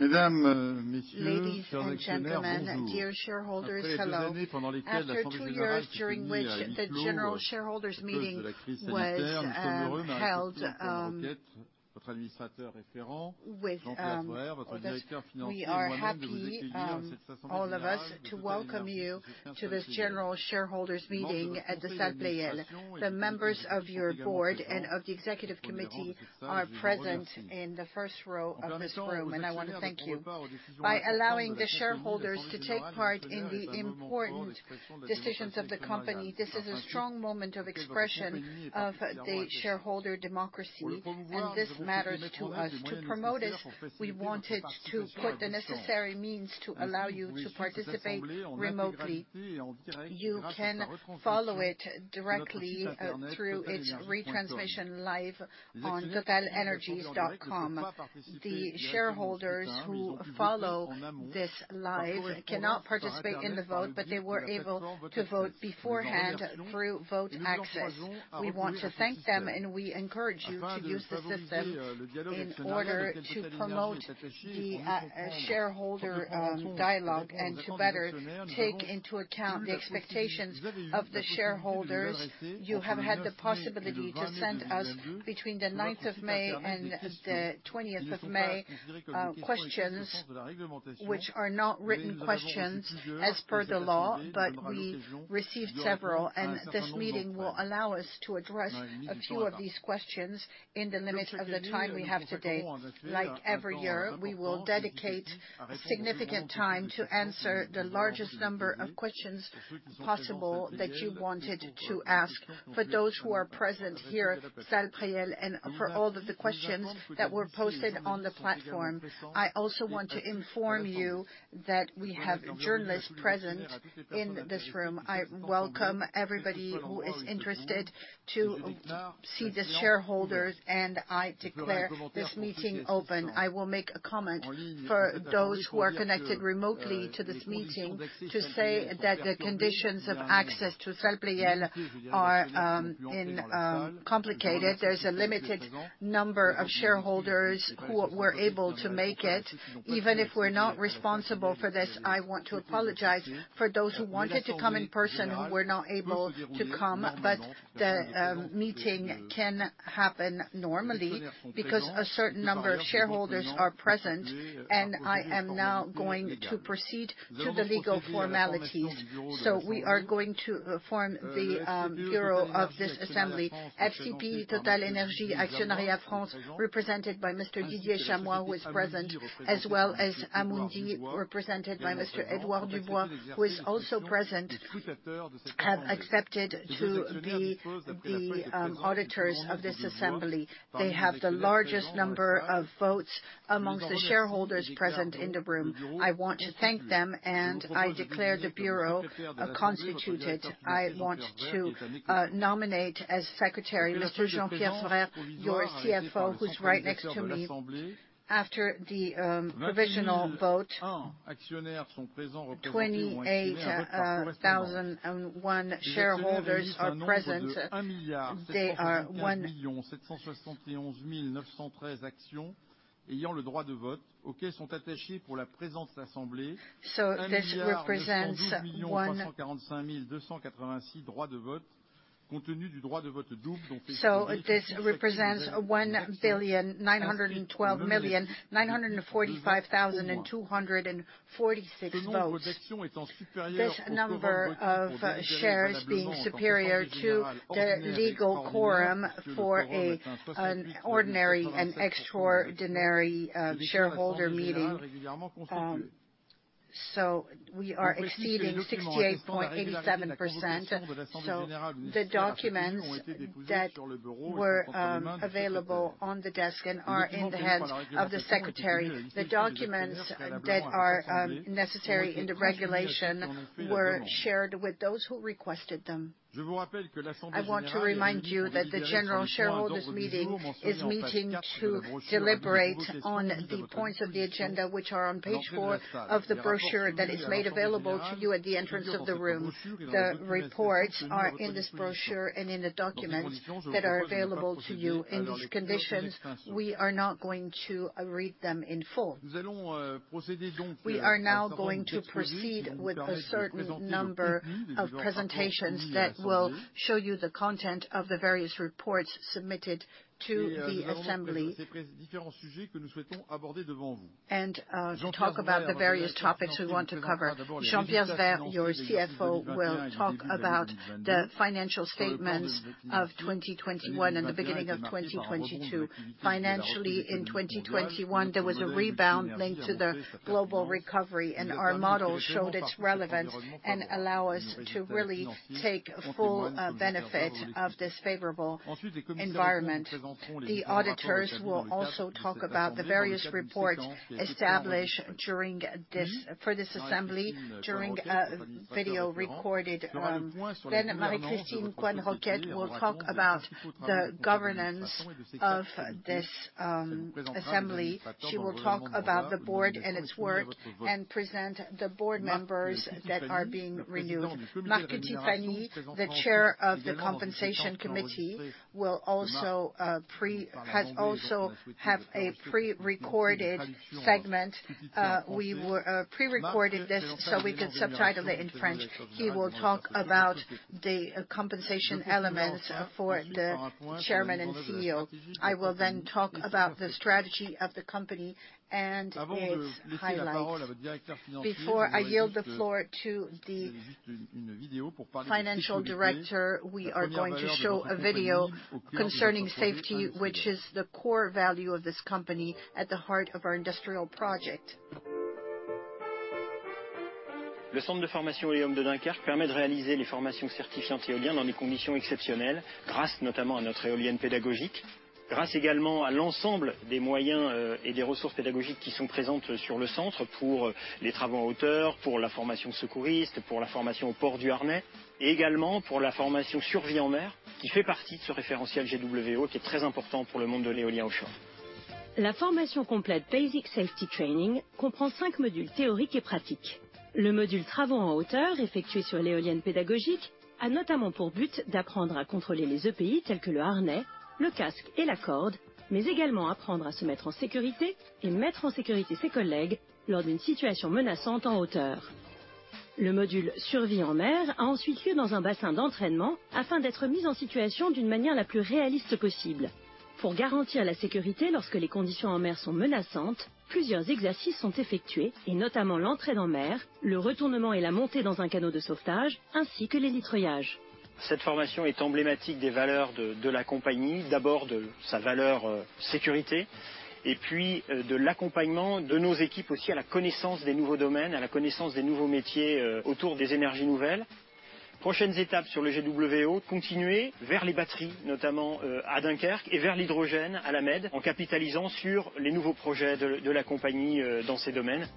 Ladies and gentlemen, dear shareholders, hello. After two years during which the General Shareholders' Meeting was held with all of us, we are happy all of us to welcome you to this General Shareholders' Meeting at the Salle Pleyel. The members of your board and of the executive committee are present in the first row of this room, and I wanna thank you. By allowing the shareholders to take part in the important decisions of the company, this is a strong moment of expression of the shareholder democracy, and this matters to us. To promote it, we wanted to put the necessary means to allow you to participate remotely. You can follow it directly through its retransmission live on totalenergies.com. The shareholders who follow this live cannot participate in the vote, but they were able to vote beforehand through VOTACCESS. We want to thank them, and we encourage you to use the system in order to promote the shareholder dialogue and to better take into account the expectations of the shareholders. You have had the possibility to send us between the 9th of May and the 20th of May questions which are not written questions as per the law. We received several, and this meeting will allow us to address a few of these questions in the limit of the time we have today. Like every year, we will dedicate significant time to answer the largest number of questions possible that you wanted to ask. For those who are present here at Salle Pleyel and for all of the questions that were posted on the platform, I also want to inform you that we have journalists present in this room. I welcome everybody who is interested to see the shareholders, and I declare this meeting open. I will make a comment for those who are connected remotely to this meeting to say that the conditions of access to Salle Pleyel are complicated. There's a limited number of shareholders who were able to make it. Even if we're not responsible for this, I want to apologize for those who wanted to come in person who were not able to come. But the meeting can happen normally because a certain number of shareholders are present, and I am now going to proceed to the legal formalities. We are going to form the bureau of this assembly. FCPE TotalEnergies Actionnariat France, represented by Mr. Chamot, who is present, as well as Amundi, represented by Mr. Edouard Dubois, who is also present, have accepted to be the auditors of this assembly. They have the largest number of votes among the shareholders present in the room. I want to thank them, and I declare the bureau constituted. I want to nominate as Secretary, Mr. Jean-Pierre Sbraire, your CFO, who's right next to me. After the provisional vote, 28,001 shareholders are present. This represents 1,912,945,246 votes. This number of shares being superior to the legal quorum for an Ordinary and Extraordinary Shareholder Meeting. We are exceeding 68.87%. The documents that were available on the desk and are in the hands of the secretary. The documents that are necessary in the regulation were shared with those who requested them. I want to remind you that the General Shareholders' Meeting is meeting to deliberate on the points of the agenda, which are on page four of the brochure that is made available to you at the entrance of this room. The reports are in this brochure and in the documents that are available to you. In these conditions, we are not going to read them in full. We are now going to proceed with a certain number of presentations that will show you the content of the various reports submitted to the assembly and to talk about the various topics we want to cover. Jean-Pierre Sbraire, your CFO, will talk about the financial statements of 2021 and the beginning of 2022. Financially, in 2021, there was a rebound linked to the global recovery, and our model showed its relevance and allow us to really take full benefit of this favorable environment. The auditors will also talk about the various reports established during this, for this assembly during a video recorded. Marie-Christine Coisne-Roquette will talk about the governance of this assembly. She will talk about the board and its work and present the board members that are being renewed. Mark Cutifani, the Chair of the Compensation Committee, will also have a prerecorded segment. We prerecorded this so we could subtitle it in French. He will talk about the compensation elements for the Chairman and CEO. I will then talk about the strategy of the company and its highlights. Before I yield the floor to the Financial Director, we are going to show a video concerning safety, which is the core value of this company at the heart of our industrial project. Le centre de formation Éoliennes de Dunkerque permet de réaliser les formations certifiantes éoliennes dans des conditions exceptionnelles, grâce notamment à notre éolienne pédagogique, grâce également à l'ensemble des moyens et des ressources pédagogiques qui sont présentes sur le centre pour les travaux en hauteur, pour la formation secouriste, pour la formation au port du harnais et également pour la formation survie en mer qui fait partie de ce référentiel GWO qui est très important pour le monde de l'éolien offshore. La formation complète Basic Safety Training comprend 5 modules théoriques et pratiques. Le module travaux en hauteur, effectué sur l'éolienne pédagogique, a notamment pour but d'apprendre à contrôler les EPI tels que le harnais, le casque et la corde, mais également apprendre à se mettre en sécurité et mettre en sécurité ses collègues lors d'une situation menaçante en hauteur. Le module survie en mer a ensuite lieu dans un bassin d'entraînement afin d'être mis en situation d'une manière la plus réaliste possible. Pour garantir la sécurité lorsque les conditions en mer sont menaçantes, plusieurs exercices sont effectués et notamment l'entrée dans mer, le retournement et la montée dans un canot de sauvetage ainsi que l'hélitreuillage. Cette formation est emblématique des valeurs de la compagnie. D'abord, de sa valeur sécurité et puis de l'accompagnement de nos équipes aussi à la connaissance des nouveaux domaines, à la connaissance des nouveaux métiers autour des énergies nouvelles. Prochaines étapes sur le GWO: continuer vers les batteries, notamment à Dunkerque, et vers l'hydrogène à La Mède, en capitalisant sur les nouveaux projets de la compagnie dans ces domaines.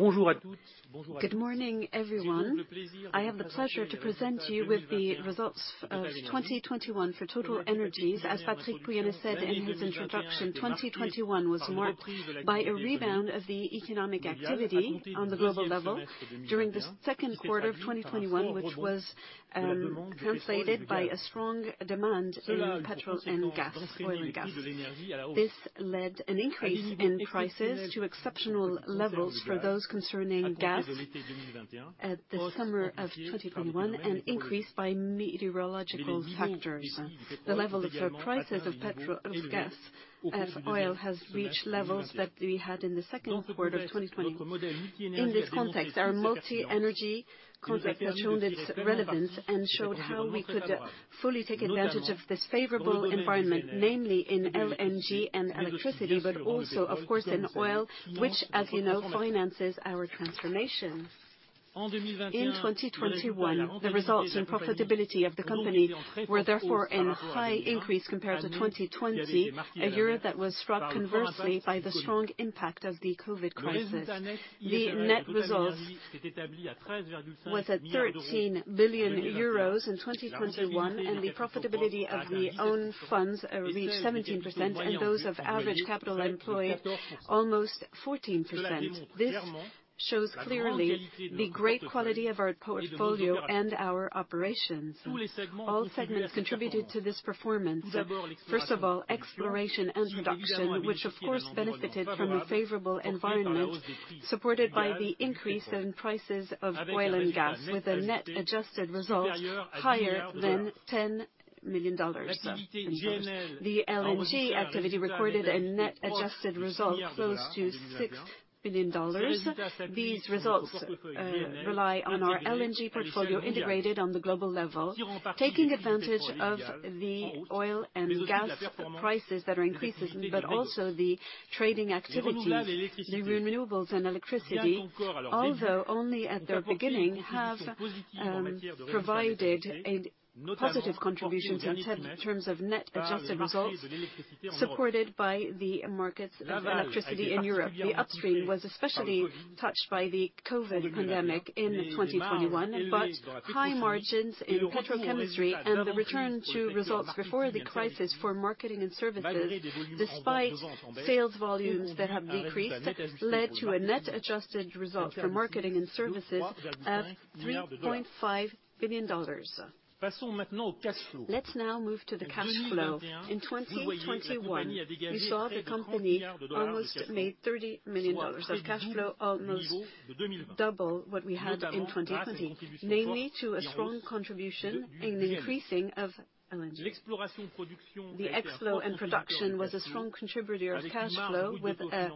Bonjour à toutes. Bonjour à tous. Good morning everyone. I have the pleasure to present you with the results of 2021 for TotalEnergies. As Patrick Pouyanné said in his introduction, 2021 was marked by a rebound of the economic activity on the global level during the second quarter of 2021, which was translated by a strong demand in oil and gas. This led to an increase in prices to exceptional levels for those concerning gas in the summer of 2021 and increased by meteorological factors. The level of prices of gas and oil has reached levels that we had in the second quarter of 2020. In this context, our multi-energy concept has shown its relevance and showed how we could fully take advantage of this favorable environment, namely in LNG and electricity, but also of course in oil, which, as you know, finances our transformation. In 2021, the results and profitability of the company were therefore in high increase compared to 2020, a year that was struck conversely by the strong impact of the COVID crisis. The net results was at 13 billion euros in 2021 and the profitability of the own funds reached 17% and those of average capital employed almost 14%. This shows clearly the great quality of our portfolio and our operations. All segments contributed to this performance. First of all, exploration and production, which of course benefited from a favorable environment supported by the increase in prices of oil and gas with a net adjusted result higher than $10 million. The LNG activity recorded a net adjusted result close to $6 billion. These results rely on our LNG portfolio integrated on the global level, taking advantage of the oil and gas prices that are increasing, but also the trading activity. The Renewables & Electricity, although only at their beginning, have provided a positive contribution in terms of net adjusted results supported by the markets of electricity in Europe. The upstream was especially touched by the COVID pandemic in 2021, but high margins in petrochemicals and the return to results before the crisis for marketing and services, despite sales volumes that have decreased, led to a net adjusted result for marketing and services at $3.5 billion. Let's now move to the cash flow. In 2021, you saw the company almost made $30 billion of cash flow, almost double what we had in 2020, mainly to a strong contribution in the increasing of LNG. The upstream production was a strong contributor of cash flow with a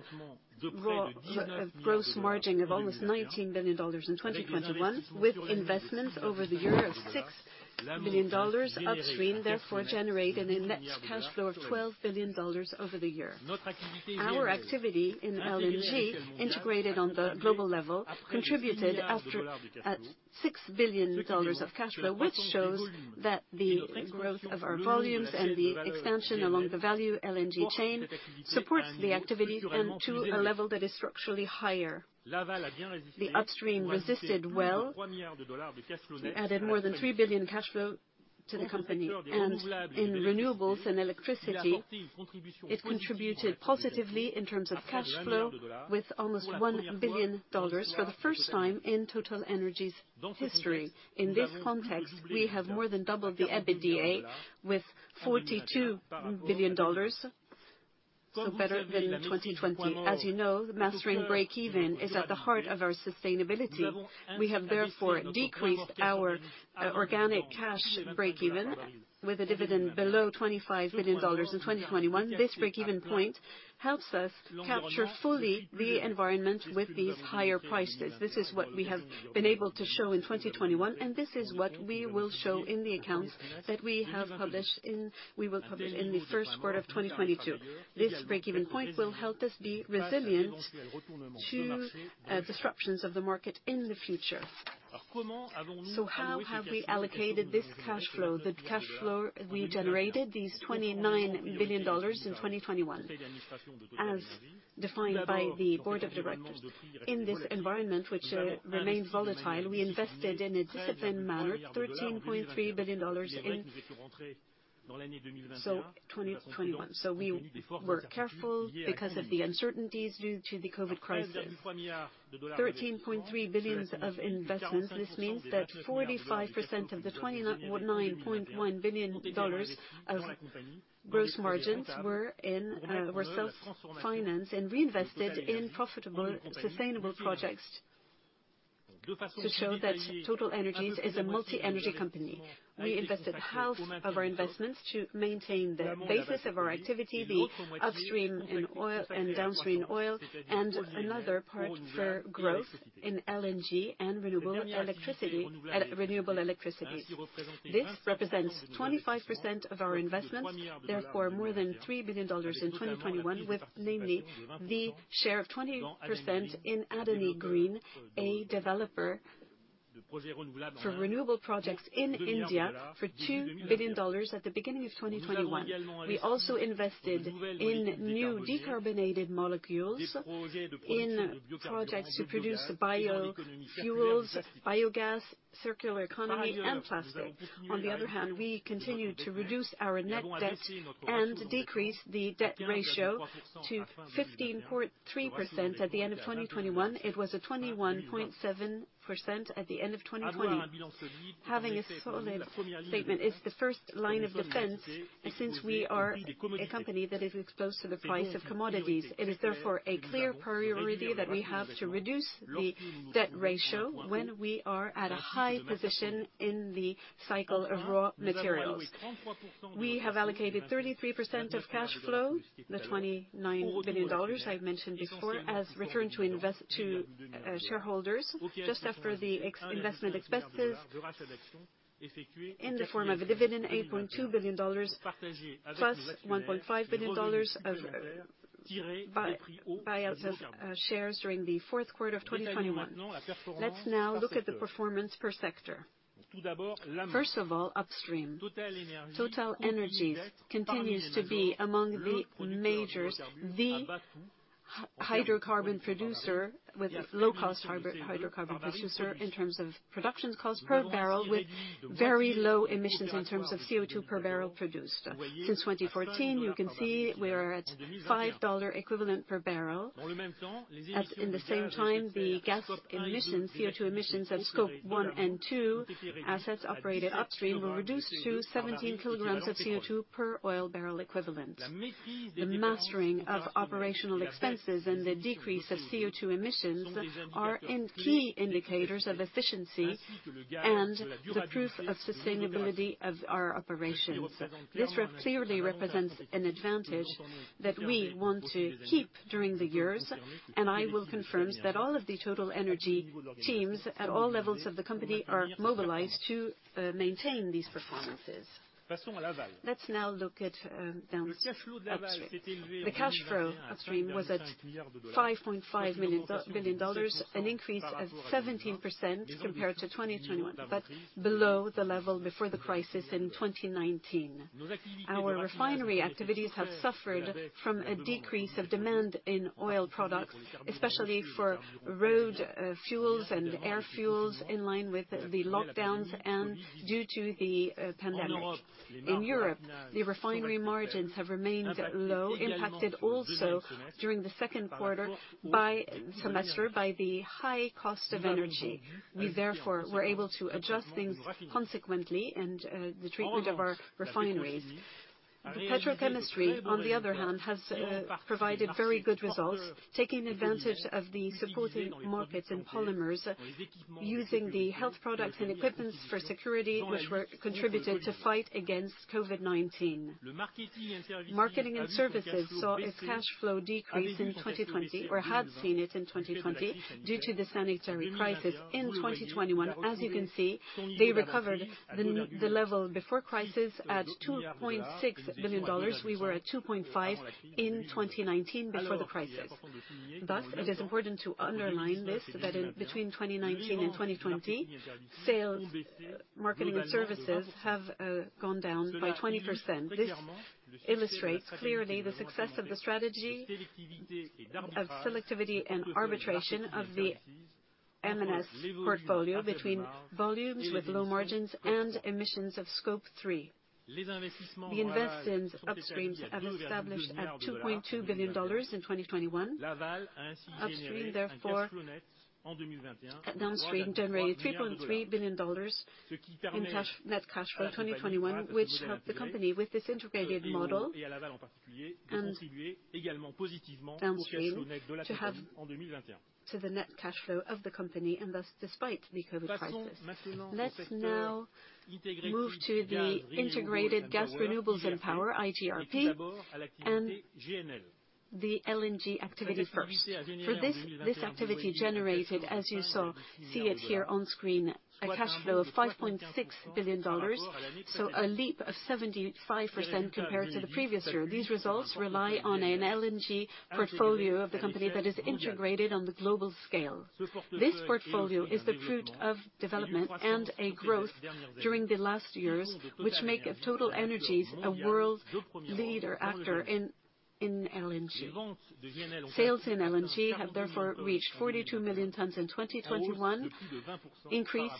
gross margin of almost $19 billion in 2021, with investments over the year of $6 billion upstream, therefore generating a net cash flow of $12 billion over the year. Our activity in LNG, integrated on the global level, contributed after-tax $6 billion of cash flow, which shows that the growth of our volumes and the expansion along the value LNG chain supports the activity and to a level that is structurally higher. The upstream resisted well. It added more than $3 billion cash flow to the company. In Renewables & Electricity, it contributed positively in terms of cash flow with almost $1 billion for the first time in TotalEnergies history. In this context, we have more than doubled the EBITDA with $42 billion. Better than 2020. As you know, managing breakeven is at the heart of our sustainability. We have therefore decreased our organic cash breakeven with a dividend below $25 billion in 2021. This breakeven point helps us capture fully the environment with these higher prices. This is what we have been able to show in 2021, and this is what we will show in the accounts we will publish in the first quarter of 2022. This breakeven point will help us be resilient to disruptions of the market in the future. How have we allocated this cash flow? The cash flow we generated, these $29 billion in 2021, as defined by the Board of Directors. In this environment, which remains volatile, we invested in a disciplined manner $13.3 billion in 2021. We were careful because of the uncertainties due to the COVID crisis. $13.3 billion of investments, this means that 45% of the $29.1 billion of gross margins were self-financed and reinvested in profitable, sustainable projects to show that TotalEnergies is a multi-energy company. We invested half of our investments to maintain the basis of our activity, the upstream in oil and downstream oil, and another part for growth in LNG and renewable electricity. This represents 25% of our investments, therefore more than $3 billion in 2021, with namely the share of 20% in Adani Green, a developer for renewable projects in India for $2 billion at the beginning of 2021. We also invested in new decarbonated molecules, in projects to produce bio-fuels, biogas, circular economy, and plastic. On the other hand, we continued to reduce our net debt and decrease the debt ratio to 15.3% at the end of 2021. It was at 21.7% at the end of 2020. Having a solid statement is the first line of defense, since we are a company that is exposed to the price of commodities. It is therefore a clear priority that we have to reduce the debt ratio when we are at a high position in the cycle of raw materials. We have allocated 33% of cash flow, the $29 billion I mentioned before, as return to shareholders just after the investment expenses in the form of a dividend, $8.2 billion, plus $1.5 billion of buyback shares during the fourth quarter of 2021. Let's now look at the performance per sector. First of all, upstream. TotalEnergies continues to be among the majors the hydrocarbon producer with low cost hydrocarbon producer in terms of production cost per barrel, with very low emissions in terms of CO2 per barrel produced. Since 2014, you can see we are at $5 equivalent per barrel. At the same time, the gas emissions, CO2 emissions at Scope 1 and 2 assets operated upstream were reduced to 17 kg of CO2 per oil barrel equivalent. The mastering of operational expenses and the decrease of CO2 emissions are key indicators of efficiency and the proof of sustainability of our operations. This clearly represents an advantage that we want to keep during the years, and I will confirm that all of the TotalEnergies teams at all levels of the company are mobilized to maintain these performances. Let's now look at down—upstream. The cash flow upstream was at $5.5 billion, an increase of 17% compared to 2021, but below the level before the crisis in 2019. Our refinery activities have suffered from a decrease of demand in oil products, especially for road fuels and air fuels in line with the lockdowns and due to the pandemic. In Europe, the refinery margins have remained low, impacted also during the second quarter by the high cost of energy. We therefore were able to adjust things consequently and the treatment of our refineries. Petrochemistry, on the other hand, has provided very good results, taking advantage of the supporting markets in polymers using the health products and equipments for security, which were contributed to fight against COVID-19. Marketing and services saw its cash flow decrease in 2020, or had seen it in 2020 due to the sanitary crisis. In 2021, as you can see, they recovered the level before crisis at $2.6 billion. We were at $2.5 billion in 2019 before the crisis. Thus, it is important to underline this, that in between 2019 and 2020, sales, marketing and services have gone down by 20%. This illustrates clearly the success of the strategy of selectivity and arbitration of the M&S portfolio between volumes with low margins and emissions of Scope 3. The investments upstream have established at $2.2 billion in 2021. Upstream therefore, at downstream generated $3.3 billion in cash, net cash flow 2021, which helped the company with this integrated model. Downstream to have to the net cash flow of the company and thus despite the COVID crisis. Let's now move to the integrated Gas, Renewables & Power, iGRP, and the LNG activity first. For this activity generated, as you saw, see it here on screen, a cash flow of $5.6 billion. A leap of 75% compared to the previous year. These results rely on an LNG portfolio of the company that is integrated on the global scale. This portfolio is the fruit of development and a growth during the last years, which make TotalEnergies a world leader actor in LNG. Sales in LNG have therefore reached 42 million tons in 2021, increased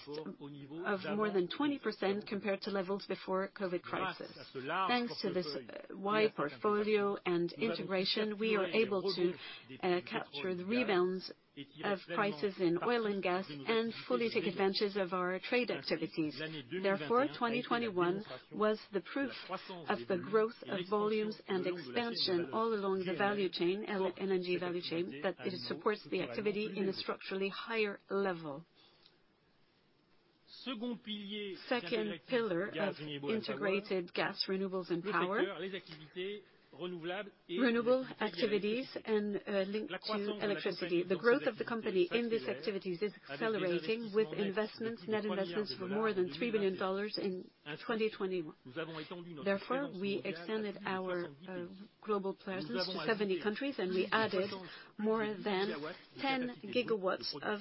of more than 20% compared to levels before COVID crisis. Thanks to this wide portfolio and integration, we are able to capture the rebounds of prices in oil and gas and fully take advantage of our trade activities. Therefore, 2021 was the proof of the growth of volumes and expansion all along the value chain, LNG value chain, that it supports the activity in a structurally higher level. Second pillar of integrated Gas, Renewables & Power. Renewable activities and linked to electricity. The growth of the company in these activities is accelerating with investments, net investments of more than $3 billion in 2021. Therefore, we extended our global presence to 70 countries, and we added more than 10 GW of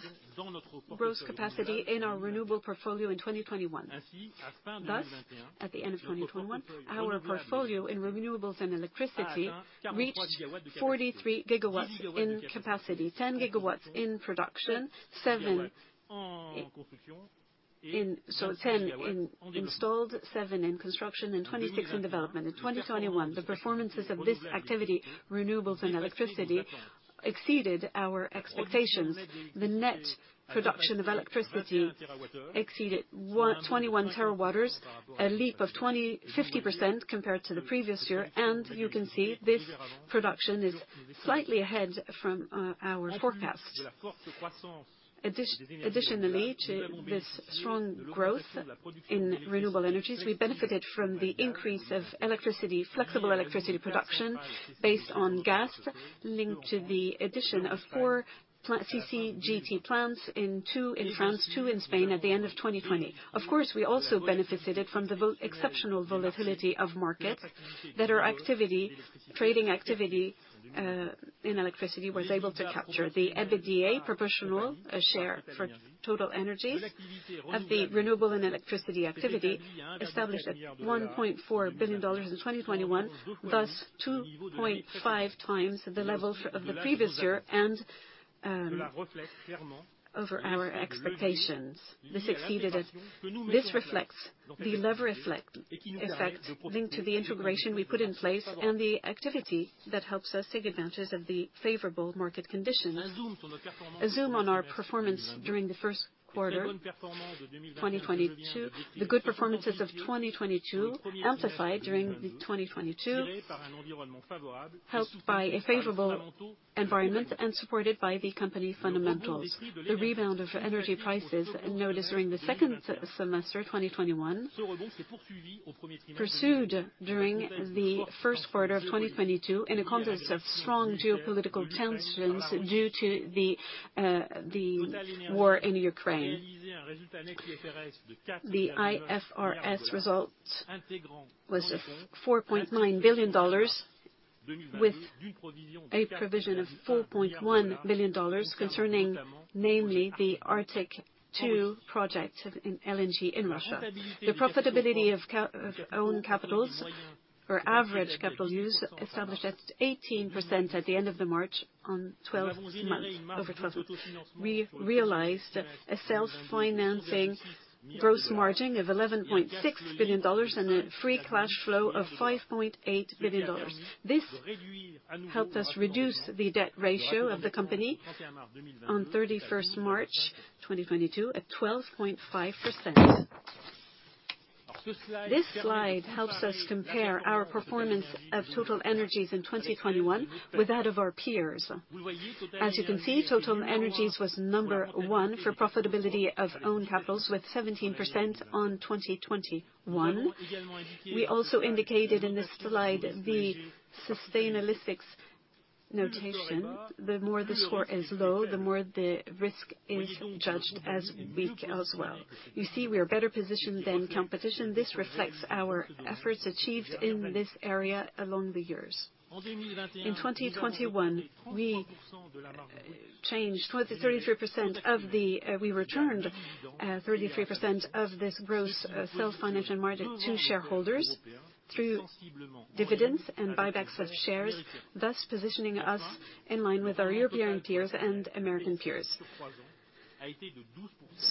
gross capacity in our renewable portfolio in 2021. Thus, at the end of 2021, our portfolio in Renewables & Electricity reached 43 GW in capacity, 10 GW installed, 7 GW in construction, and 26 GW in development. In 2021, the performances of this activity, Renewables & Electricity, exceeded our expectations. The net production of electricity exceeded 21 TWh, a leap of 50% compared to the previous year. You can see this production is slightly ahead of our forecast. Additionally to this strong growth in renewable energies, we benefited from the increase of electricity, flexible electricity production based on gas linked to the addition of four CCGT plants in two in France, two in Spain at the end of 2020. Of course, we also benefited from the exceptional volatility of markets that our activity, trading activity, in electricity was able to capture. The EBITDA proportional share for TotalEnergies of the Renewable & Electricity activity established at $1.4 billion in 2021. Thus 2.5x the level of the previous year and, over our expectations. This reflects the leverage effect linked to the integration we put in place and the activity that helps us take advantage of the favorable market conditions. A zoom on our performance during the first quarter, 2022. The good performances of 2022 amplified during 2022, helped by a favorable environment and supported by the company fundamentals. The rebound of energy prices noticed during the second semester 2021 pursued during the first quarter of 2022 in the context of strong geopolitical tensions due to the war in Ukraine. The IFRS result was at $4.9 billion, with a provision of $4.1 billion concerning namely the Arctic 2 project LNG in Russia. The profitability of own capitals or average capital use established at 18% at the end of March on 12 months, over 12 months. We realized a self-financing gross margin of $11.6 billion and a free cash flow of $5.8 billion. This helped us reduce the debt ratio of the company on March 31st, 2022, at 12.5%. This slide helps us compare our performance of TotalEnergies in 2021 with that of our peers. As you can see, TotalEnergies was number one for profitability of own capitals with 17% on 2021. We also indicated in this slide the Sustainalytics notation. The more the score is low, the more the risk is judged as weak as well. You see, we are better positioned than competition. This reflects our efforts achieved in this area along the years. In 2021, we returned 33% of this gross self-financing margin to shareholders through dividends and buybacks of shares, thus positioning us in line with our European peers and American peers.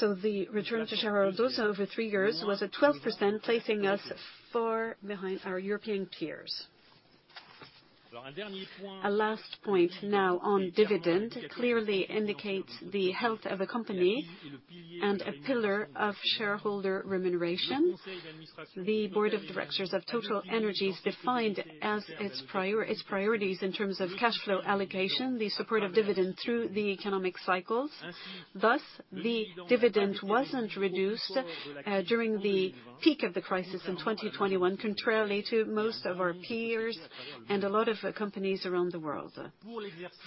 The return to shareholders also over three years was at 12%, placing us far behind our European peers. A last point now on dividend clearly indicates the health of a company and a pillar of shareholder remuneration. The Board of Directors of TotalEnergies defined as its priorities in terms of cash flow allocation, the support of dividend through the economic cycles. Thus, the dividend wasn't reduced during the peak of the crisis in 2021, contrarily to most of our peers and a lot of companies around the world.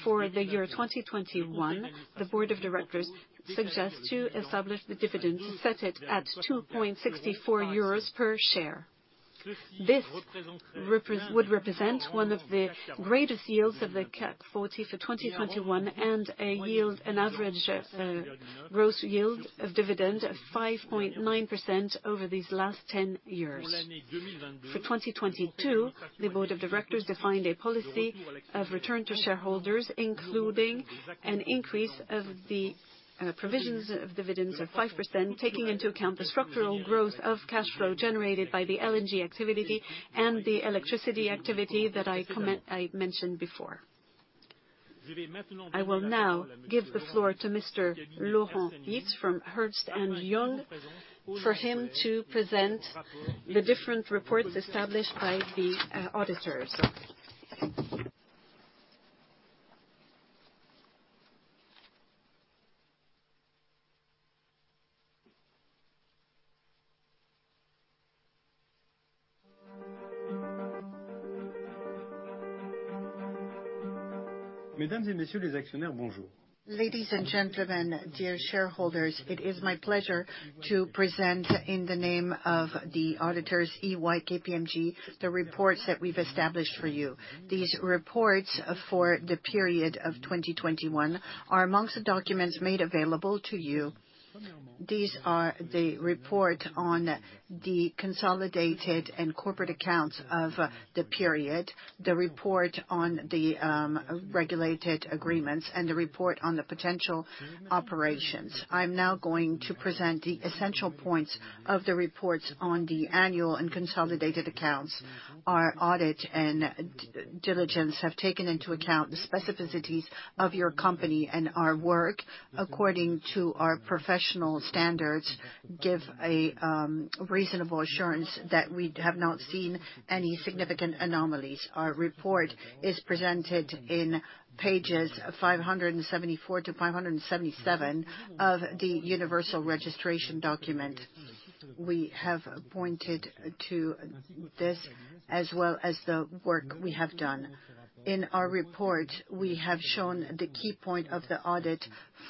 For the year 2021, the Board of Directors suggests to establish the dividend, to set it at 2.64 euros per share. This would represent one of the greatest yields of the CAC 40 for 2021 and an average gross yield of dividend of 5.9% over these last 10 years. For 2022, the Board of Directors defined a policy of return to shareholders, including an increase of the provisions of dividends of 5%, taking into account the structural growth of cash flow generated by the LNG activity and the electricity activity that I mentioned before. I will now give the floor to Mr. Laurent Vitse from Ernst & Young, for him to present the different reports established by the auditors. Ladies and gentlemen, dear shareholders, it is my pleasure to present, in the name of the auditors, EY and KPMG, the reports that we've established for you. These reports, for the period of 2021, are among the documents made available to you. These are the report on the consolidated and corporate accounts of the period, the report on the regulated agreements, and the report on the potential operations. I'm now going to present the essential points of the reports on the annual and consolidated accounts. Our audit and diligence have taken into account the specificities of your company and our work, according to our professional standards, give a reasonable assurance that we have not seen any significant anomalies. Our report is presented in pages 574 to 577 of the Universal Registration Document. We have pointed to this as well as the work we have done. In our report, we have shown the key point of the audit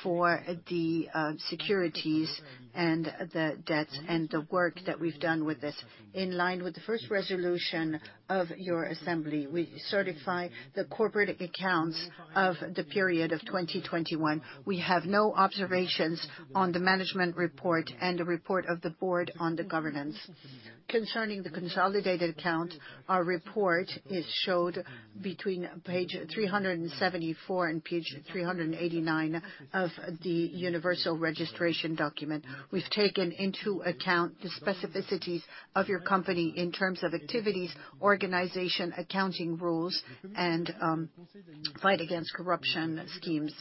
for the securities and the debts and the work that we've done with this. In line with the First Resolution of your assembly, we certify the corporate accounts of the period of 2021. We have no observations on the management report and the report of the board on the governance. Concerning the consolidated account, our report is shown between page 374 and page 389 of the Universal Registration Document. We've taken into account the specificities of your company in terms of activities, organization, accounting rules, and fight against corruption schemes.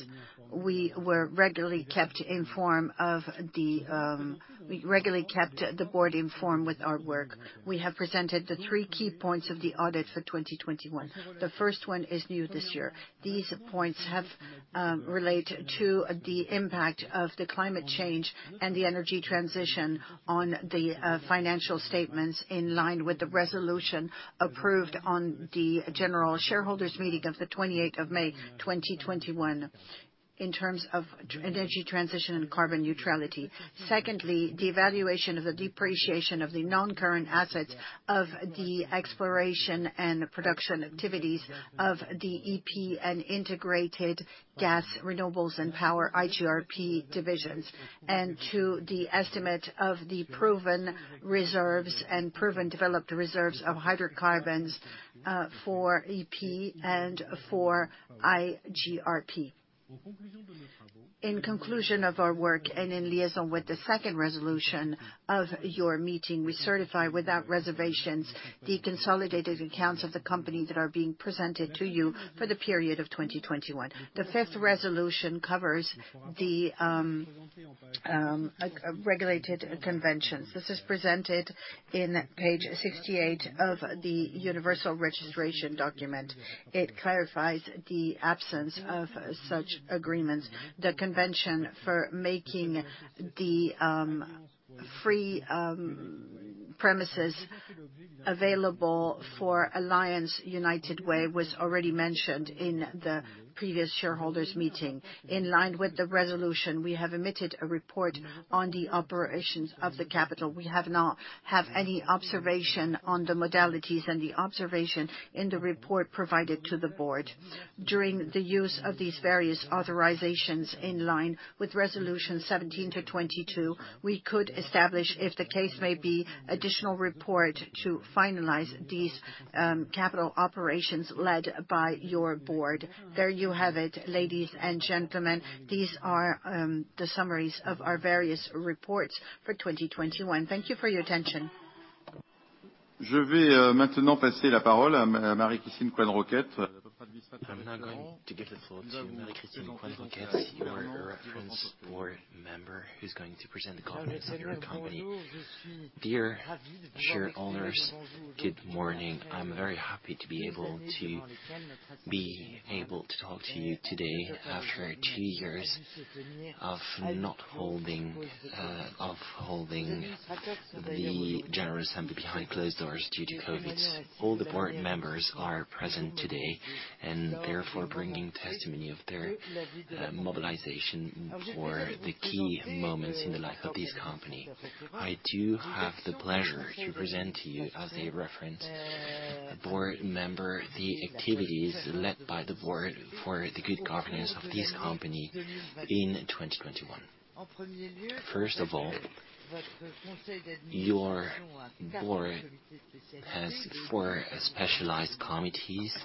We regularly kept the board informed with our work. We have presented the three key points of the audit for 2021. The first one is new this year. These points relate to the impact of the climate change and the energy transition on the financial statements in line with the resolution approved on the General Shareholders' Meeting of the 28th of May 2021, in terms of energy transition and carbon neutrality. Secondly, the evaluation of the depreciation of the non-current assets of the exploration and production activities of the EP and integrated Gas, Renewables & Power, iGRP, divisions, and to the estimate of the proven reserves and proven developed reserves of hydrocarbons for EP and for iGRP. In conclusion of our work, and in liaison with the Second Resolution of your meeting, we certify without reservations the consolidated accounts of the company that are being presented to you for the period of 2021. The Fifth Resolution covers the regulated conventions. This is presented in page 68 of the Universal Registration Document. It clarifies the absence of such agreements. The convention for making the free premises available for Alliance United Way was already mentioned in the previous Shareholders' Meeting. In line with the resolution, we have emitted a report on the operations of the capital. We have not have any observation on the modalities and the observation in the report provided to the board. During the use of these various authorizations, in line with Resolution 17 to 22, we could establish, if the case may be, additional report to finalize these capital operations led by your board. There you have it, ladies and gentlemen. These are the summaries of our various reports for 2021. Thank you for your attention. Je vais maintenant passer la parole à Marie-Christine Coisne-Roquette. I'm now going to give the floor to Marie-Christine Coisne-Roquette, your reference board member who's going to present the governance of your company. Dear shareholders, good morning. I'm very happy to be able to be able to talk to you today after two years of not holding the general assembly behind closed doors due to COVID. All the board members are present today and therefore bringing testimony of their mobilization for the key moments in the life of this company. I do have the pleasure to present to you as a reference board member, the activities led by the board for the good governance of this company in 2021. First of all, your board has four specialized committees: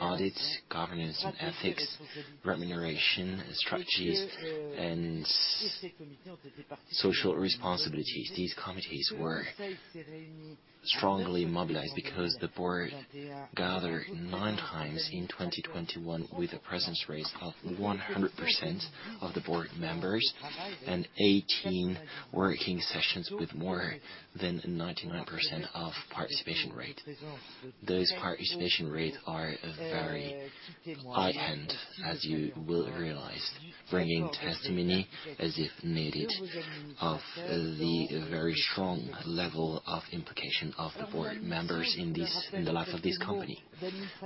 Audit, Governance and Ethics, Remuneration, Strategies, and Social Responsibilities. These committees were strongly mobilized because the board gathered nine times in 2021, with a presence rate of 100% of the board members and 18 working sessions with more than 99% of participation rate. Those participation rate are very high end, as you will realize, bringing testimony as if needed, of the very strong level of implication of the board members in this, the life of this company.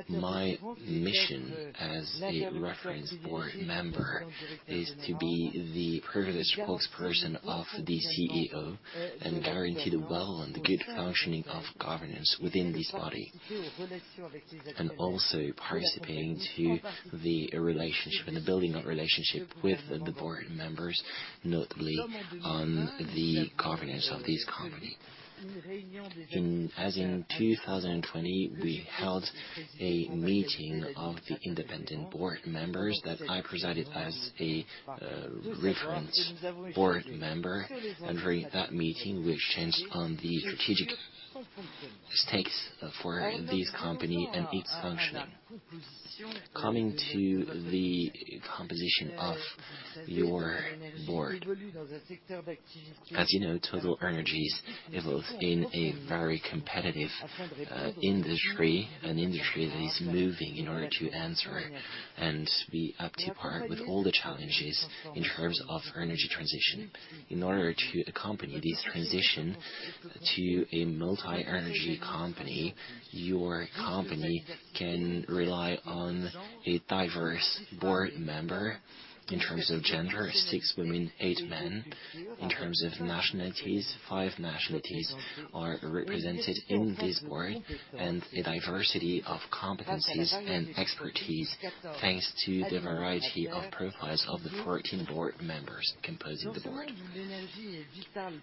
My mission as a reference board member is to be the privileged spokesperson of the CEO and guarantee the well and the good functioning of governance within this body, and also participating to the relationship and the building of relationship with the board members, notably on the governance of this company. As in 2020, we held a meeting of the independent board members that I presided as a reference board member. During that meeting, we exchanged on the strategic stakes for this company and its functioning. Coming to the composition of your board. As you know, TotalEnergies evolves in a very competitive, industry, an industry that is moving in order to answer and be up to par with all the challenges in terms of energy transition. In order to accompany this transition to a multi-energy company, your company can rely on a diverse board member in terms of gender, six women, eight men. In terms of nationalities, five nationalities are represented in this board, and a diversity of competencies and expertise, thanks to the variety of profiles of the 14 board members composing the board.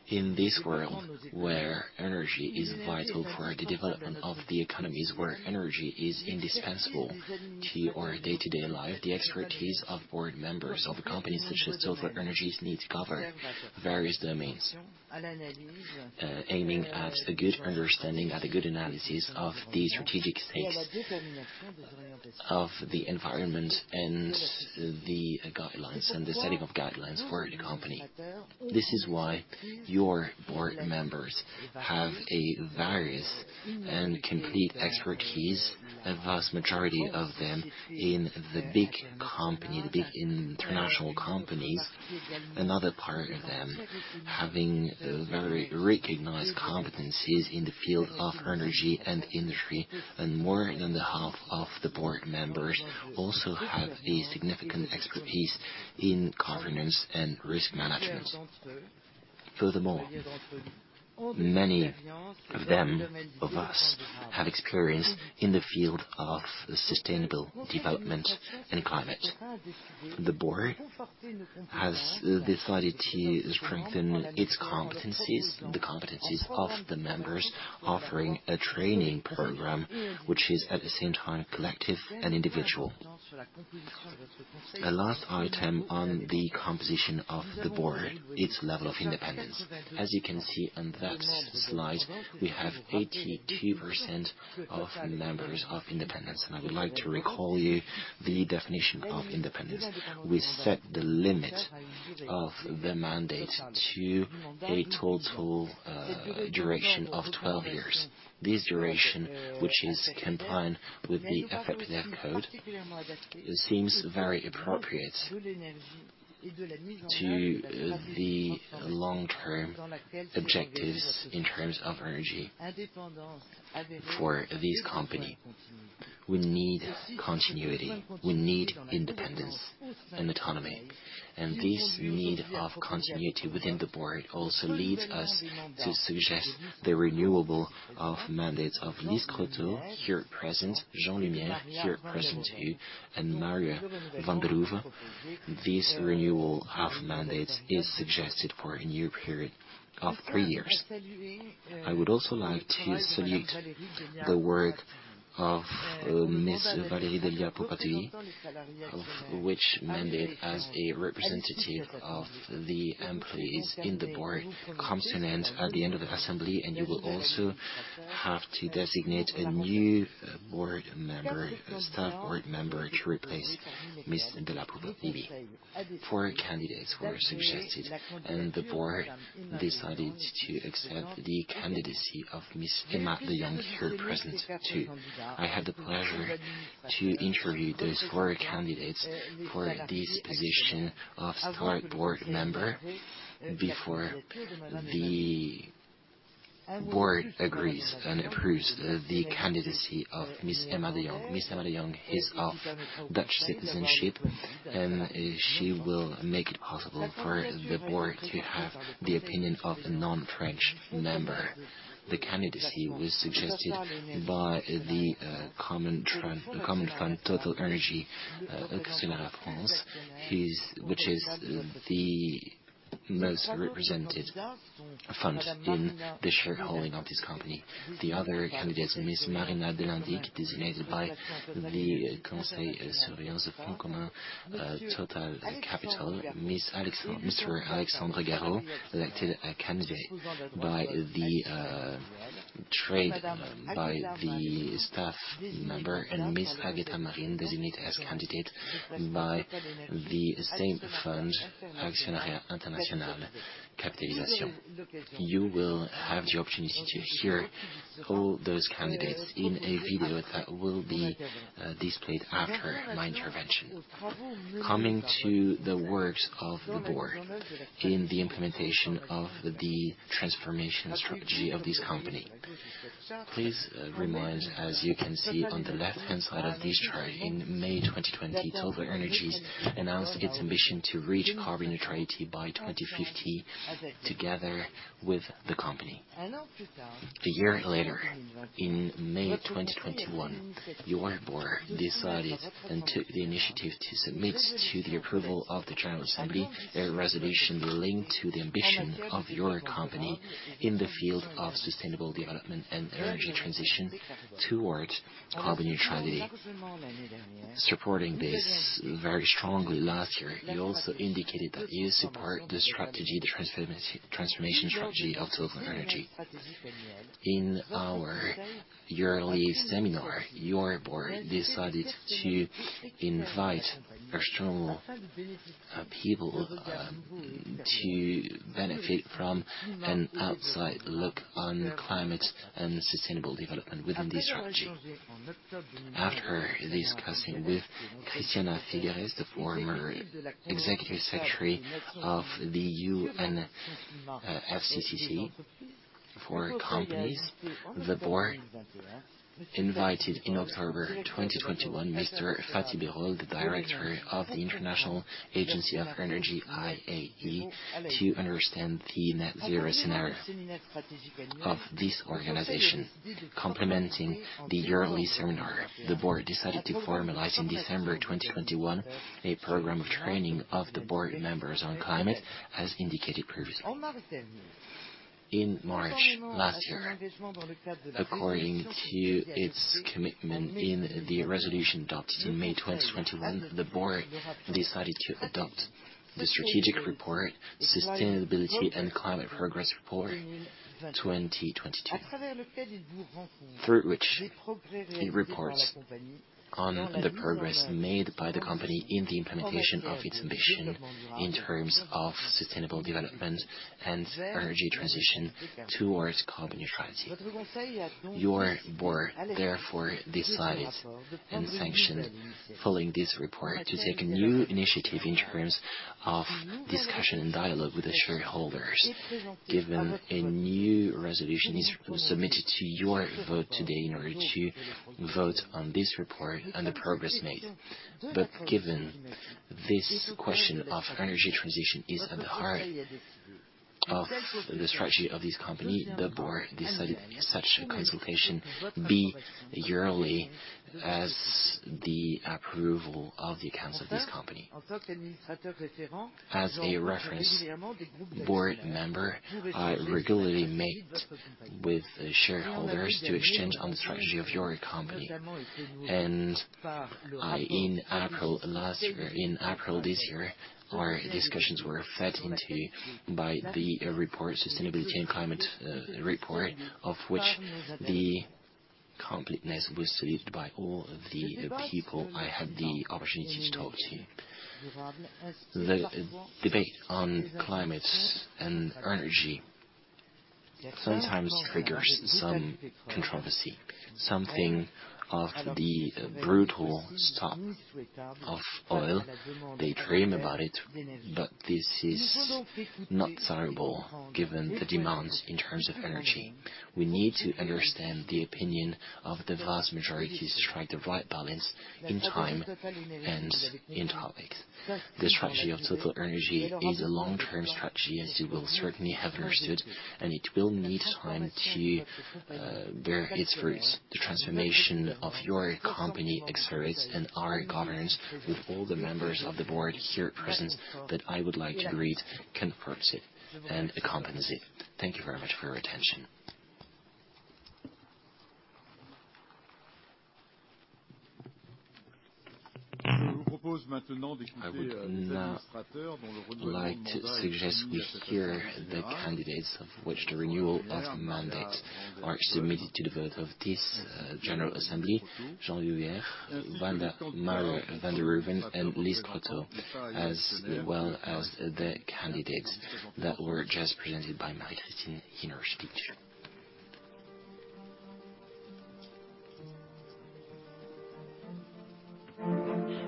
In this world where energy is vital for the development of the economies, where energy is indispensable to our day-to-day life, the expertise of board members of companies such as TotalEnergies need to cover various domains, aiming at a good understanding and a good analysis of the strategic stakes of the environment and the guidelines and the setting of guidelines for the company. This is why your board members have a varied and complete expertise. A vast majority of them in the big company, the big international companies. Another part of them having very recognized competencies in the field of energy and industry, and more than half of the board members also have a significant expertise in governance and risk management. Furthermore, many of them, of us have experience in the field of sustainable development and climate. The board has decided to strengthen its competencies, the competencies of the members offering a training program, which is at the same time collective and individual. A last item on the composition of the board, its level of independence. As you can see on that slide, we have 82% independent members. I would like to remind you of the definition of independence. We set the limit of the mandate to a total duration of 12 years. This duration, which is compliant with the AFEP-MEDEF code, seems very appropriate to the long-term objectives in terms of energy for this company. We need continuity, we need independence and autonomy. This need of continuity within the board also leads us to suggest the renewal of mandates of Lise Croteau, here present, Jean Lemierre, here present too, and Maria van der Hoeven. This renewal of mandate is suggested for a new period of three years. I would also like to salute the work of Ms. Valérie Della Puppa-Tibi, whose mandate as a Representative of the employees on the board comes to an end at the end of the assembly, and you will also have to designate a new board member, staff board member to replace Ms. Valérie Della Puppa-Tibi. Four candidates were suggested, and the board decided to accept the candidacy of Ms. Emma de Jonge, here present too. I had the pleasure to interview those four candidates for this position of staff board member before the board agrees and approves the candidacy of Ms. Emma de Jonge. Ms. Emma de Jonge is of Dutch citizenship, and she will make it possible for the board to have the opinion of a non-French member. The candidacy was suggested by the common fund TotalEnergies which is the most represented fund in the shareholding of this company. The other candidate is Ms. Marina Delendik, designated by the Conseil Surveillance Commun Fond, Total Capital. Mr. Alexandre Garrot, elected a candidate by the trade—by the staff member. Ms. Agueda Marin designated as candidate by the same fund, TotalEnergies Actionnariat International Capitalisation. You will have the opportunity to hear all those candidates in a video that will be displayed after my intervention. Coming to the works of the board in the implementation of the transformation strategy of this company. Let me remind you, as you can see on the left-hand side of this chart, in May 2020, TotalEnergies announced its ambition to reach carbon neutrality by 2050, together with the company. A year later, in May 2021, your board decided and took the initiative to submit to the approval of the general assembly a resolution linked to the ambition of your company in the field of sustainable development and energy transition towards carbon neutrality. Supporting this very strongly last year, you also indicated that you support the strategy, the transformation strategy of TotalEnergies. In our yearly seminar, your board decided to invite external people to benefit from an outside look on climate and sustainable development within this strategy. After discussing with Christiana Figueres, the former Executive Secretary of the UNFCCC, the board invited in October 2021, Mr. Fatih Birol, the Director of the International Energy Agency, IEA, to understand the net-zero scenario of this organization. Complementing the yearly seminar, the board decided to formalize in December 2021 a program of training of the board members on climate, as indicated previously. In March last year, according to its commitment in the resolution adopted in May 2021, the board decided to adopt the strategic report, Sustainability & Climate – 2022 Progress Report. Through which it reports on the progress made by the company in the implementation of its ambition in terms of sustainable development and energy transition towards carbon neutrality. Your board therefore decided and sanctioned, following this report, to take a new initiative in terms of discussion and dialogue with the shareholders. Given a new resolution is submitted to your vote today in order to vote on this report and the progress made. Given this question of energy transition is at the heart of the strategy of this company, the board decided such a consultation be yearly as the approval of the accounts of this company. As a reference board member, I regularly meet with shareholders to exchange on the strategy of your company. In April last year, in April this year, our discussions were fed into by the report, Sustainability & Climate Report, of which the completeness was greeted by all the people I had the opportunity to talk to. The debate on climate and energy sometimes triggers some controversy, something of the brutal stop of oil. They dream about it, but this is not desirable given the demands in terms of energy. We need to understand the opinion of the vast majority to strike the right balance in time and in topics. The strategy of TotalEnergies is a long-term strategy, as you will certainly have understood, and it will need time to bear its fruits. The transformation of your company accelerates and our governance with all the members of the board here present, that I would like to greet, confirms it and accompanies it. Thank you very much for your attention. I would now like to suggest we hear the candidates of which the renewal of mandate are submitted to the vote of this general assembly. Jean Lemierre, Agueda Marin, Marina Delendik and Lise Croteau, as well as the candidates that were just presented by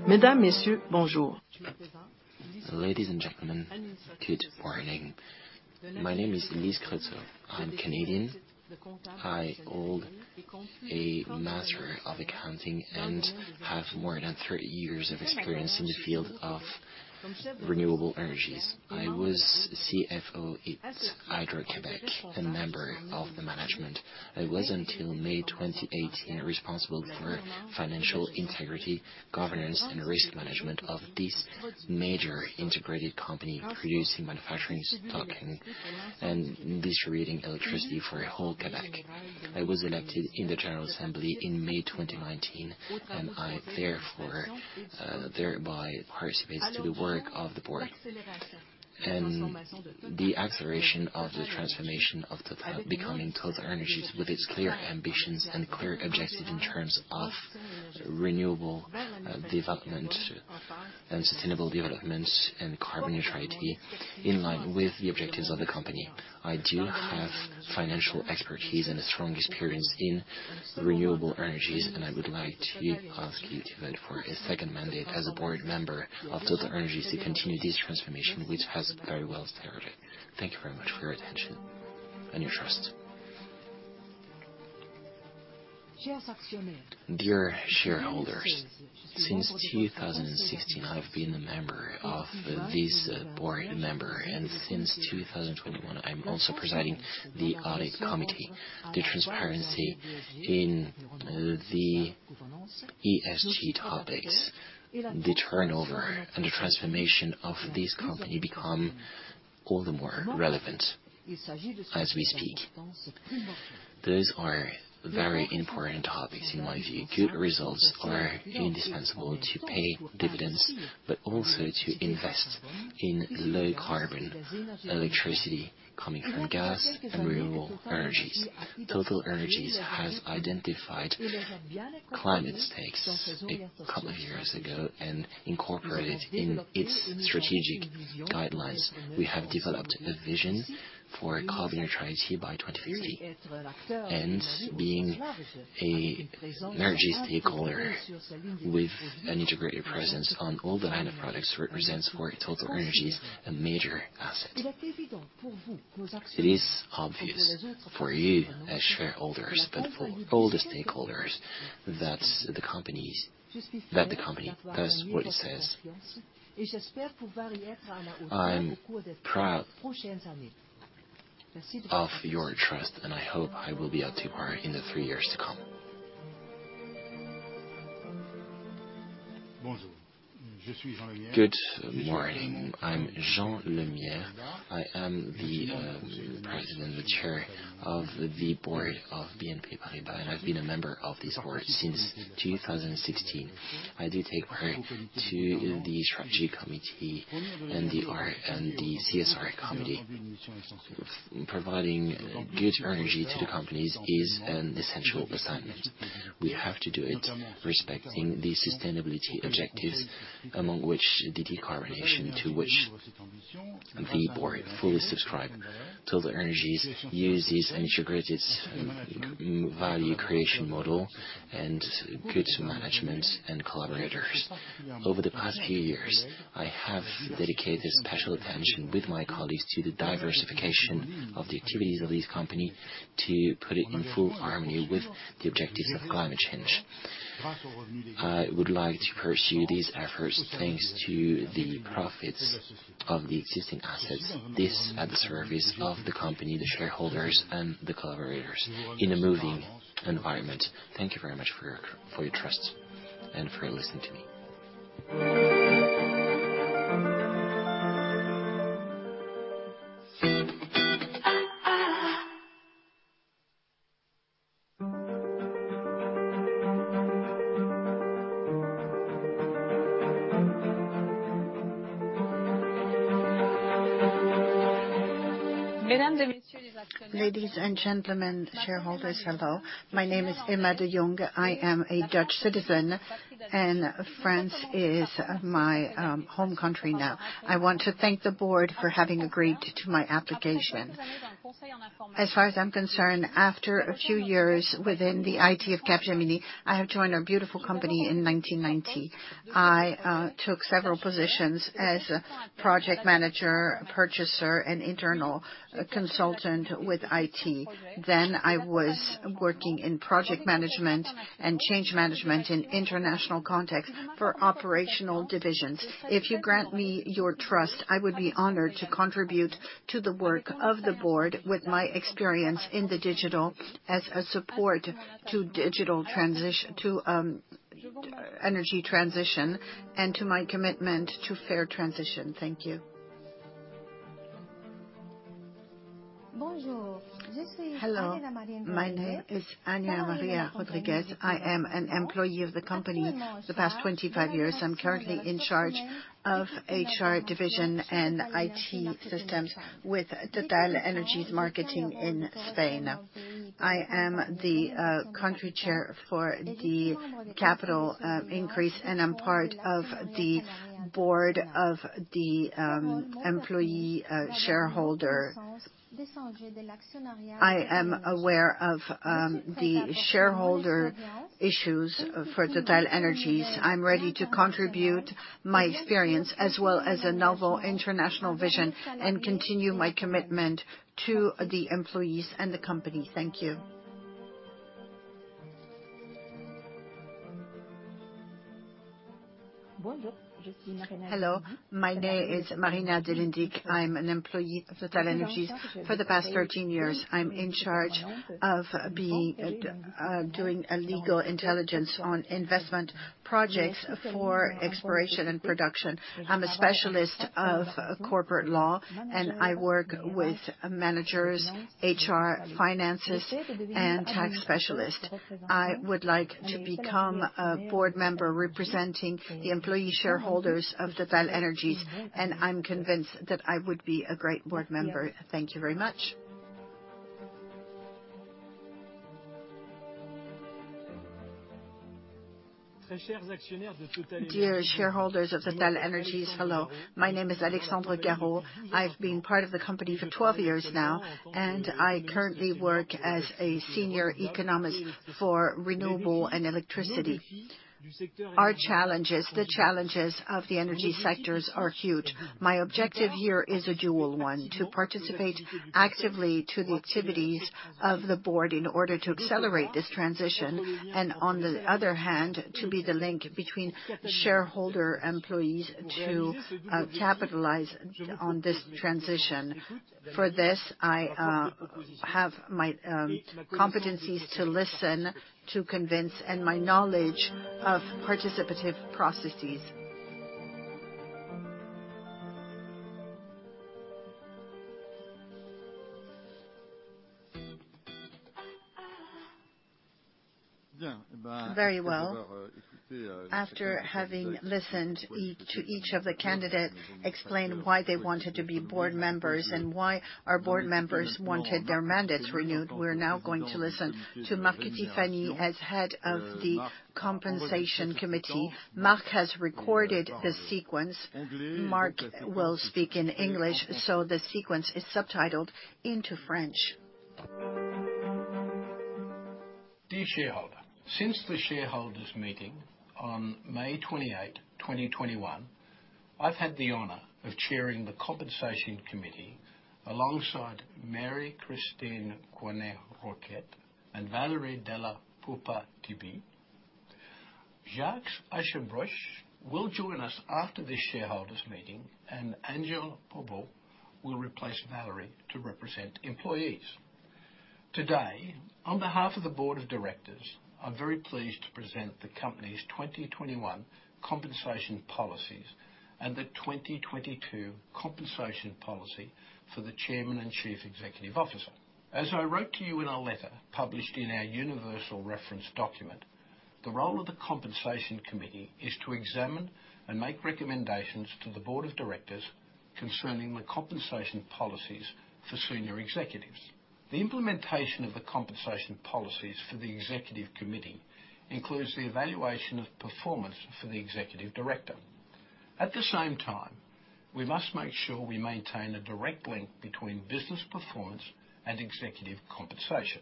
Marie-Christine Coisne-Roquette. Ladies and gentlemen, good morning. My name is Lise Croteau. I'm Canadian. I hold a Master of Accounting, and have more than 30 years of experience in the field of renewable energies. I was CFO at Hydro-Québec, a member of the management. I was, until May 2018, responsible for financial integrity, governance, and risk management of this major integrated company producing, manufacturing, storing and distributing electricity for whole Québec. I was elected in the General Assembly in May 2019, and I therefore thereby participates to the work of the board. The acceleration of the transformation of the becoming TotalEnergies with its clear ambitions and clear objectives in terms of renewable development and sustainable development and carbon neutrality, in line with the objectives of the company. I do have financial expertise and a strong experience in renewable energies, and I would like to ask you to vote for a second mandate as a board member of TotalEnergies to continue this transformation, which has very well started. Thank you very much for your attention and your trust. Dear shareholders, since 2016, I've been a member of this board member, and since 2021, I'm also presiding the Audit committee. The transparency in the ESG topics, the turnover and the transformation of this company become all the more relevant as we speak. Those are very important topics in my view. Good results are indispensable to pay dividends, but also to invest in low carbon electricity coming from gas and renewable energies. TotalEnergies has identified climate stakes a couple of years ago and incorporated in its strategic guidelines. We have developed a vision for carbon neutrality by 2050, and being a energy stakeholder with an integrated presence on all the final products represents for TotalEnergies a major asset. It is obvious for you as shareholders, but for all the stakeholders, that the company does what it says. I am proud of your trust, and I hope I will be up to par in the three years to come. Good morning. I'm Jean Lemierre. I am the President and the Chair of the Board of BNP Paribas, and I've been a member of this board since 2016. I do take part in the strategy committee and the CSR committee. Providing good energy to the companies is an essential assignment. We have to do it respecting the sustainability objectives, among which the decarbonization, to which the board fully subscribe. TotalEnergies uses an integrated value creation model and good management and collaborators. Over the past few years, I have dedicated special attention with my colleagues to the diversification of the activities of this company to put it in full harmony with the objectives of climate change. I would like to pursue these efforts thanks to the profits of the existing assets, this at the service of the company, the shareholders and the collaborators in a moving environment. Thank you very much for your trust and for listening to me. Ladies and gentlemen, shareholders, hello. My name is Emma de Jonge. I am a Dutch citizen, and France is my home country now. I want to thank the board for having agreed to my application. As far as I'm concerned, after a few years within the IT of Capgemini, I have joined a beautiful company in 1990. I took several positions as a project manager, purchaser and internal consultant with IT. Then I was working in project management and change management in international context for operational divisions. If you grant me your trust, I would be honored to contribute to the work of the board with my experience in the digital as a support to energy transition and to my commitment to fair transition. Thank you. Hello. My name is Agueda Marin Rodriguez. I am an employee of the company for the past 25 years. I'm currently in charge of HR division and IT systems with TotalEnergies' marketing in Spain. I am the Country Chair for the capital increase, and I'm part of the board of the employee shareholder. I am aware of the shareholder issues for TotalEnergies. I'm ready to contribute my experience as well as a novel international vision and continue my commitment to the employees and the company. Thank you. Hello. My name is Marina Delendik. I'm an employee of TotalEnergies for the past 13 years. I'm in charge of doing a legal intelligence on investment projects for exploration and production. I'm a specialist of corporate law, and I work with managers, HR, finances, and tax specialists. I would like to become a board member representing the employee shareholders of TotalEnergies, and I'm convinced that I would be a great board member. Thank you very much. Dear shareholders of TotalEnergies, hello. My name is Alexandre Garrot. I've been part of the company for 12 years now, and I currently work as a Senior Economist for Renewable & Electricity. Our challenges, the challenges of the energy sectors are huge. My objective here is a dual one, to participate actively to the activities of the board in order to accelerate this transition, and on the other hand, to be the link between shareholder employees to capitalize on this transition. For this, I have my competencies to listen, to convince, and my knowledge of participative processes. Very well. After having listened to each of the candidates explain why they wanted to be board members and why our board members wanted their mandates renewed, we're now going to listen to Mark Cutifani as Head of the Compensation Committee. Mark has recorded the sequence. Mark will speak in English, so the sequence is subtitled into French. Dear shareholder, since the shareholders' meeting on May 28, 2021, I've had the honor of chairing the Compensation Committee alongside Marie-Christine Coisne-Roquette and Valérie Della Puppa-Tibi. Jacques Aschenbroich will join us after this Shareholders' Meeting, and Emma de Jonge will replace Valérie to represent employees. Today, on behalf of the Board of Directors, I'm very pleased to present the company's 2021 compensation policies and the 2022 compensation policy for the Chairman and Chief Executive Officer. As I wrote to you in a letter published in our universal reference document, the role of the Compensation Committee is to examine and make recommendations to the Board of Directors concerning the compensation policies for Senior Executives. The implementation of the compensation policies for the executive committee includes the evaluation of performance for the Executive Director. At the same time, we must make sure we maintain a direct link between business performance and executive compensation.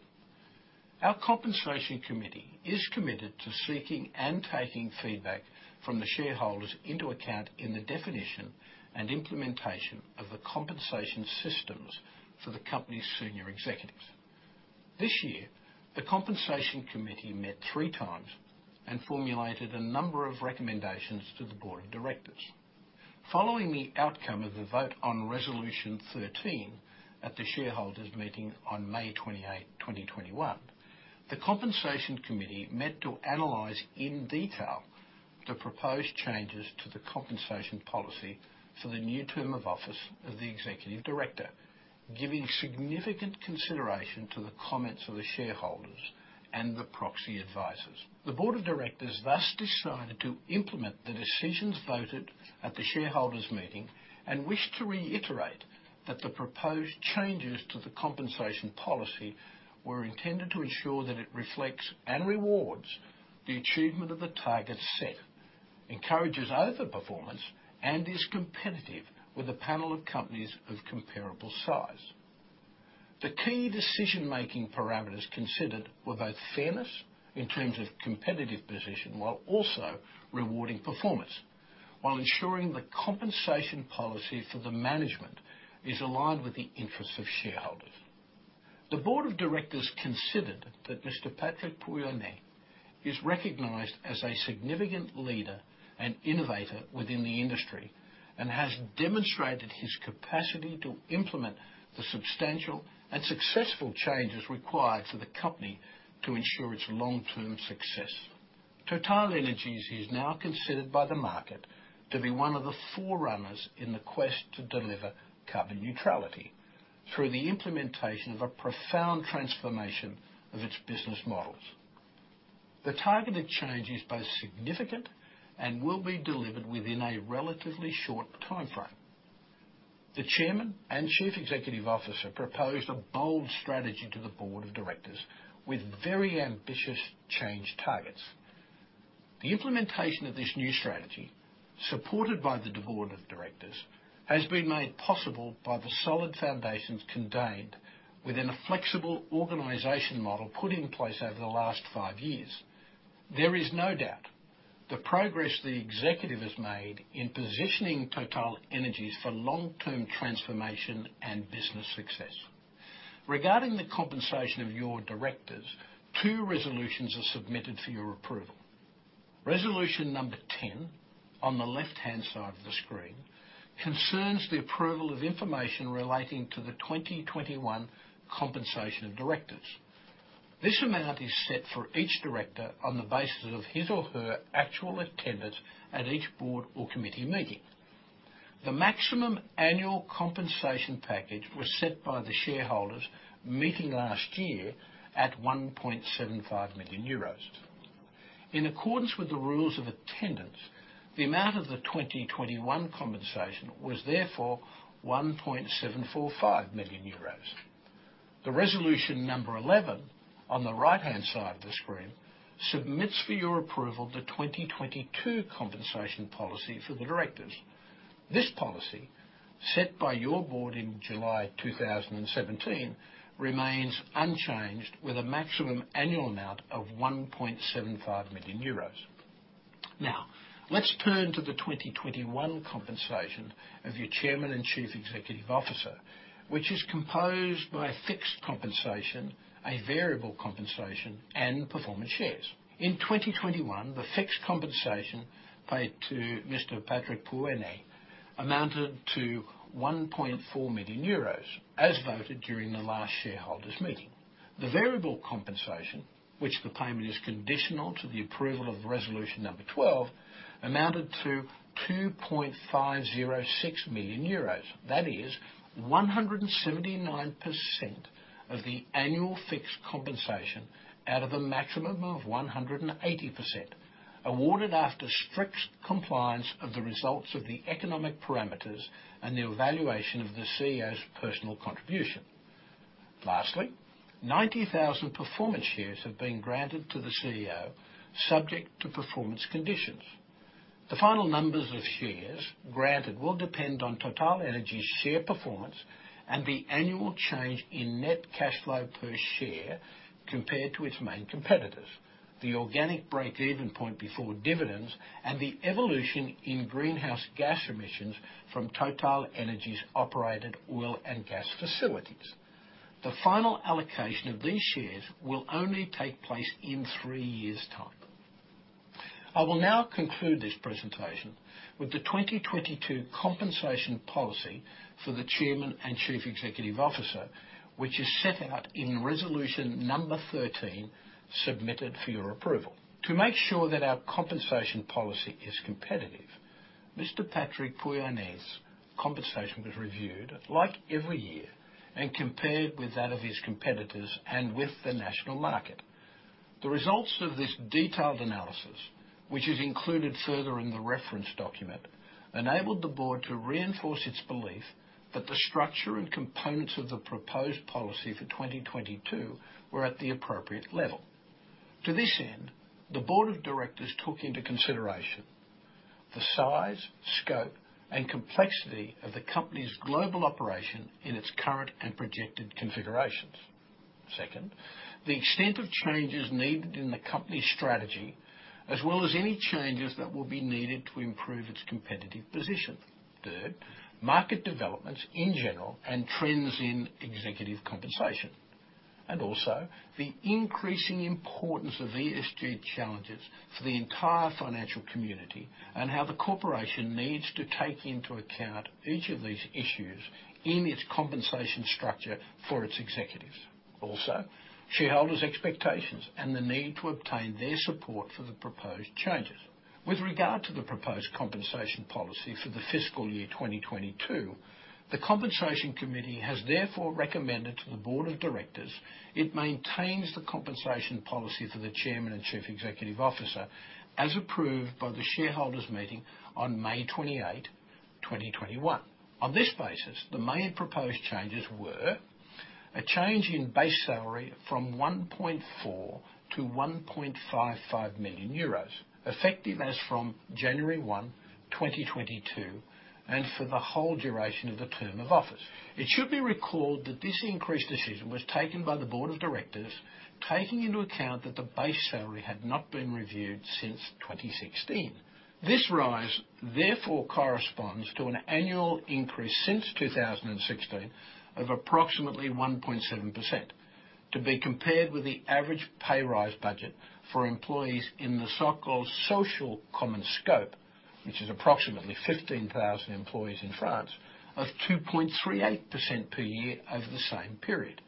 Our Compensation Committee is committed to seeking and taking feedback from the shareholders into account in the definition and implementation of the compensation systems for the company's senior executives. This year, the Compensation Committee met three times and formulated a number of recommendations to the Board of Directors. Following the outcome of the vote on Resolution 13 at the Shareholders' Meeting on May 28, 2021, the Compensation Committee met to analyze in detail the proposed changes to the compensation policy for the new term of office of the Executive Director, giving significant consideration to the comments of the shareholders and the proxy advisors. The Board of Directors thus decided to implement the decisions voted at the shareholders' meeting and wish to reiterate that the proposed changes to the compensation policy were intended to ensure that it reflects and rewards the achievement of the targets set, encourages over-performance, and is competitive with a panel of companies of comparable size. The key decision-making parameters considered were both fairness in terms of competitive position, while also rewarding performance while ensuring the compensation policy for the management is aligned with the interests of shareholders. The Board of Directors considered that Mr. Patrick Pouyanné is recognized as a significant leader and innovator within the industry and has demonstrated his capacity to implement the substantial and successful changes required for the company to ensure its long-term success. TotalEnergies is now considered by the market to be one of the forerunners in the quest to deliver carbon neutrality through the implementation of a profound transformation of its business models. The targeted change is both significant and will be delivered within a relatively short timeframe. The Chairman and Chief Executive Officer proposed a bold strategy to the Board of Directors with very ambitious change targets. The implementation of this new strategy, supported by the Board of Directors, has been made possible by the solid foundations contained within a flexible organization model put in place over the last five years. There is no doubt the progress the executive has made in positioning TotalEnergies for long-term transformation and business success. Regarding the compensation of your directors, two resolutions are submitted for your approval. Resolution number 10, on the left-hand side of the screen, concerns the approval of information relating to the 2021 compensation of directors. This amount is set for each director on the basis of his or her actual attendance at each board or committee meeting. The maximum annual compensation package was set by the Shareholders' Meeting last year at 1.75 million euros. In accordance with the rules of attendance, the amount of the 2021 compensation was therefore 1.745 million euros. The Resolution number 11, on the right-hand side of the screen, submits for your approval the 2022 compensation policy for the directors. This policy, set by your board in July 2017, remains unchanged with a maximum annual amount of 1.75 million euros. Now, let's turn to the 2021 compensation of your Chairman and Chief Executive Officer, which is composed by fixed compensation, a variable compensation, and performance shares. In 2021, the fixed compensation paid to Mr. Patrick Pouyanné amounted to 1.4 million euros, as voted during the last Shareholders' Meeting. The variable compensation, which the payment is conditional to the approval of Resolution number 12, amounted to 2.506 million euros. That is 179% of the annual fixed compensation out of a maximum of 180%, awarded after strict compliance of the results of the economic parameters and the evaluation of the CEO's personal contribution. Lastly, 90,000 performance shares have been granted to the CEO subject to performance conditions. The final numbers of shares granted will depend on TotalEnergies share performance and the annual change in net cash flow per share compared to its main competitors, the organic break-even point before dividends, and the evolution in greenhouse gas emissions from TotalEnergies-operated oil and gas facilities. The final allocation of these shares will only take place in three years' time. I will now conclude this presentation with the 2022 compensation policy for the Chairman and Chief Executive Officer, which is set out in Resolution number 13, submitted for your approval. To make sure that our compensation policy is competitive, Mr. Patrick Pouyanné's compensation was reviewed, like every year, and compared with that of his competitors and with the national market. The results of this detailed analysis, which is included further in the reference document, enabled the board to reinforce its belief that the structure and components of the proposed policy for 2022 were at the appropriate level. To this end, the Board of Directors took into consideration the size, scope, and complexity of the company's global operation in its current and projected configurations. Second, the extent of changes needed in the company's strategy, as well as any changes that will be needed to improve its competitive position. Third, market developments in general and trends in executive compensation. Also, the increasing importance of ESG challenges for the entire financial community and how the corporation needs to take into account each of these issues in its compensation structure for its executives. Shareholders' expectations and the need to obtain their support for the proposed changes. With regard to the proposed compensation policy for the fiscal year 2022, the Compensation Committee has therefore recommended to the Board of Directors it maintains the compensation policy for the chairman and chief executive officer as approved by the Shareholders' Meeting on May 28, 2021. On this basis, the main proposed changes were a change in base salary from 1.4 million to 1.55 million euros, effective as from January 1, 2022, and for the whole duration of the term of office. It should be recalled that this increase decision was taken by the Board of Directors, taking into account that the base salary had not been reviewed since 2016. This rise therefore corresponds to an annual increase since 2016 of approximately 1.7%, to be compared with the average pay rise budget for employees in the so-called social common scope, which is approximately 15,000 employees in France, of 2.38% per year over the same period.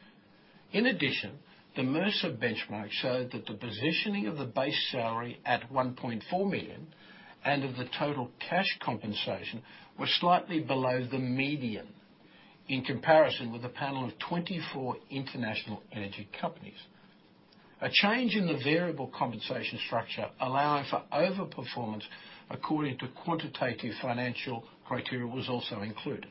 In addition, the Mercer benchmark showed that the positioning of the base salary at 1.4 million and of the total cash compensation was slightly below the median in comparison with a panel of 24 international energy companies. A change in the variable compensation structure allowing for over-performance according to quantitative financial criteria was also included.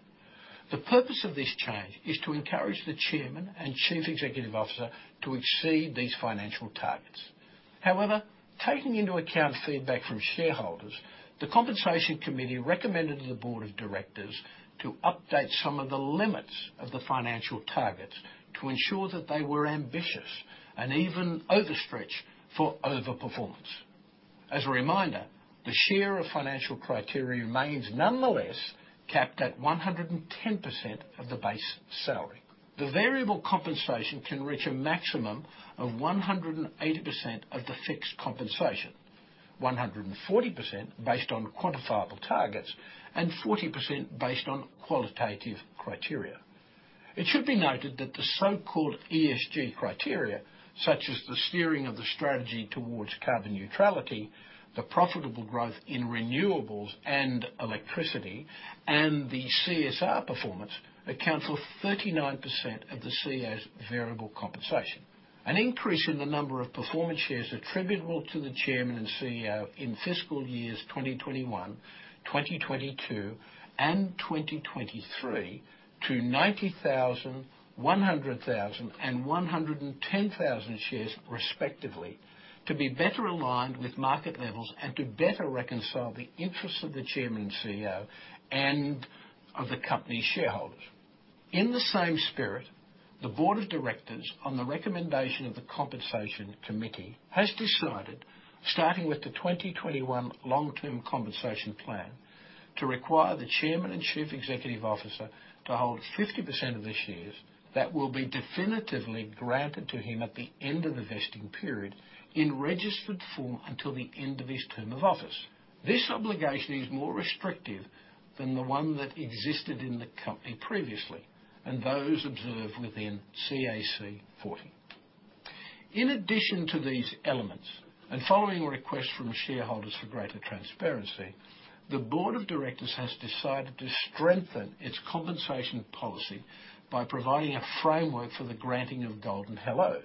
The purpose of this change is to encourage the Chairman and Chief Executive Officer to exceed these financial targets. However, taking into account feedback from shareholders, the Compensation Committee recommended to the Board of Directors to update some of the limits of the financial targets to ensure that they were ambitious and even overstretched for over-performance. As a reminder, the share of financial criteria remains nonetheless capped at 110% of the base salary. The variable compensation can reach a maximum of 180% of the fixed compensation, 140% based on quantifiable targets, and 40% based on qualitative criteria. It should be noted that the so-called ESG criteria, such as the steering of the strategy towards carbon neutrality, the profitable growth in Renewables & Electricity, and the CSR performance account for 39% of the CEO's variable compensation. An increase in the number of performance shares attributable to the Chairman and CEO in fiscal years 2021, 2022, and 2023 to 90,000, 100,000, and 110,000 shares, respectively, to be better aligned with market levels and to better reconcile the interests of the Chairman and CEO and of the company's shareholders. In the same spirit, the Board of Directors, on the recommendation of the Compensation Committee, has decided, starting with the 2021 long-term compensation plan, to require the Chairman and Chief Executive Officer to hold 50% of his shares that will be definitively granted to him at the end of the vesting period in registered form until the end of his term of office. This obligation is more restrictive than the one that existed in the company previously and those observed within CAC 40. In addition to these elements, and following requests from shareholders for greater transparency, the Board of Directors has decided to strengthen its compensation policy by providing a framework for the granting of golden hellos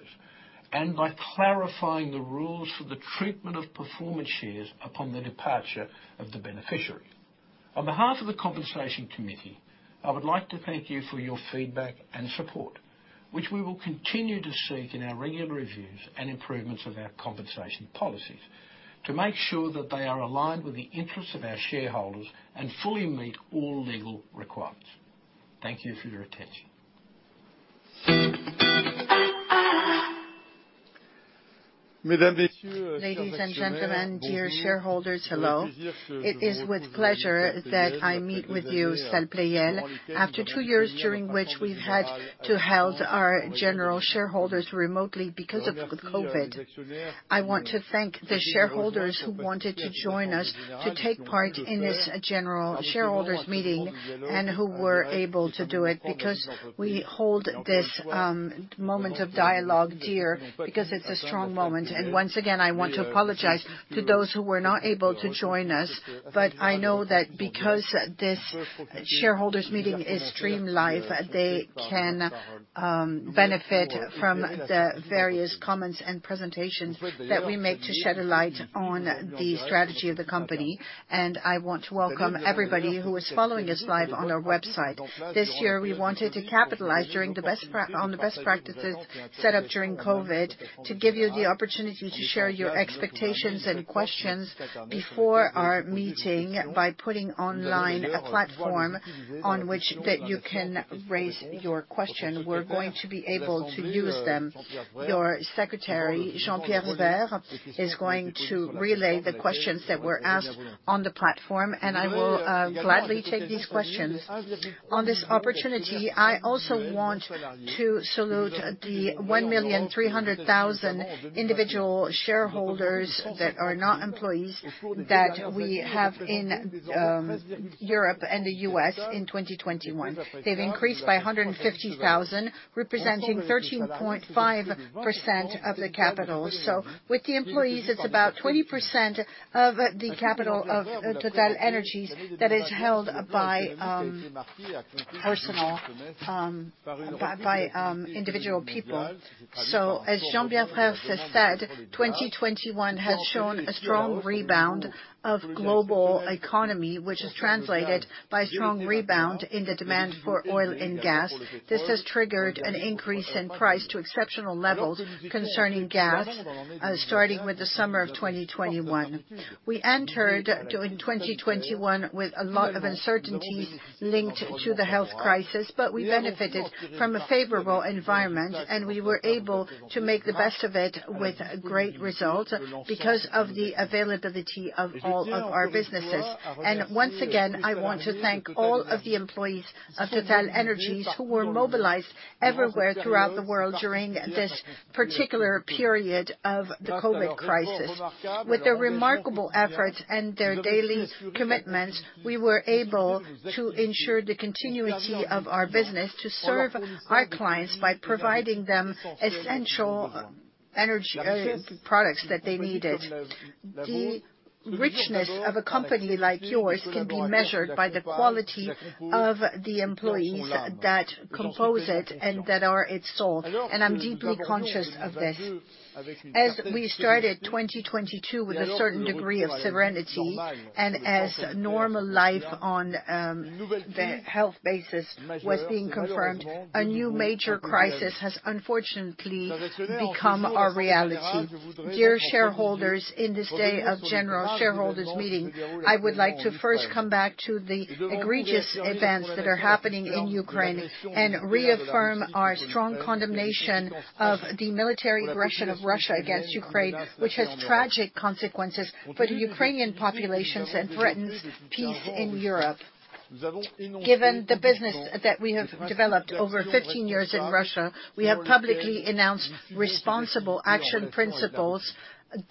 and by clarifying the rules for the treatment of performance shares upon the departure of the beneficiary. On behalf of the Compensation Committee, I would like to thank you for your feedback and support, which we will continue to seek in our regular reviews and improvements of our compensation policies to make sure that they are aligned with the interests of our shareholders and fully meet all legal requirements. Thank you for your attention. Ladies and gentlemen, dear shareholders, hello. It is with pleasure that I meet with you, Salle Pleyel. After two years during which we've had to hold our General Shareholders' Meeting remotely because of COVID, I want to thank the shareholders who wanted to join us to take part in this General Shareholders' Meeting and who were able to do it, because we hold this moment of dialogue dear, because it's a strong moment. Once again, I want to apologize to those who were not able to join us, but I know that because this Shareholders' Meeting is streamed live, they can benefit from the various comments and presentations that we make to shed a light on the strategy of the company. I want to welcome everybody who is following us live on our website. This year, we wanted to capitalize on the best practices set up during COVID to give you the opportunity to share your expectations and questions before our meeting by putting online a platform on which that you can raise your question. We're going to be able to use them. Your secretary, Jean-Pierre Sbraire, is going to relay the questions that were asked on the platform, and I will gladly take these questions. On this opportunity, I also want to salute the 1,300,000 individual shareholders that are not employees that we have in Europe and the U.S. in 2021. They've increased by 150,000, representing 13.5% of the capital. With the employees, it's about 20% of the capital of TotalEnergies that is held by individual people. As Jean-Pierre has said, 2021 has shown a strong rebound of global economy, which is translated by strong rebound in the demand for oil and gas. This has triggered an increase in price to exceptional levels concerning gas, starting with the summer of 2021. We entered in 2021 with a lot of uncertainties linked to the health crisis, but we benefited from a favorable environment, and we were able to make the best of it with great result because of the availability of all of our businesses. Once again, I want to thank all of the employees of TotalEnergies who were mobilized everywhere throughout the world during this particular period of the COVID crisis. With their remarkable efforts and their daily commitment, we were able to ensure the continuity of our business to serve our clients by providing them essential energy products that they needed. The richness of a company like yours can be measured by the quality of the employees that compose it and that are its soul, and I'm deeply conscious of this. As we started 2022 with a certain degree of serenity, and as normal life on the health basis was being confirmed, a new major crisis has unfortunately become our reality. Dear shareholders, in this day of General Shareholders' Meeting, I would like to first come back to the egregious events that are happening in Ukraine and reaffirm our strong condemnation of the military aggression of Russia against Ukraine, which has tragic consequences for the Ukrainian populations and threatens peace in Europe. Given the business that we have developed over 15 years in Russia, we have publicly announced responsible action principles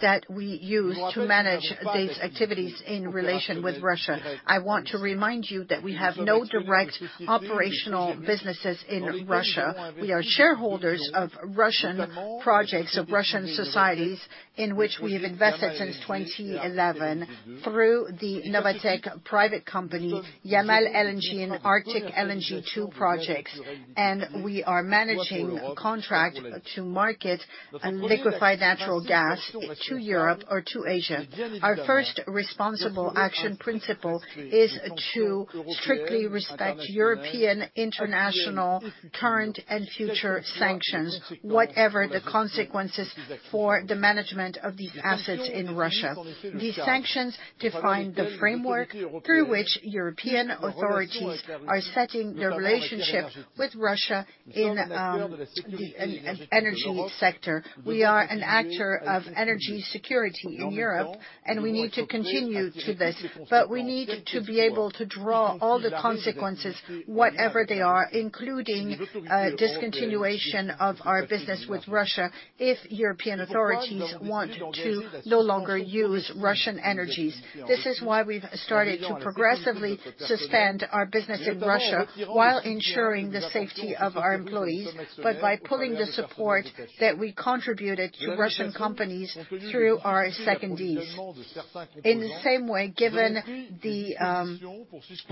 that we use to manage these activities in relation with Russia. I want to remind you that we have no direct operational businesses in Russia. We are shareholders of Russian projects, of Russian societies, in which we have invested since 2011 through the Novatek private company, Yamal LNG and Arctic LNG 2 projects. We are managing a contract to market liquefied natural gas to Europe or to Asia. Our first responsible action principle is to strictly respect European and international current and future sanctions, whatever the consequences for the management of these assets in Russia. These sanctions define the framework through which European authorities are setting their relationship with Russia in the energy sector. We are an actor of energy security in Europe, and we need to continue to this, but we need to be able to draw all the consequences, whatever they are, including discontinuation of our business with Russia if European authorities want to no longer use Russian energies. This is why we've started to progressively suspend our business in Russia while ensuring the safety of our employees, but by pulling the support that we contributed to Russian companies through our secondees. In the same way, given the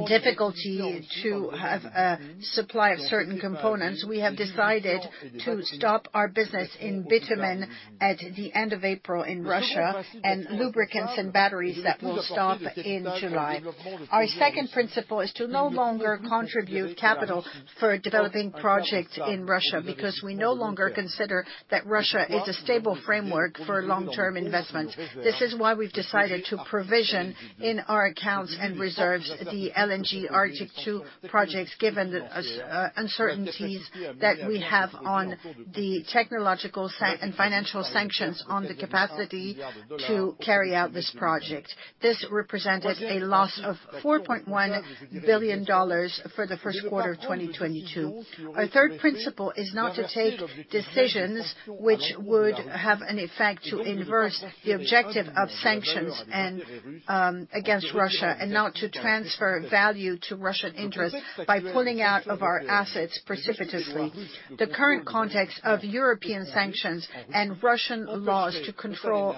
difficulty to have a supply of certain components, we have decided to stop our business in bitumen at the end of April in Russia, and lubricants and batteries that will stop in July. Our second principle is to no longer contribute capital for developing projects in Russia, because we no longer consider that Russia is a stable framework for long-term investment. This is why we've decided to provision in our accounts and reserves the LNG Artic 2 project, given the uncertainties that we have on the technological and financial sanctions on the capacity to carry out this project. This represented a loss of $4.1 billion for the first quarter of 2022. Our third principle is not to take decisions which would have an effect to reverse the objective of sanctions against Russia, and not to transfer value to Russian interests by pulling out of our assets precipitously. The current context of European sanctions and Russian laws to control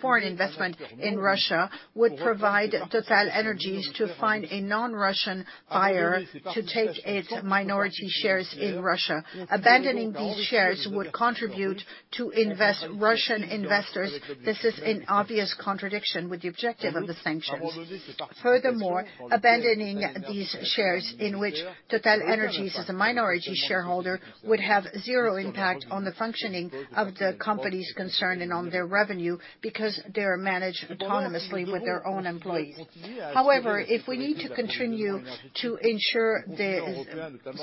foreign investment in Russia would prevent TotalEnergies from finding a non-Russian buyer to take its minority shares in Russia. Abandoning these shares would contribute to benefiting Russian investors. This is in obvious contradiction with the objective of the sanctions. Furthermore, abandoning these shares in which TotalEnergies is a minority shareholder would have zero impact on the functioning of the companies concerned and on their revenue, because they are managed autonomously with their own employees. However, if we need to continue to ensure the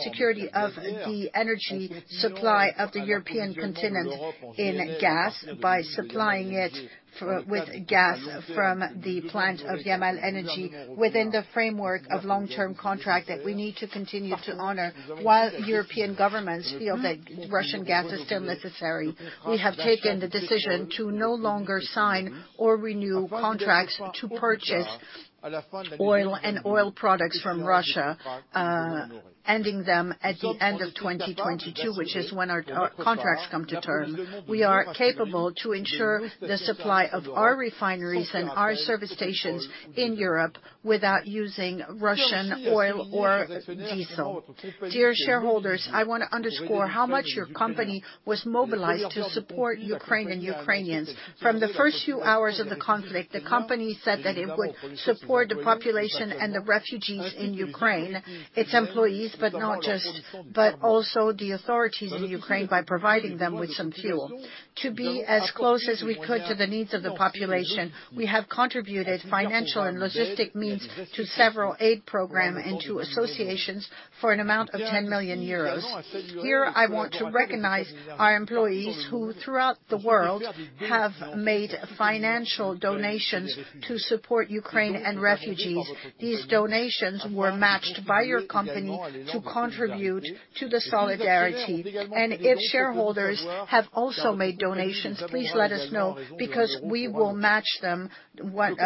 security of the energy supply of the European continent in gas by supplying it with gas from the plant of Yamal LNG within the framework of long-term contract that we need to continue to honor while European governments feel that Russian gas is still necessary, we have taken the decision to no longer sign or renew contracts to purchase oil and oil products from Russia, ending them at the end of 2022, which is when our contracts come to term. We are capable to ensure the supply of our refineries and our service stations in Europe without using Russian oil or diesel. Dear shareholders, I want to underscore how much your company was mobilized to support Ukraine and Ukrainians. From the first few hours of the conflict, the company said that it would support the population and the refugees in Ukraine, its employees, but also the authorities in Ukraine by providing them with some fuel. To be as close as we could to the needs of the population, we have contributed financial and logistical means to several aid programs and to associations for an amount of 10 million euros. Here, I want to recognize our employees who throughout the world have made financial donations to support Ukraine and refugees. These donations were matched by your company to contribute to the solidarity. If shareholders have also made donations, please let us know because we will match them one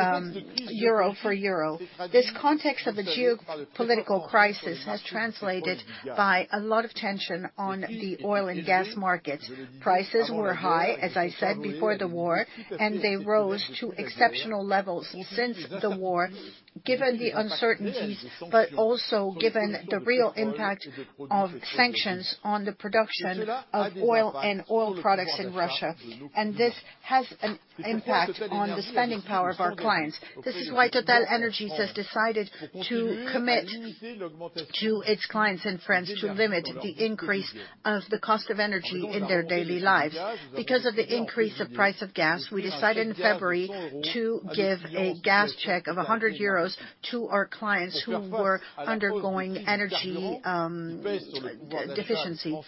euro for euro. This context of a geopolitical crisis has translated by a lot of tension on the oil and gas market. Prices were high, as I said before the war, and they rose to exceptional levels since the war, given the uncertainties, but also given the real impact of sanctions on the production of oil and oil products in Russia. This has an impact on the spending power of our clients. This is why TotalEnergies has decided to commit to its clients and friends to limit the increase of the cost of energy in their daily lives. Because of the increase of price of gas, we decided in February to give a gas check of 100 euros to our clients who were undergoing energy deficiency.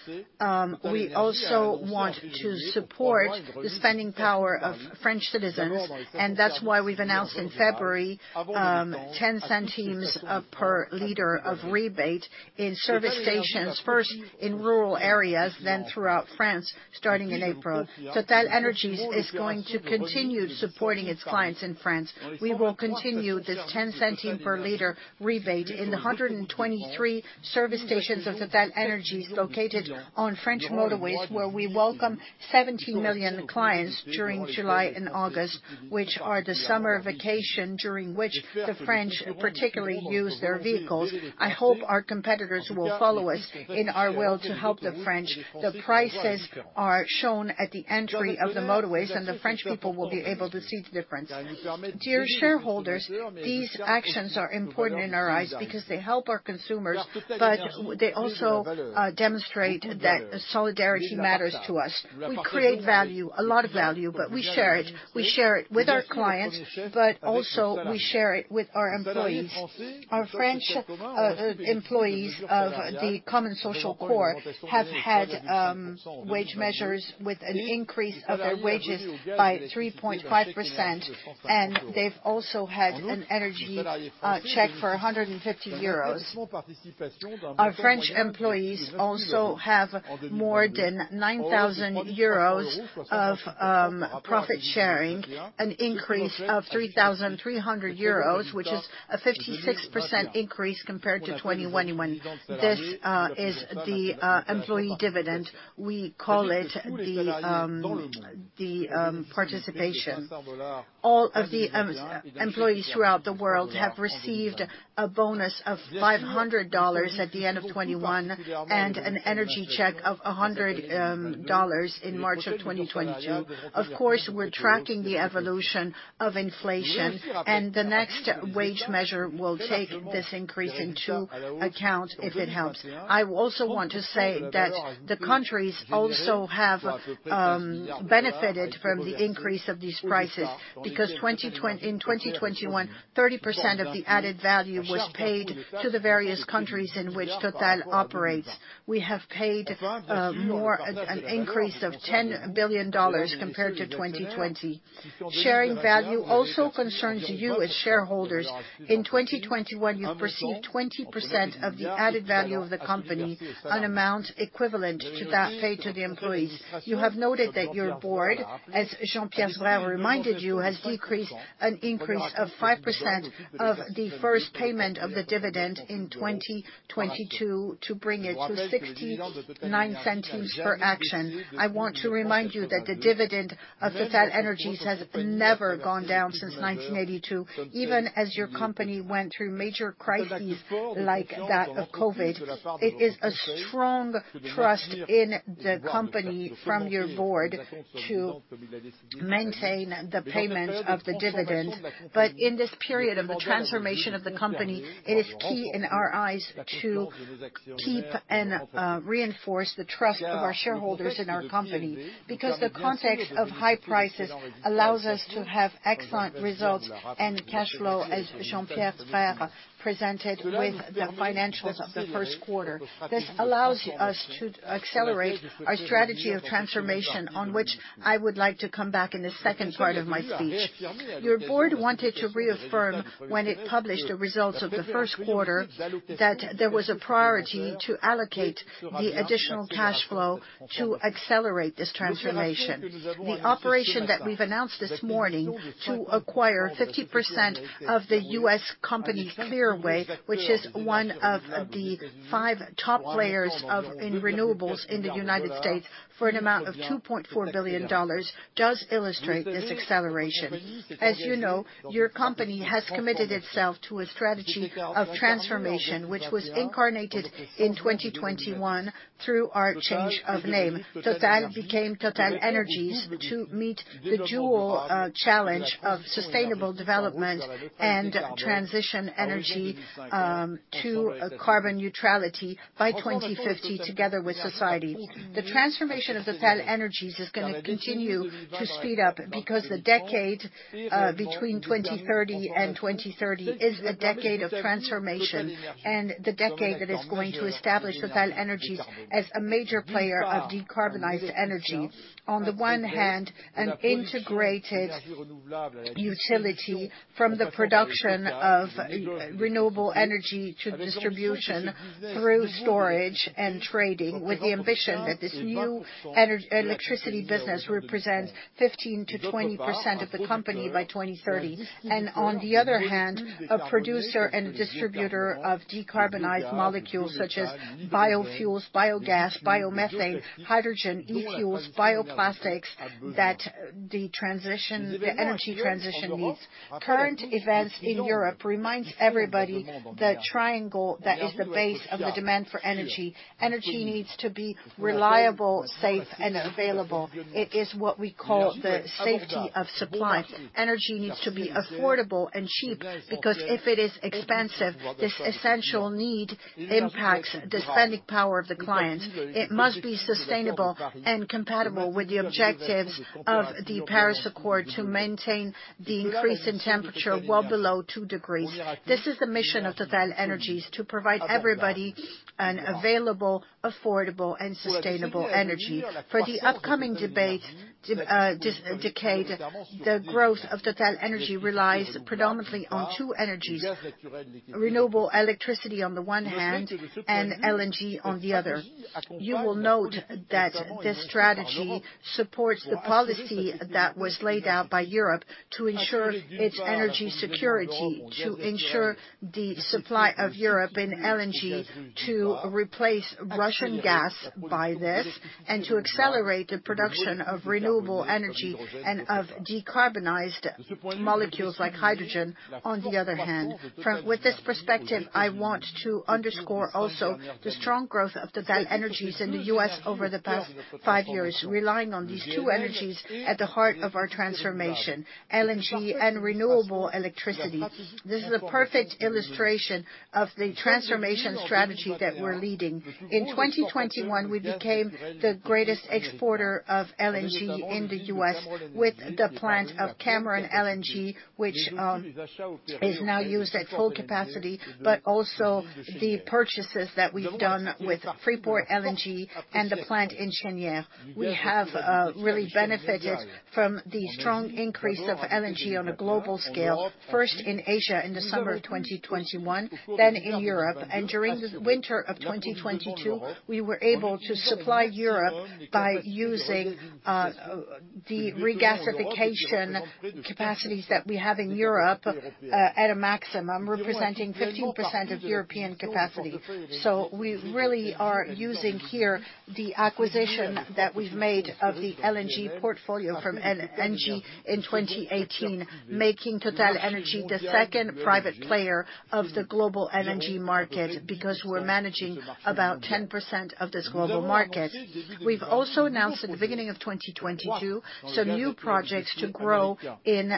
We also want to support the spending power of French citizens, and that's why we've announced in February 0.10 per L rebate in service stations, first in rural areas, then throughout France, starting in April. TotalEnergies is going to continue supporting its clients in France. We will continue this 0.10 per L rebate in the 123 service stations of TotalEnergies located on French motorways, where we welcome 70 million clients during July and August, which are the summer vacation during which the French particularly use their vehicles. I hope our competitors will follow us in our will to help the French. The prices are shown at the entry of the motorways, and the French people will be able to see the difference. Dear shareholders, these actions are important in our eyes because they help our consumers, but they also demonstrate that solidarity matters to us. We create value, a lot of value, but we share it. We share it with our clients, but also we share it with our employees. Our French employees of the common social corps have had wage measures with an increase of their wages by 3.5%, and they've also had an energy check for 150 euros. Our French employees also have more than 9,000 euros of profit sharing, an increase of 3,300 euros, which is a 56% increase compared to 2021. This is the participation. All of the employees throughout the world have received a bonus of $500 at the end of 2021 and an energy check of $100 in March 2022. Of course, we're tracking the evolution of inflation, and the next wage measure will take this increase into account if it helps. I also want to say that the countries also have benefited from the increase of these prices because in 2021, 30% of the added value was paid to the various countries in which Total operates. We have paid more, an increase of $10 billion compared to 2020. Sharing value also concerns you as shareholders. In 2021, you've received 20% of the added value of the company, an amount equivalent to that paid to the employees. You have noted that your board, as Jean-Pierre reminded you, has decreased an increase of 5% of the first payment of the dividend in 2022 to bring it to 0.69 per share. I want to remind you that the dividend of TotalEnergies has never gone down since 1982. Even as your company went through major crises like that of COVID, it is a strong trust in the company from your board to maintain the payment of the dividend. In this period of the transformation of the company, it is key in our eyes to keep and reinforce the trust of our shareholders in our company because the context of high prices allows us to have excellent results and cash flow, as Jean-Pierre presented with the financials of the first quarter. This allows us to accelerate our strategy of transformation on which I would like to come back in the second part of my speech. Your board wanted to reaffirm when it published the results of the first quarter that there was a priority to allocate the additional cash flow to accelerate this transformation. The operation that we've announced this morning to acquire 50% of the U.S. company Clearway, which is one of the five top players in renewables in the United States for an amount of $2.4 billion does illustrate this acceleration. As you know, your company has committed itself to a strategy of transformation, which was incarnated in 2021 through our change of name. Total became TotalEnergies to meet the dual challenge of sustainable development and energy transition to a carbon neutrality by 2050 together with society. The transformation of the TotalEnergies is gonna continue to speed up because the decade between 2020 and 2030 is the decade of transformation and the decade that is going to establish the TotalEnergies as a major player of decarbonized energy. On the one hand, an integrated utility from the production of renewable energy to distribution through storage and trading with the ambition that this new electricity business represents 15%-20% of the company by 2030. On the other hand, a producer and distributor of decarbonized molecules such as biofuels, biogas, biomethane, hydrogen, e-fuels, bioplastics that the transition, the energy transition needs. Current events in Europe reminds everybody the triangle that is the base of the demand for energy. Energy needs to be reliable, safe and available. It is what we call the safety of supply. Energy needs to be affordable and cheap because if it is expensive, this essential need impacts the spending power of the clients. It must be sustainable and compatible with the objectives of the Paris Agreement to maintain the increase in temperature well below two degrees. This is the mission of TotalEnergies to provide everybody an available, affordable and sustainable energy. For the upcoming decade, the growth of TotalEnergies relies predominantly on two energies, renewable electricity on the one hand and LNG on the other. You will note that this strategy supports the policy that was laid out by Europe to ensure its energy security, to ensure the supply of Europe in LNG to replace Russian gas by this and to accelerate the production of renewable energy and of decarbonized molecules like hydrogen on the other hand. With this perspective, I want to underscore also the strong growth of TotalEnergies in the U.S. over the past five years, relying on these two energies at the heart of our transformation, LNG and renewable electricity. This is a perfect illustration of the transformation strategy that we're leading. In 2021, we became the greatest exporter of LNG in the U.S. with the plant of Cameron LNG, which is now used at full capacity, but also the purchases that we've done with Freeport LNG and the plant in Cheniere. We have really benefited from the strong increase of LNG on a global scale, first in Asia in December of 2022, then in Europe. During the winter of 2022, we were able to supply Europe by using the regasification capacities that we have in Europe at a maximum representing 15% of European capacity. We really are using here the acquisition that we've made of the LNG portfolio from Engie in 2018, making TotalEnergies the second private player of the global LNG market because we're managing about 10% of this global market. We've also announced at the beginning of 2022 some new projects to grow in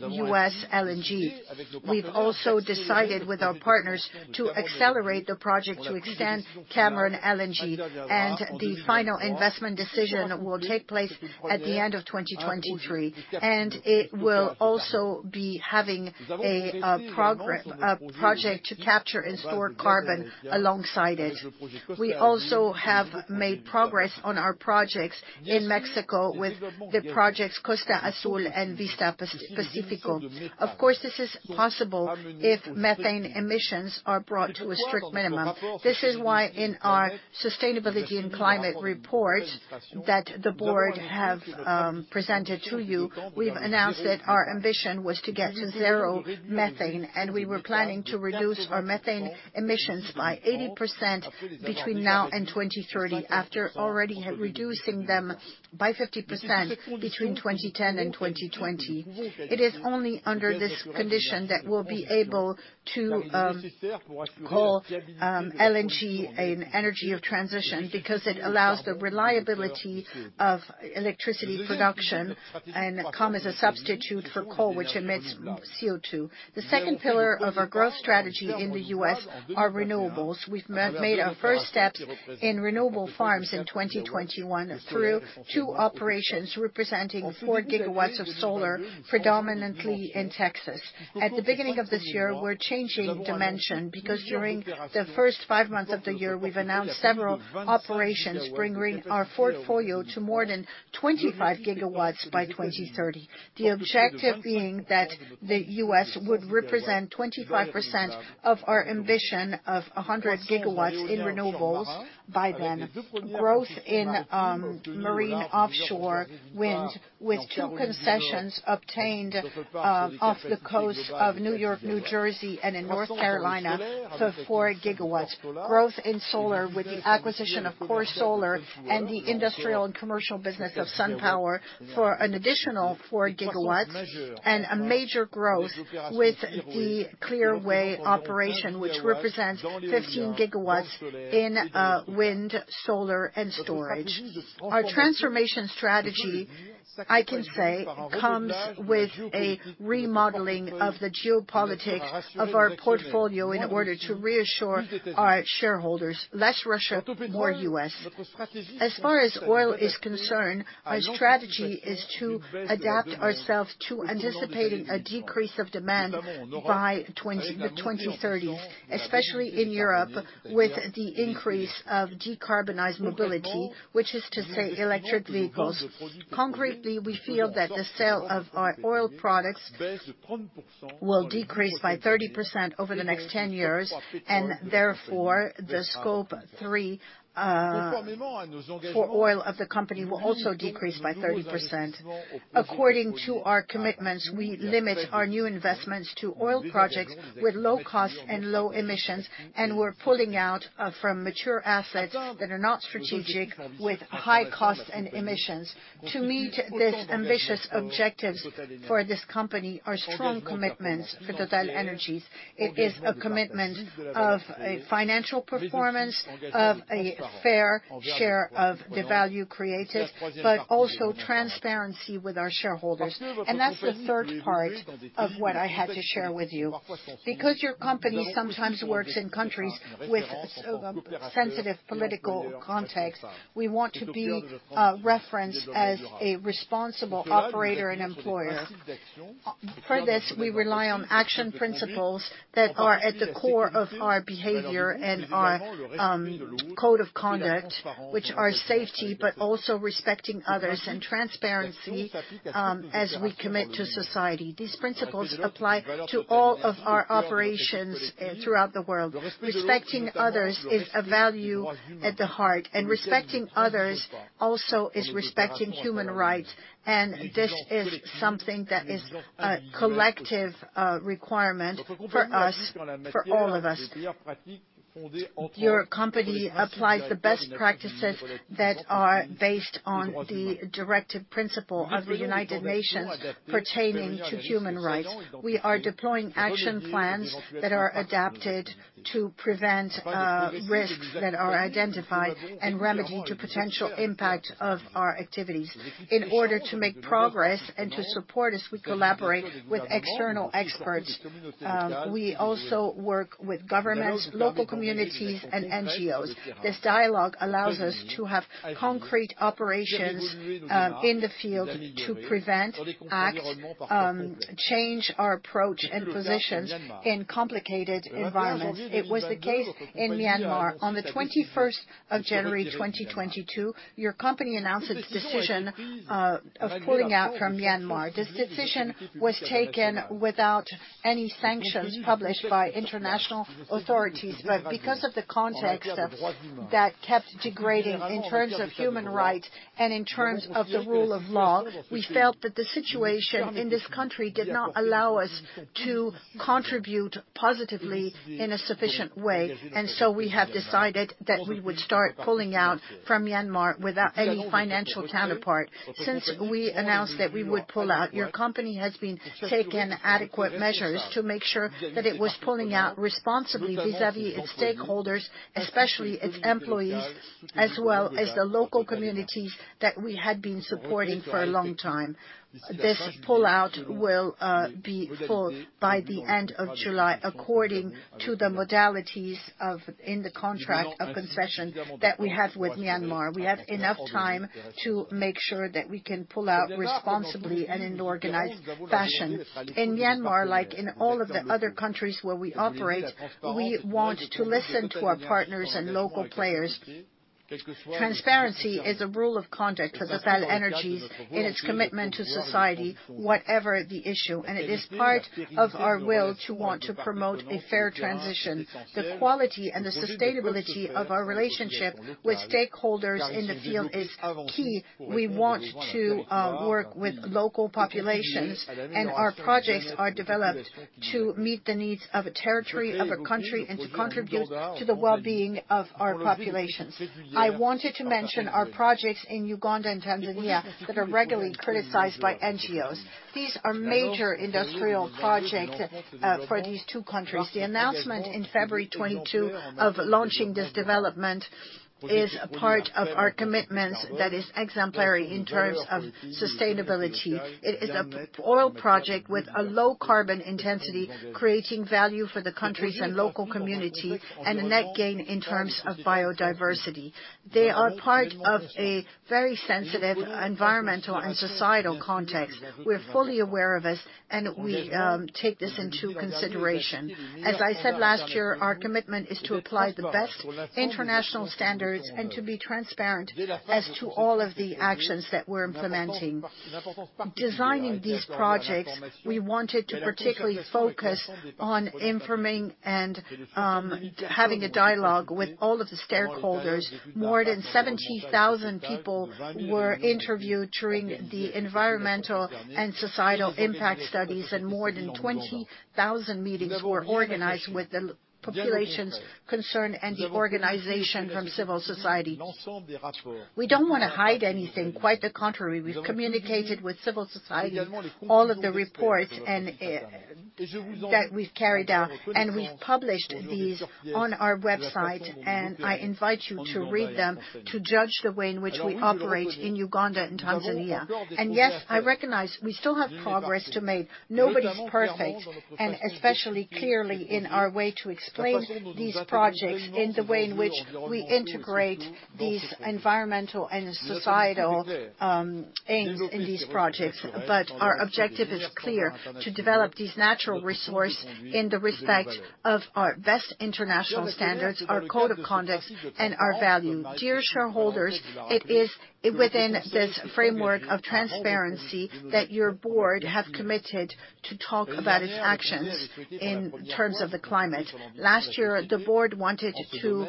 U.S. LNG. We've also decided with our partners to accelerate the project to extend Cameron LNG and the final investment decision will take place at the end of 2023. It will also be having a project to capture and store carbon alongside it. We also have made progress on our projects in Mexico with the projects Costa Azul and Vista Pacífico. Of course, this is possible if methane emissions are brought to a strict minimum. This is why in our Sustainability & Climate Report that the board have presented to you, we've announced that our ambition was to get to zero methane and we were planning to reduce our methane emissions by 80% between now and 2030 after already reducing them by 50% between 2010 and 2020. It is only under this condition that we'll be able to call LNG an energy of transition because it allows the reliability of electricity production and come as a substitute for coal which emits CO2. The second pillar of our growth strategy in the U.S. are renewables. We've made our first steps in renewable farms in 2021 through two operations representing 4 GW of solar predominantly in Texas. At the beginning of this year, we're changing dimension, because during the first five months of the year, we've announced several operations, bringing our portfolio to more than 25 GW by 2030. The objective being that the U.S. would represent 25% of our ambition of 100 GW in renewables by then. Growth in marine offshore wind, with two concessions obtained off the coast of New York, New Jersey, and in North Carolina for 4 GW. Growth in solar with the acquisition of Core Solar and the industrial and commercial business of SunPower for an additional 4 GW, and a major growth with the Clearway operation, which represents 15 GW in wind, solar, and storage. Our transformation strategy, I can say, comes with a remodeling of the geopolitics of our portfolio in order to reassure our shareholders. Less Russia, more U.S. As far as oil is concerned, our strategy is to adapt ourselves to anticipating a decrease of demand by the 2030s, especially in Europe, with the increase of decarbonized mobility, which is to say electric vehicles. Concretely, we feel that the sale of our oil products will decrease by 30% over the next 10 years, and therefore, the Scope 3 for oil of the company will also decrease by 30%. According to our commitments, we limit our new investments to oil projects with low cost and low emissions, and we're pulling out from mature assets that are not strategic, with high costs and emissions. To meet these ambitious objectives for this company are strong commitments for TotalEnergies. It is a commitment of a financial performance, of a fair share of the value created, but also transparency with our shareholders. That's the third part of what I had to share with you. Because your company sometimes works in countries with sensitive political context, we want to be referenced as a responsible operator and employer. For this, we rely on action principles that are at the core of our behavior and our code of conduct, which are safety, but also respecting others and transparency, as we commit to society. These principles apply to all of our operations throughout the world. Respecting others is a value at the heart, and respecting others also is respecting human rights, and this is something that is a collective requirement for us, for all of us. Your company applies the best practices that are based on the directive principle of the United Nations pertaining to human rights. We are deploying action plans that are adapted to prevent, risks that are identified and remedy to potential impact of our activities. In order to make progress and to support as we collaborate with external experts, we also work with governments, local communities, and NGOs. This dialogue allows us to have concrete operations, in the field to prevent, act, change our approach and positions in complicated environments. It was the case in Myanmar. On the 21st of January 2022, your company announced its decision, of pulling out from Myanmar. This decision was taken without any sanctions published by international authorities. Because of the context of that kept degrading in terms of human rights and in terms of the rule of law, we felt that the situation in this country did not allow us to contribute positively in a sufficient way. We have decided that we would start pulling out from Myanmar without any financial counterpart. Since we announced that we would pull out, your company has been taking adequate measures to make sure that it was pulling out responsibly vis-à-vis its stakeholders, especially its employees, as well as the local communities that we had been supporting for a long time. This pull-out will be full by the end of July, according to the modalities in the contract of concession that we have with Myanmar. We have enough time to make sure that we can pull out responsibly and in an organized fashion. In Myanmar, like in all of the other countries where we operate, we want to listen to our partners and local players. Transparency is a rule of conduct for TotalEnergies in its commitment to society, whatever the issue, and it is part of our will to want to promote a fair transition. The quality and the sustainability of our relationship with stakeholders in the field is key. We want to work with local populations, and our projects are developed to meet the needs of a territory, of a country, and to contribute to the well-being of our populations. I wanted to mention our projects in Uganda and Tanzania that are regularly criticized by NGOs. These are major industrial projects for these two countries. The announcement in February 2022 of launching this development is part of our commitment that is exemplary in terms of sustainability. It is an oil project with a low carbon intensity, creating value for the countries and local community, and a net gain in terms of biodiversity. They are part of a very sensitive environmental and societal context. We're fully aware of this, and we take this into consideration. As I said last year, our commitment is to apply the best international standards and to be transparent as to all of the actions that we're implementing. Designing these projects, we wanted to particularly focus on informing and having a dialogue with all of the stakeholders. More than 70,000 people were interviewed during the environmental and societal impact studies, and more than 20,000 meetings were organized with the populations concerned and the organization from civil society. We don't wanna hide anything, quite the contrary. We've communicated with civil society all of the reports and that we've carried out, and we've published these on our website, and I invite you to read them to judge the way in which we operate in Uganda and Tanzania. Yes, I recognize we still have progress to make. Nobody's perfect, and especially clearly in our way to explain these projects in the way in which we integrate these environmental and societal aims in these projects. Our objective is clear, to develop these natural resource in the respect of our best international standards, our code of conduct, and our value. Dear shareholders, it is within this framework of transparency that your board have committed to talk about its actions in terms of the climate. Last year, the board wanted to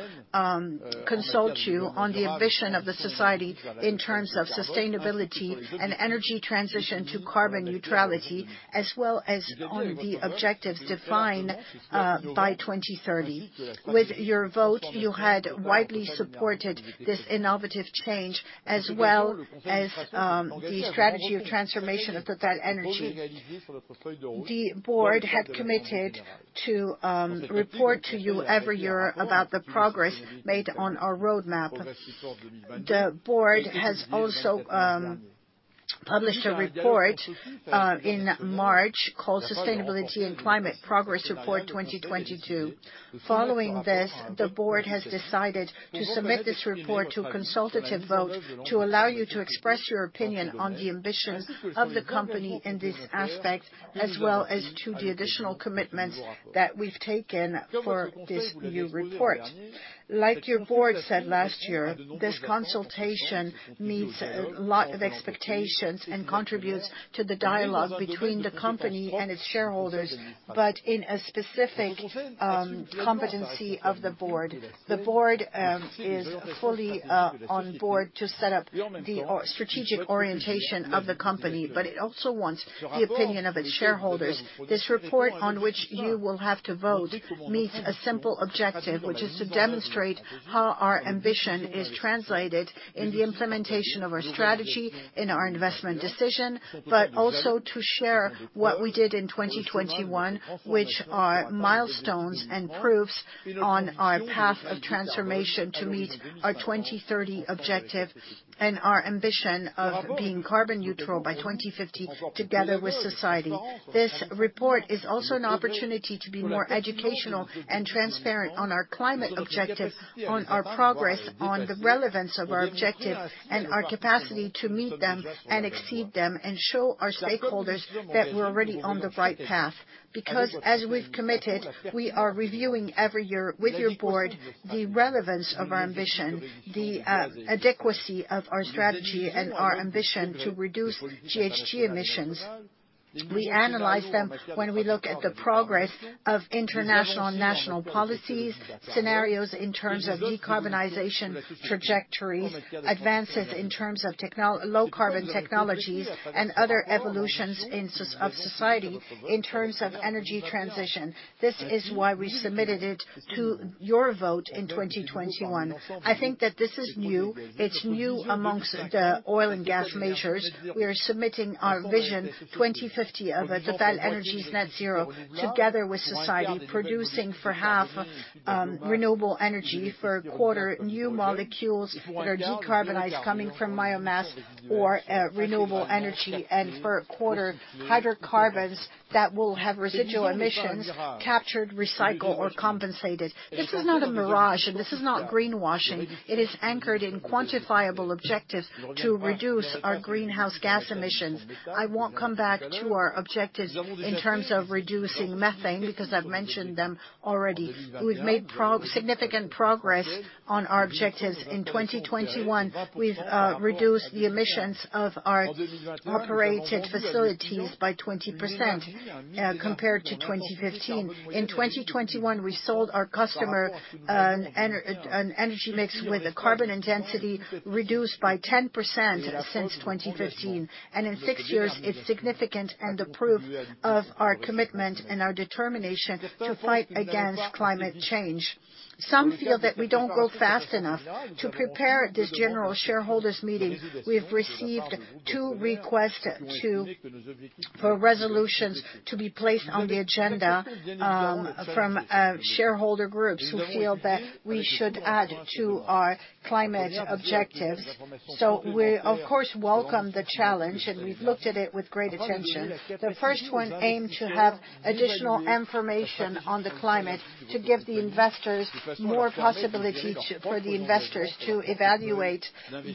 consult you on the ambition of the company in terms of sustainability and energy transition to carbon neutrality, as well as on the objectives defined by 2030. With your vote, you had widely supported this innovative change, as well as the strategy of transformation of TotalEnergies. The board had committed to report to you every year about the progress made on our roadmap. The board has also published a report in March called Sustainability & Climate – 2022 Progress Report. Following this, the board has decided to submit this report to a consultative vote to allow you to express your opinion on the ambition of the company in this aspect, as well as to the additional commitments that we've taken for this new report. Like your board said last year, this consultation meets a lot of expectations and contributes to the dialogue between the company and its shareholders, but in a specific competency of the board. The board is fully on board to set up the strategic orientation of the company, but it also wants the opinion of its shareholders. This report, on which you will have to vote, meets a simple objective, which is to demonstrate how our ambition is translated in the implementation of our strategy in our investment decision, but also to share what we did in 2021, which are milestones and proofs on our path of transformation to meet our 2030 objective and our ambition of being carbon neutral by 2050 together with society. This report is also an opportunity to be more educational and transparent on our climate objective, on our progress, on the relevance of our objective, and our capacity to meet them and exceed them and show our stakeholders that we're already on the right path. Because as we've committed, we are reviewing every year with your board the relevance of our ambition, the adequacy of our strategy, and our ambition to reduce GHG emissions. We analyze them when we look at the progress of international and national policies, scenarios in terms of decarbonization trajectories, advances in terms of low carbon technologies, and other evolutions in society in terms of energy transition. This is why we submitted it to your vote in 2021. I think that this is new. It's new among the oil and gas majors. We are submitting our vision 2050 of TotalEnergies net-zero together with society, producing for half renewable energy for a quarter new molecules that are decarbonized coming from biomass or renewable energy and for a quarter hydrocarbons that will have residual emissions captured, recycled or compensated. This is not a mirage, and this is not greenwashing. It is anchored in quantifiable objectives to reduce our greenhouse gas emissions. I won't come back to our objectives in terms of reducing methane, because I've mentioned them already. We've made significant progress on our objectives. In 2021, we've reduced the emissions of our operated facilities by 20%, compared to 2015. In 2021, we sold our customer an energy mix with a carbon intensity reduced by 10% since 2015. In six years it's significant and a proof of our commitment and our determination to fight against climate change. Some feel that we don't grow fast enough. To prepare this General Shareholders' Meeting, we have received two requests for resolutions to be placed on the agenda from shareholder groups who feel that we should add to our climate objectives. We, of course, welcome the challenge, and we've looked at it with great attention. The first one aimed to have additional information on the climate to give the investors more possibility to evaluate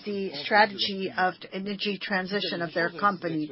the strategy of energy transition of their company.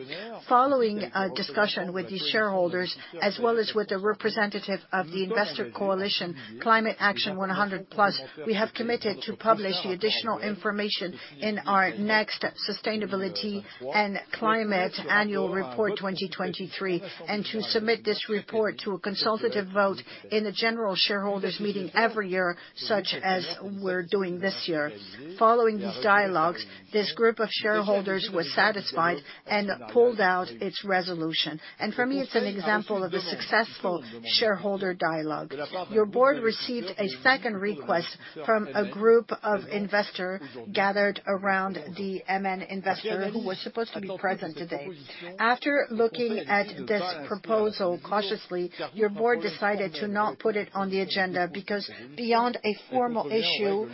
Following a discussion with these shareholders, as well as with the representative of the investor coalition, Climate Action 100+, we have committed to publish the additional information in our next sustainability and climate annual report 2023, and to submit this report to a consultative vote in the General Shareholders' Meeting every year, such as we're doing this year. Following these dialogues, this group of shareholders was satisfied and pulled out its resolution. For me, it's an example of a successful shareholder dialogue. Your board received a second request from a group of investors gathered around the MN investor who was supposed to be present today. After looking at this proposal cautiously, your board decided to not put it on the agenda because beyond a formal issue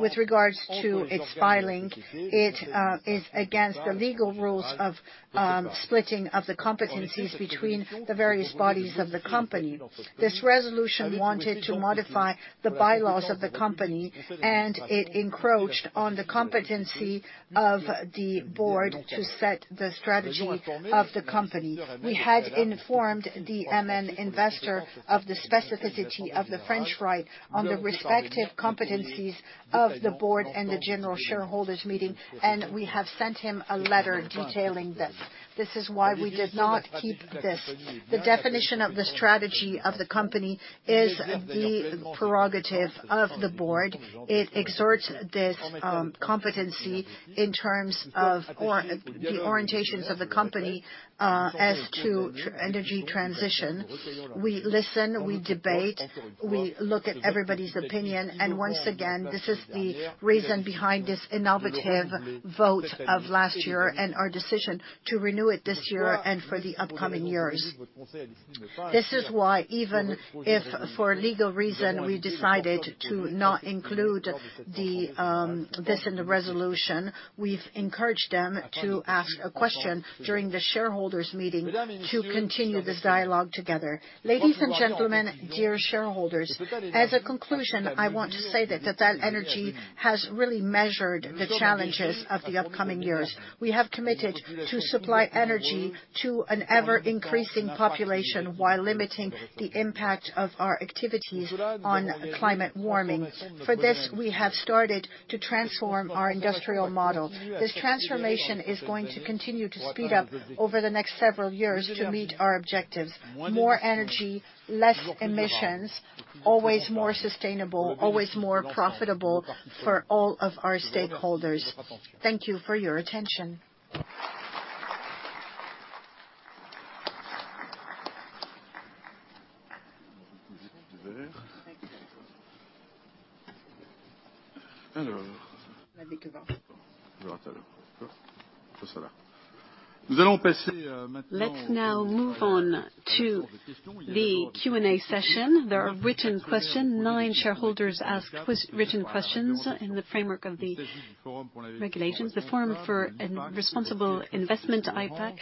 with regards to its filing, it is against the legal rules of splitting of the competencies between the various bodies of the company. This resolution wanted to modify the bylaws of the company, and it encroached on the competency of the board to set the strategy of the company. We had informed the MN investor of the specificity of the French law on the respective competencies of the board and the General Shareholders' Meeting, and we have sent him a letter detailing this. This is why we did not keep this. The definition of the strategy of the company is the prerogative of the board. It exerts this competency in terms of or the orientations of the company as to energy transition. We listen, we debate, we look at everybody's opinion, and once again, this is the reason behind this innovative vote of last year and our decision to renew it this year and for the upcoming years. This is why, even if for legal reason we decided to not include this in the resolution, we've encouraged them to ask a question during the Shareholders' Meeting to continue this dialogue together. Ladies and gentlemen, dear shareholders, as a conclusion, I want to say that TotalEnergies has really measured the challenges of the upcoming years. We have committed to supply energy to an ever-increasing population while limiting the impact of our activities on climate warming. For this, we have started to transform our industrial model. This transformation is going to continue to speed up over the next several years to meet our objectives. More energy, less emissions, always more sustainable, always more profitable for all of our stakeholders. Thank you for your attention. Let's now move on to the Q&A session. There are written questions. Nine shareholders ask written questions in the framework of the regulations. The Forum for Responsible Investment, IPAC,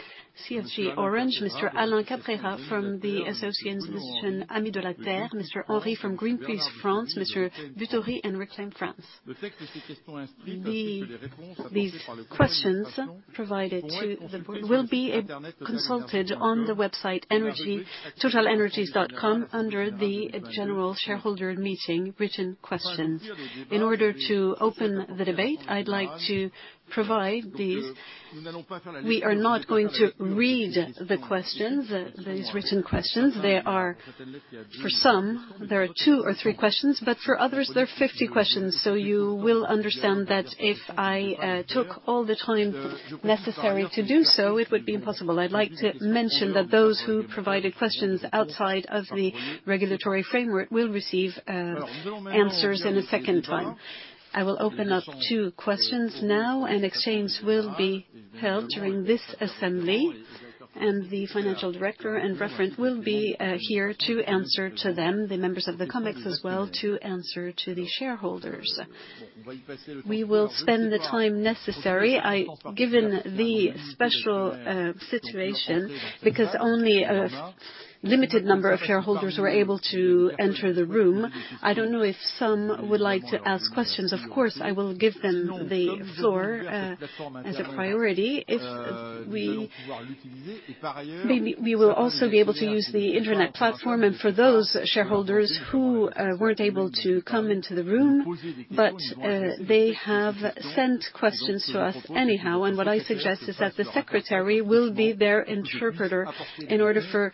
CFG Orange, Mr. Alain Capera from the association Amis de la Terre, Mr. Oli from Greenpeace France, Mr. Schreiber from Reclaim Finance. These questions provided to the board will be consulted on the website totalenergies.com under the general shareholder meeting written questions. In order to open the debate, I'd like to provide these. We are not going to read the questions, these written questions. There are, for some, two or three questions, but for others there are 50 questions. You will understand that if I took all the time necessary to do so, it would be impossible. I'd like to mention that those who provided questions outside of the regulatory framework will receive answers in a second time. I will open up two questions now, and exchange will be held during this assembly, and the financial director and referent will be here to answer to them, the members of the Comex as well, to answer to the shareholders. We will spend the time necessary. Given the special situation, because only a limited number of shareholders were able to enter the room, I don't know if some would like to ask questions. Of course, I will give them the floor as a priority. We will also be able to use the internet platform and for those shareholders who weren't able to come into the room, but they have sent questions to us anyhow. What I suggest is that the secretary will be their interpreter in order for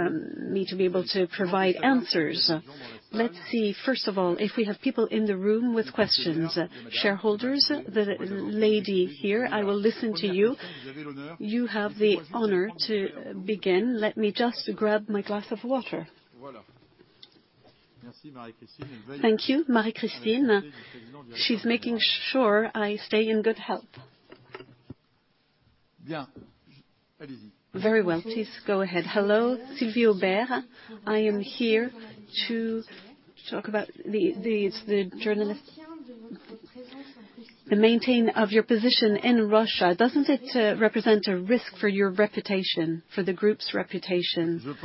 me to be able to provide answers. Let's see, first of all, if we have people in the room with questions. Shareholders? The lady here, I will listen to you. You have the honor to begin. Let me just grab my glass of water. Thank you, Marie-Christine. She's making sure I stay in good health. Very well. Please go ahead. Hello, Sylvie Aubert. I am here to talk about the maintenance of your position in Russia. Doesn't it represent a risk for your reputation, for the group's reputation?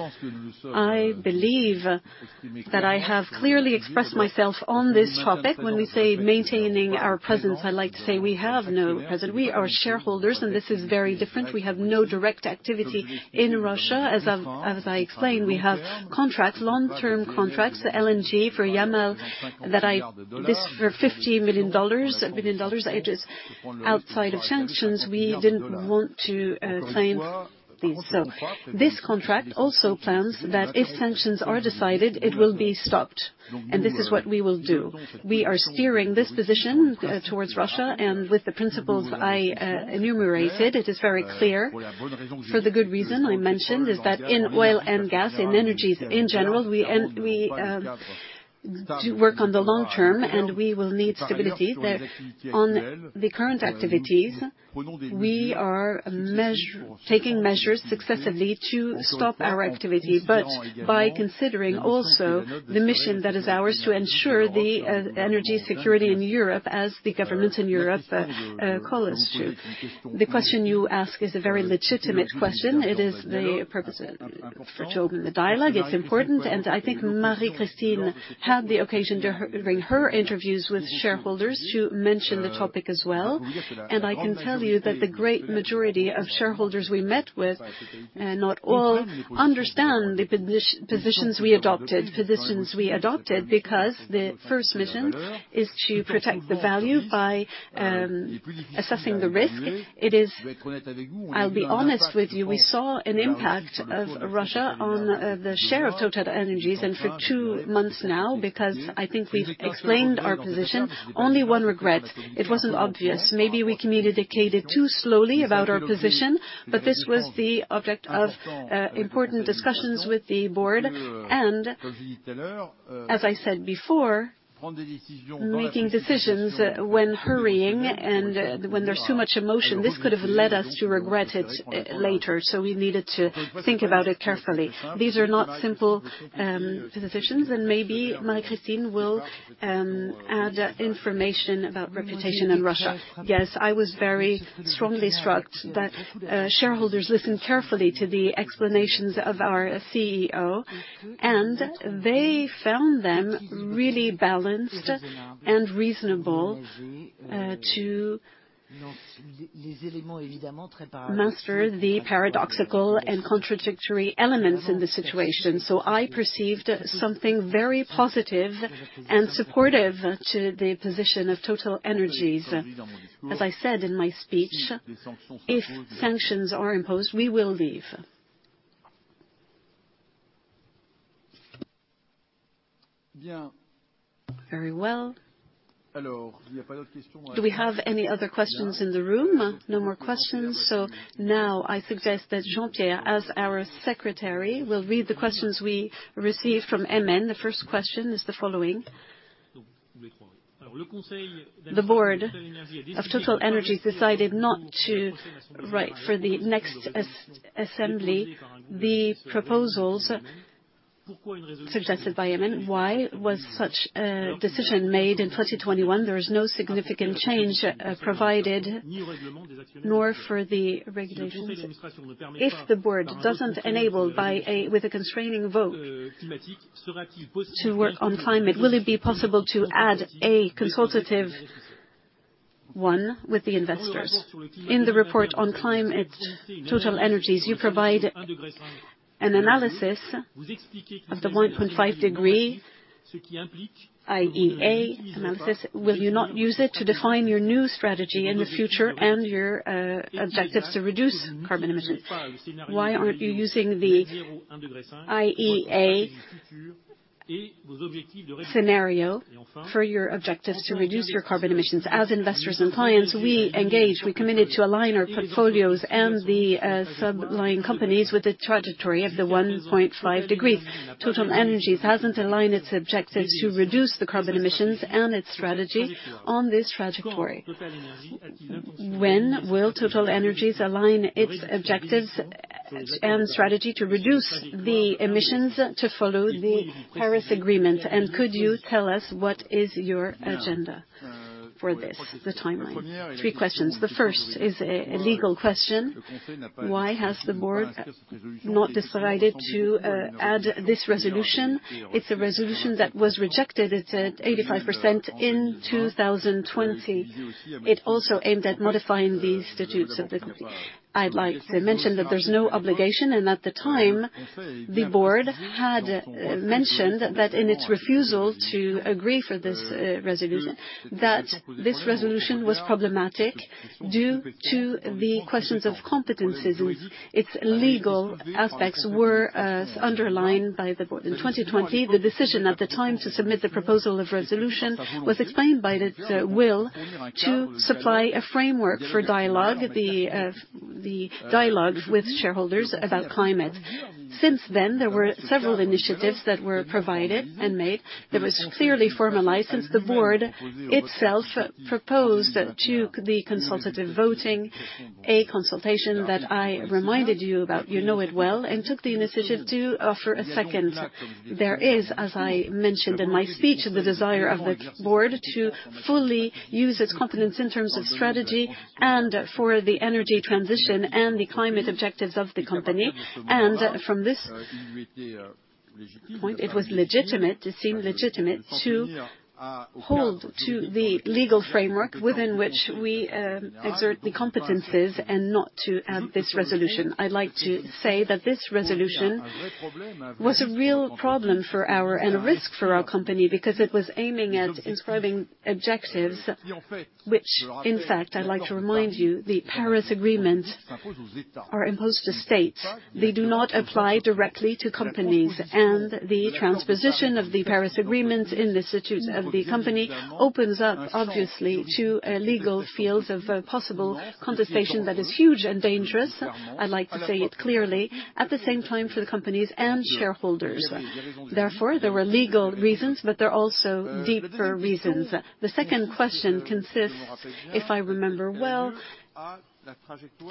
I believe that I have clearly expressed myself on this topic. When we say maintaining our presence, I'd like to say we have no presence. We are shareholders, and this is very different. We have no direct activity in Russia. As I've explained, we have contracts, long-term contracts, LNG for Yamal, that is for $50 billion. It is outside of sanctions. We didn't want to claim these. This contract also plans that if sanctions are decided, it will be stopped, and this is what we will do. We are steering this position towards Russia, and with the principles I enumerated, it is very clear. For the good reason I mentioned is that in oil and gas, in energies in general, we work on the long term, and we will need stability. That on the current activities, we are taking measures successively to stop our activity, but by considering also the mission that is ours to ensure the energy security in Europe as the governments in Europe call us to. The question you ask is a very legitimate question. It is the purpose for the dialogue. It's important, I think Marie-Christine had the occasion during her interviews with shareholders to mention the topic as well. I can tell you that the great majority of shareholders we met with, not all, understand the positions we adopted. Positions we adopted because the first mission is to protect the value by assessing the risk. It is. I'll be honest with you, we saw an impact of Russia on the share of TotalEnergies, and for two months now, because I think we've explained our position. Only one regret, it wasn't obvious. Maybe we communicated too slowly about our position, but this was the object of important discussions with the board. As I said before, making decisions when hurrying and when there's too much emotion, this could have led us to regret it later, so we needed to think about it carefully. These are not simple positions, and maybe Marie-Christine will add information about reputation in Russia. Yes, I was very strongly struck that shareholders listened carefully to the explanations of our CEO, and they found them really balanced and reasonable to master the paradoxical and contradictory elements in this situation. I perceived something very positive and supportive to the position of TotalEnergies. As I said in my speech, if sanctions are imposed, we will leave. Very well. Do we have any other questions in the room? No more questions. Now I suggest that Jean-Pierre, as our Secretary, will read the questions we received from MN. The first question is the following: The board of TotalEnergies decided not to vote for the next assembly the proposals suggested by MN. Why was such a decision made in 2021? There is no significant change provided nor for the regulations. If the board doesn't enable with a constraining vote to work on climate, will it be possible to add a consultative one with the investors? In the report on climate TotalEnergies, you provide an analysis of the 1.5 degree, i.e., an analysis. Will you not use it to define your new strategy in the future and your objectives to reduce carbon emissions? Why aren't you using the IEA scenario for your objectives to reduce your carbon emissions? As investors and clients, we engage. We committed to align our portfolios and the underlying companies with the trajectory of the 1.5 degrees. TotalEnergies hasn't aligned its objectives to reduce the carbon emissions and its strategy on this trajectory. When will TotalEnergies align its objectives and strategy to reduce the emissions to follow the Paris Agreement? Could you tell us what is your agenda for this, the timeline? Three questions. The first is a legal question. Why has the board not decided to add this resolution? It's a resolution that was rejected at 85% in 2020. It also aimed at modifying the statutes of the company. I'd like to mention that there's no obligation, and at the time, the board had mentioned that in its refusal to agree for this resolution, that this resolution was problematic due to the questions of competencies. Its legal aspects were underlined by the board. In 2020, the decision at the time to submit the proposal of resolution was explained by the will to supply a framework for dialogue, the dialogue with shareholders about climate. Since then, there were several initiatives that were provided and made. It was clearly formalized since the board itself proposed to the consultative voting a consultation that I reminded you about, you know it well, and took the initiative to offer a second. There is, as I mentioned in my speech, the desire of the board to fully use its competence in terms of strategy and for the energy transition and the climate objectives of the company. From this point, it was legitimate, it seemed legitimate to hold to the legal framework within which we exert the competencies and not to add this resolution. I'd like to say that this resolution was a real problem for our and a risk for our company, because it was aiming at inscribing objectives which in fact, I'd like to remind you, the Paris Agreement are imposed to states. They do not apply directly to companies. The transposition of the Paris Agreement in the statutes of the company opens up, obviously, to a legal field of possible contestation that is huge and dangerous, I'd like to say it clearly, at the same time for the companies and shareholders. Therefore, there were legal reasons, but there are also deeper reasons. The second question consists, if I remember well,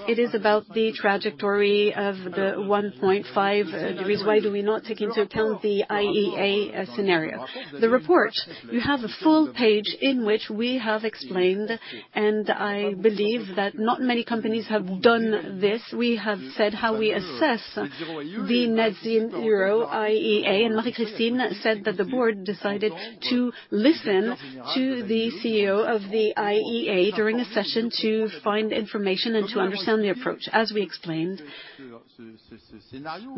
it is about the trajectory of the 1.5 degrees. Why do we not take into account the IEA scenario? The report, you have a full page in which we have explained, and I believe that not many companies have done this. We have said how we assess the net-zero IEA, and Marie-Christine said that the board decided to listen to the CEO of the IEA during a session to find information and to understand the approach. As we explained,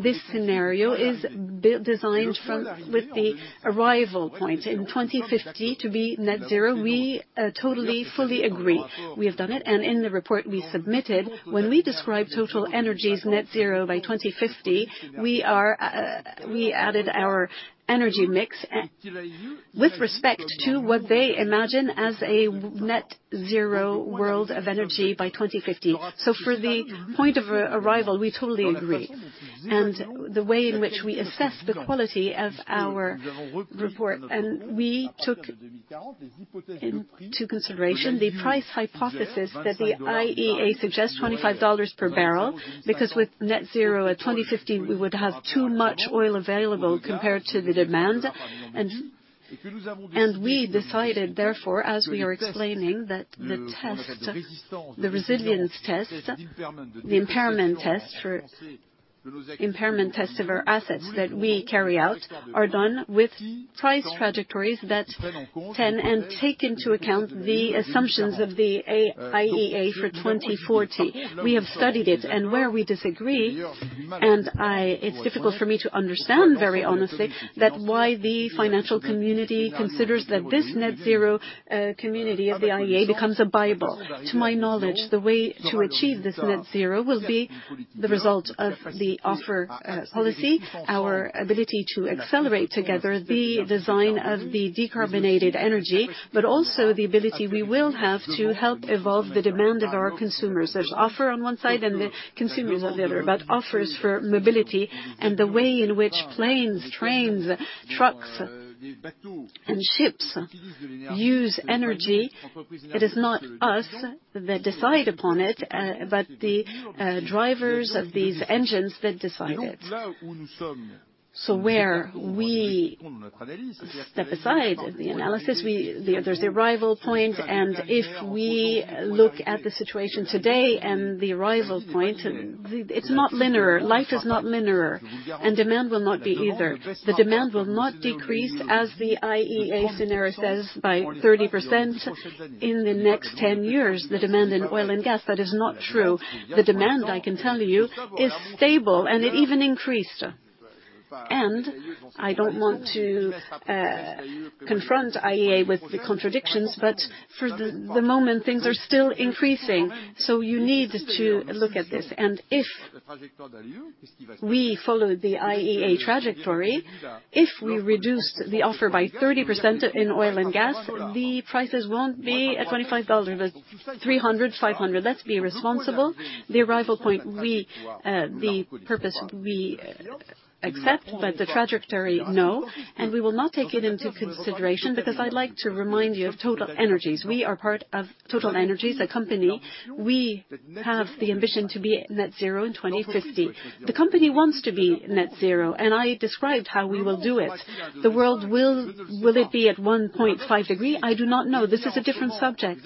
this scenario is designed from, with the arrival point in 2050 to be net-zero. We totally, fully agree. We have done it. In the report we submitted, when we describe TotalEnergies net-zero by 2050, we added our energy mix with respect to what they imagine as a net-zero world of energy by 2050. For the point of arrival, we totally agree. The way in which we assess the quality of our report, and we took into consideration the price hypothesis that the IEA suggests, $25 per barrel, because with net-zero at 2050, we would have too much oil available compared to the demand. We decided, therefore, as we are explaining, that the resilience test, the impairment test of our assets that we carry out are done with price trajectories that can take into account the assumptions of the IEA for 2040. We have studied it and where we disagree. It's difficult for me to understand very honestly why the financial community considers that this net-zero community of the IEA becomes a Bible. To my knowledge, the way to achieve this net-zero will be the result of the offer, policy, our ability to accelerate together the design of the decarbonated energy, but also the ability we will have to help evolve the demand of our consumers. There's offer on one side and the consumers on the other, but offers for mobility and the way in which planes, trains, trucks, and ships use energy, it is not us that decide upon it, but the drivers of these engines that decide it. Where we step aside the analysis, there's the arrival point, and if we look at the situation today and the arrival point, it's not linear. Life is not linear, and demand will not be either. The demand will not decrease as the IEA scenario says by 30% in the next 10 years, the demand in oil and gas, that is not true. The demand, I can tell you, is stable, and it even increased. I don't want to confront IEA with the contradictions, but for the moment, things are still increasing. You need to look at this. If we follow the IEA trajectory, if we reduce the offer by 30% in oil and gas, the prices won't be at $25, but $300, $500. Let's be responsible. The arrival point, we, the purpose we accept, but the trajectory, no. We will not take it into consideration because I'd like to remind you of TotalEnergies. We are part of TotalEnergies, a company. We have the ambition to be net-zero in 2050. The company wants to be net-zero, and I described how we will do it. Will it be at 1.5 degrees? I do not know. This is a different subject.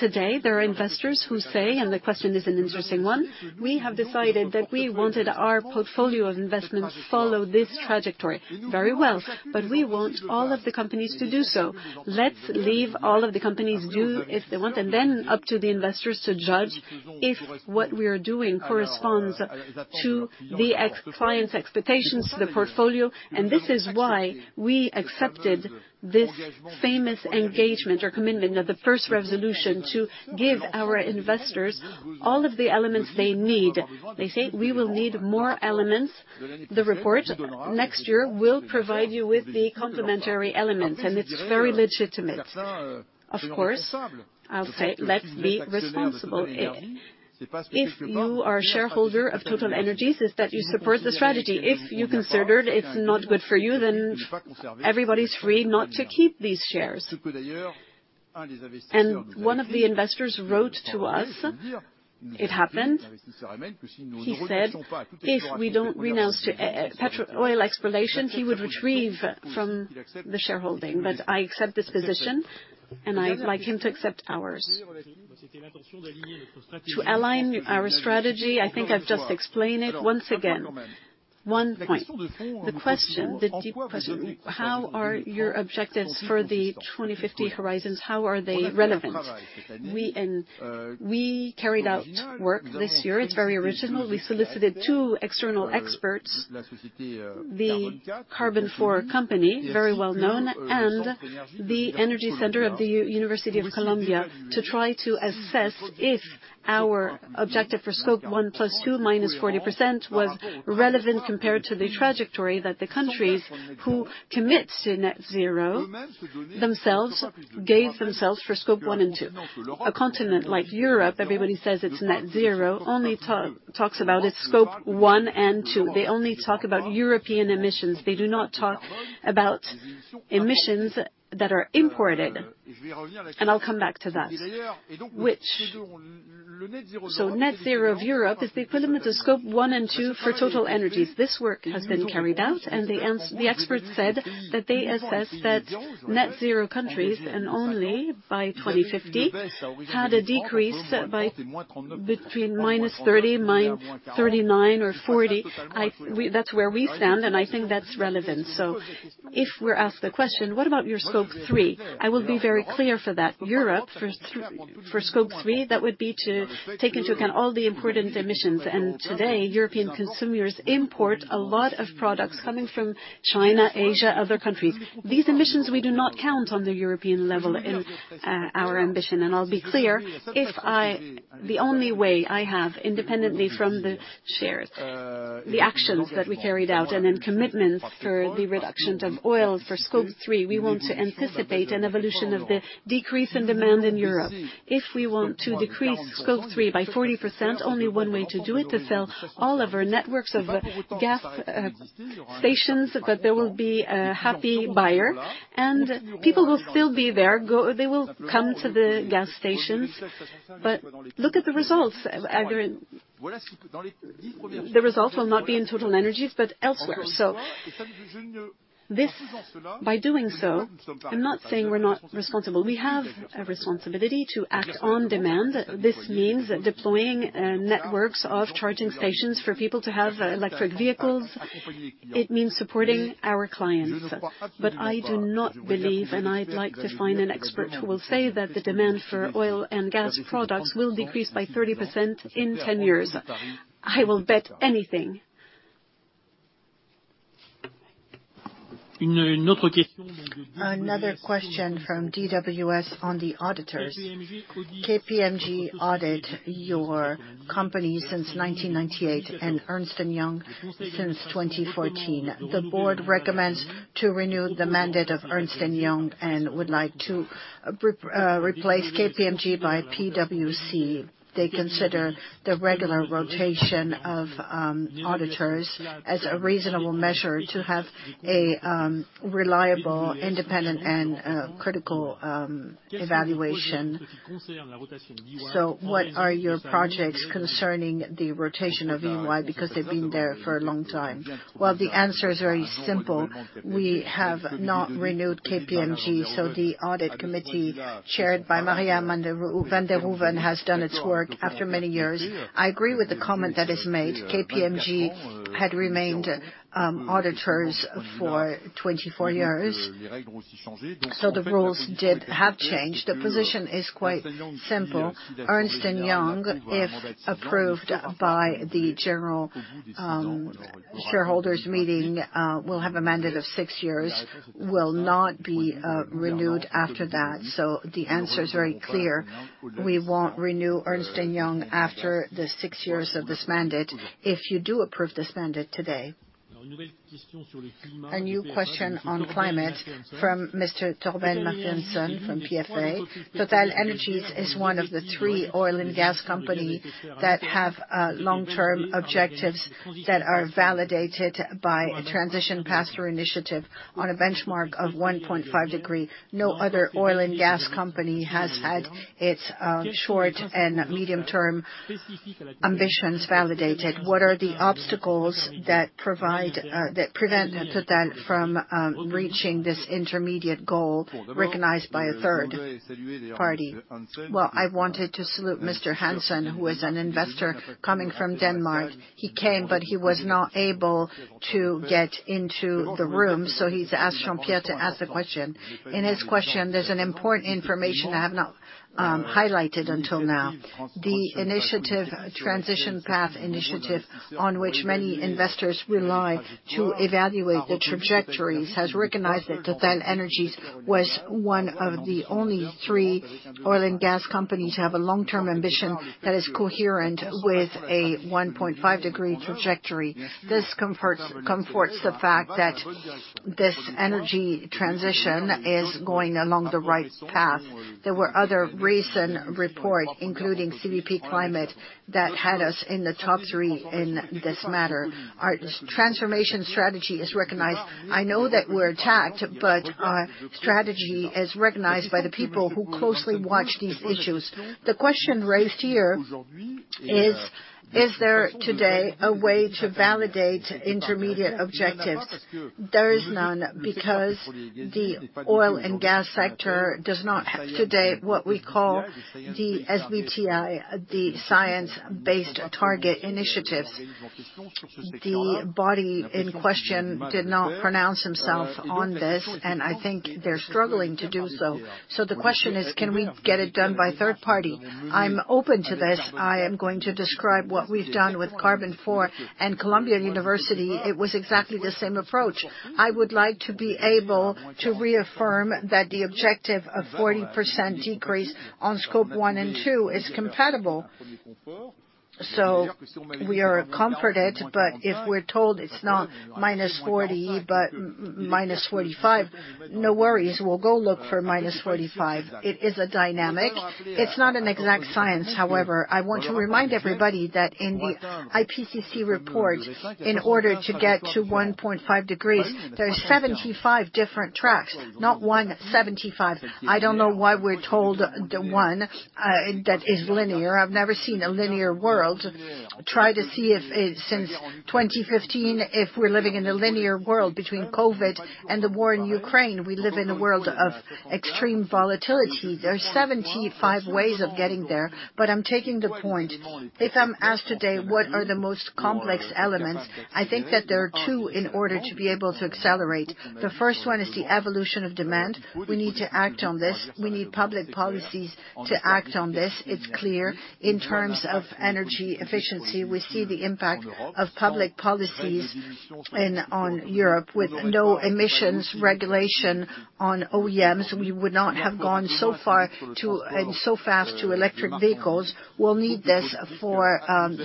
Today, there are investors who say, and the question is an interesting one, we have decided that we wanted our portfolio of investments follow this trajectory. Very well, but we want all of the companies to do so. Let's leave all of the companies do as they want, and then up to the investors to judge if what we are doing corresponds to the clients' expectations, the portfolio. This is why we accepted this famous engagement or commitment of the first resolution to give our investors all of the elements they need. They say, "We will need more elements." The report next year will provide you with the complementary elements, and it's very legitimate. Of course, I'll say, let's be responsible. If you are a shareholder of TotalEnergies is that you support the strategy. If you considered it's not good for you, then everybody's free not to keep these shares. One of the investors wrote to us. It happened. He said, "If we don't renounce to oil exploration, he would retrieve from the shareholding." I accept this position, and I'd like him to accept ours. To align our strategy, I think I've just explained it. Once again, one point. The question, the deep question, "How are your objectives for the 2050 horizons, how are they relevant?" We carried out work this year. It's very original. We solicited two external experts, the Carbone 4 Company, very well known, and the Energy, to try to assess if our objective for Scope 1+2 -40% was relevant compared to the trajectory that the countries who commit to net-zero themselves gave themselves for Scope 1 and 2. A continent like Europe, everybody says it's net-zero, only talks about its Scope 1 and 2. They only talk about European emissions. They do not talk about emissions that are imported, and I'll come back to that. Net-zero of Europe is the equivalent of Scope 1 and 2 for TotalEnergies. This work has been carried out, and the experts said that they assess that net-zero countries, and only by 2050, had a decrease by between -30, -39 or -40. That's where we stand, and I think that's relevant. If we're asked the question, what about your Scope 3? I will be very clear for that. Europe, for Scope 3, that would be to take into account all the important emissions. Today, European consumers import a lot of products coming from China, Asia, other countries. These emissions we do not count on the European level in our ambition. I'll be clear. The only way I have, independently from the shares, the actions that we carried out and then commitments for the reductions of oil for Scope 3, we want to anticipate an evolution of the decrease in demand in Europe. If we want to decrease Scope 3 by 40%, only one way to do it, to sell all of our networks of gas stations, that there will be a happy buyer. People will still be there. They will come to the gas stations. Look at the results. The results will not be in TotalEnergies, but elsewhere. By doing so, I'm not saying we're not responsible. We have a responsibility to act on demand. This means deploying networks of charging stations for people to have electric vehicles. It means supporting our clients. I do not believe, and I'd like to find an expert who will say that the demand for oil and gas products will decrease by 30% in 10 years. I will bet anything. Another question from DWS on the auditors. KPMG audit your company since 1998, and Ernst & Young since 2014. The board recommends to renew the mandate of Ernst & Young and would like to replace KPMG by PwC. They consider the regular rotation of auditors as a reasonable measure to have a reliable, independent and critical evaluation. What are your projects concerning the rotation of EY, because they've been there for a long time? Well, the answer is very simple. We have not renewed KPMG, so the Audit Committee, chaired by Maria van der Hoeven, has done its work after many years. I agree with the comment that is made. KPMG had remained auditors for 24 years. The rules did change. The position is quite simple. Ernst & Young, if approved by the General Shareholders' Meeting, will have a mandate of six years, will not be renewed after that. The answer is very clear. We won't renew Ernst & Young after the six years of this mandate, if you do approve this mandate today. A new question on climate from Mr. Torben Hansen from PFA. TotalEnergies is one of the three oil and gas companies that have long-term objectives that are validated by a Transition Pathway Initiative on a benchmark of 1.5 degrees. No other oil and gas company has had its short and medium-term ambitions validated. What are the obstacles that prevent TotalEnergies from reaching this intermediate goal recognized by a third-party? Well, I wanted to salute Mr. Hansen, who is an investor coming from Denmark. He came, but he was not able to get into the room, so he's asked Jean-Pierre to ask the question. In his question, there's an important information I have not highlighted until now. The initiative, Transition Pathway Initiative, on which many investors rely to evaluate the trajectories, has recognized that TotalEnergies was one of the only three oil and gas companies to have a long-term ambition that is coherent with a 1.5-degree trajectory. This comforts the fact that this energy transition is going along the right path. There were other recent reports, including CDP Climate, that had us in the top three in this matter. Our transformation strategy is recognized. I know that we're attacked, but our strategy is recognized by the people who closely watch these issues. The question raised here is there today a way to validate intermediate objectives? There is none, because the oil and gas sector does not have today what we call the SBTi, the Science-Based Target initiatives. The body in question did not pronounce himself on this, and I think they're struggling to do so. The question is, can we get it done by third party? I'm open to this. I am going to describe what we've done with Carbone 4 and Columbia University. It was exactly the same approach. I would like to be able to reaffirm that the objective of 40% decrease on Scope 1 and 2 is compatible. We are comforted, but if we're told it's not -40%, but -45%, no worries. We'll go look for -45%. It is a dynamic. It's not an exact science. However, I want to remind everybody that in the IPCC report, in order to get to 1.5 degrees, there are 75 different tracks. Not one, 75. I don't know why we're told the one that is linear. I've never seen a linear world. Try to see if, since 2015, if we're living in a linear world between COVID and the war in Ukraine. We live in a world of extreme volatility. There are 75 ways of getting there, but I'm taking the point. If I'm asked today, what are the most complex elements? I think that there are two in order to be able to accelerate. The first one is the evolution of demand. We need to act on this. We need public policies to act on this. It's clear. In terms of energy efficiency, we see the impact of public policies in on Europe. With no emissions regulation on OEMs, we would not have gone so far to, and so fast to electric vehicles. We'll need this for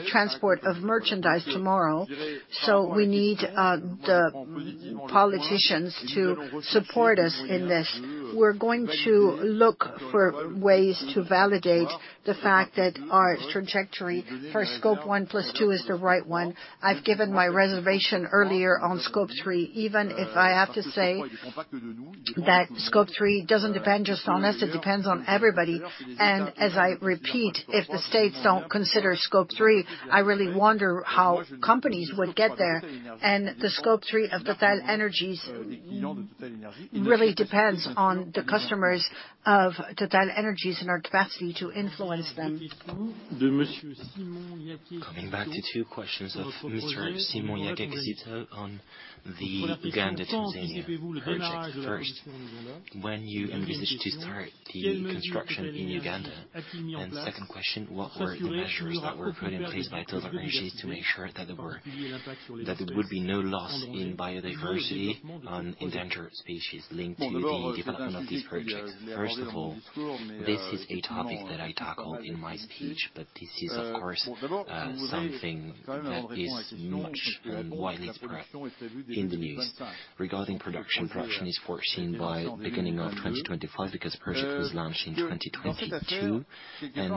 transport of merchandise tomorrow. We need the politicians to support us in this. We're going to look for ways to validate the fact that our trajectory for Scope 1+2 is the right one. I've given my reservation earlier on Scope 3, even if I have to say that Scope 3 doesn't depend just on us, it depends on everybody. I repeat, if the states don't consider Scope 3, I really wonder how companies would get there. The Scope 3 of TotalEnergies really depends on the customers of TotalEnergies and our capacity to influence them. Coming back to two questions of Mr. Simon on the Uganda, Tanzania project. First, when you envisage to start the construction in Uganda? Second question, what were the measures that were put in place by TotalEnergies to make sure that there would be no loss in biodiversity on endangered species linked to the development of these projects? First of all, this is a topic that I tackle in my speech, but this is of course something that is much and widely spread in the news. Regarding production is foreseen by beginning of 2025 because project was launched in 2022. In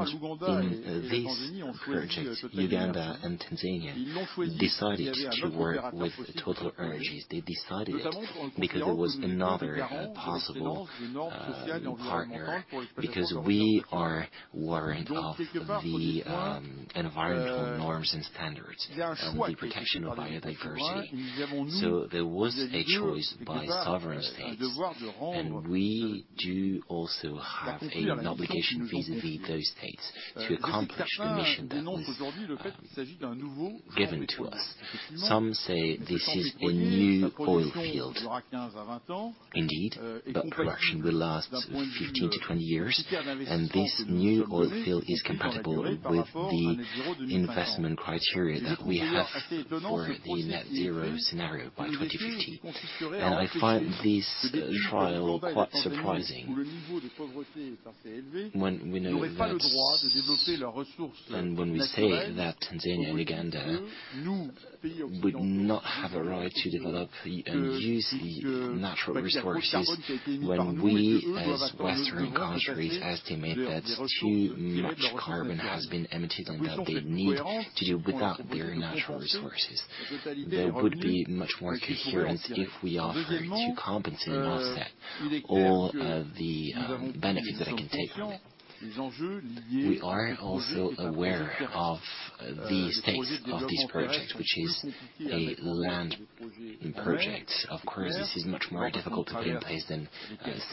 this project, Uganda and Tanzania decided to work with TotalEnergies. They decided it because there was another possible partner. Because we are worried of the environmental norms and standards, and the protection of biodiversity. There was a choice by sovereign states, and we do also have an obligation vis-à-vis those states to accomplish the mission that was given to us. Some say this is a new oil field. Indeed, but production will last 15 tp 20 years, and this new oil field is compatible with the investment criteria that we have for the net-zero scenario by 2050. I find this trial quite surprising when we know that, and when we say that Tanzania and Uganda would not have a right to develop the, and use the natural resources when we as Western countries estimate that too much carbon has been emitted. And that they need to do without their natural resources. There would be much more coherence if we offer to compensate and offset all of the benefits that they can take from it. We are also aware of the stakes of this project, which is an LNG project. Of course, this is much more difficult to put in place than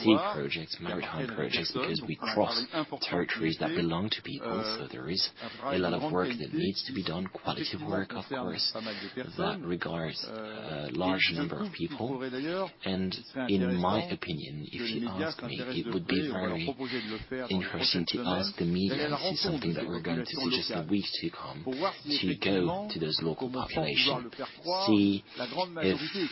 sea projects, maritime projects, because we cross territories that belong to people. There is a lot of work that needs to be done, quality work, of course, that regards a large number of people. In my opinion, if you ask me, it would be very interesting to ask the media, this is something that we're going to do just a week to come, to go to those local populations. See if,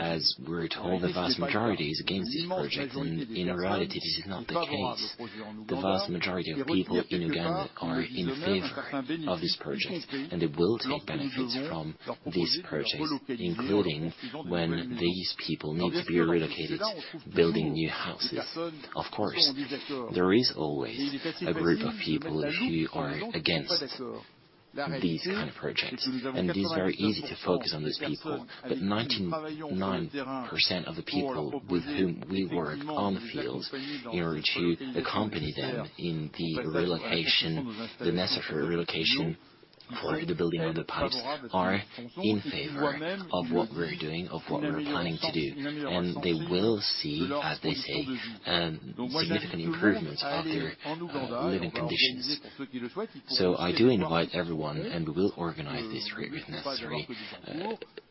as we're told, the vast majority is against this project, and in reality, this is not the case. The vast majority of people in Uganda are in favor of this project, and they will take benefits from this project, including when these people need to be relocated, building new houses. Of course, there is always a group of people who are against these kind of projects, and it is very easy to focus on those people. 99% of the people with whom we work on the field in order to accompany them in the relocation, the necessary relocation for the building of the pipes, are in favor of what we're doing, of what we're planning to do. They will see, as they say, significant improvements of their living conditions. I do invite everyone, and we will organize this if necessary.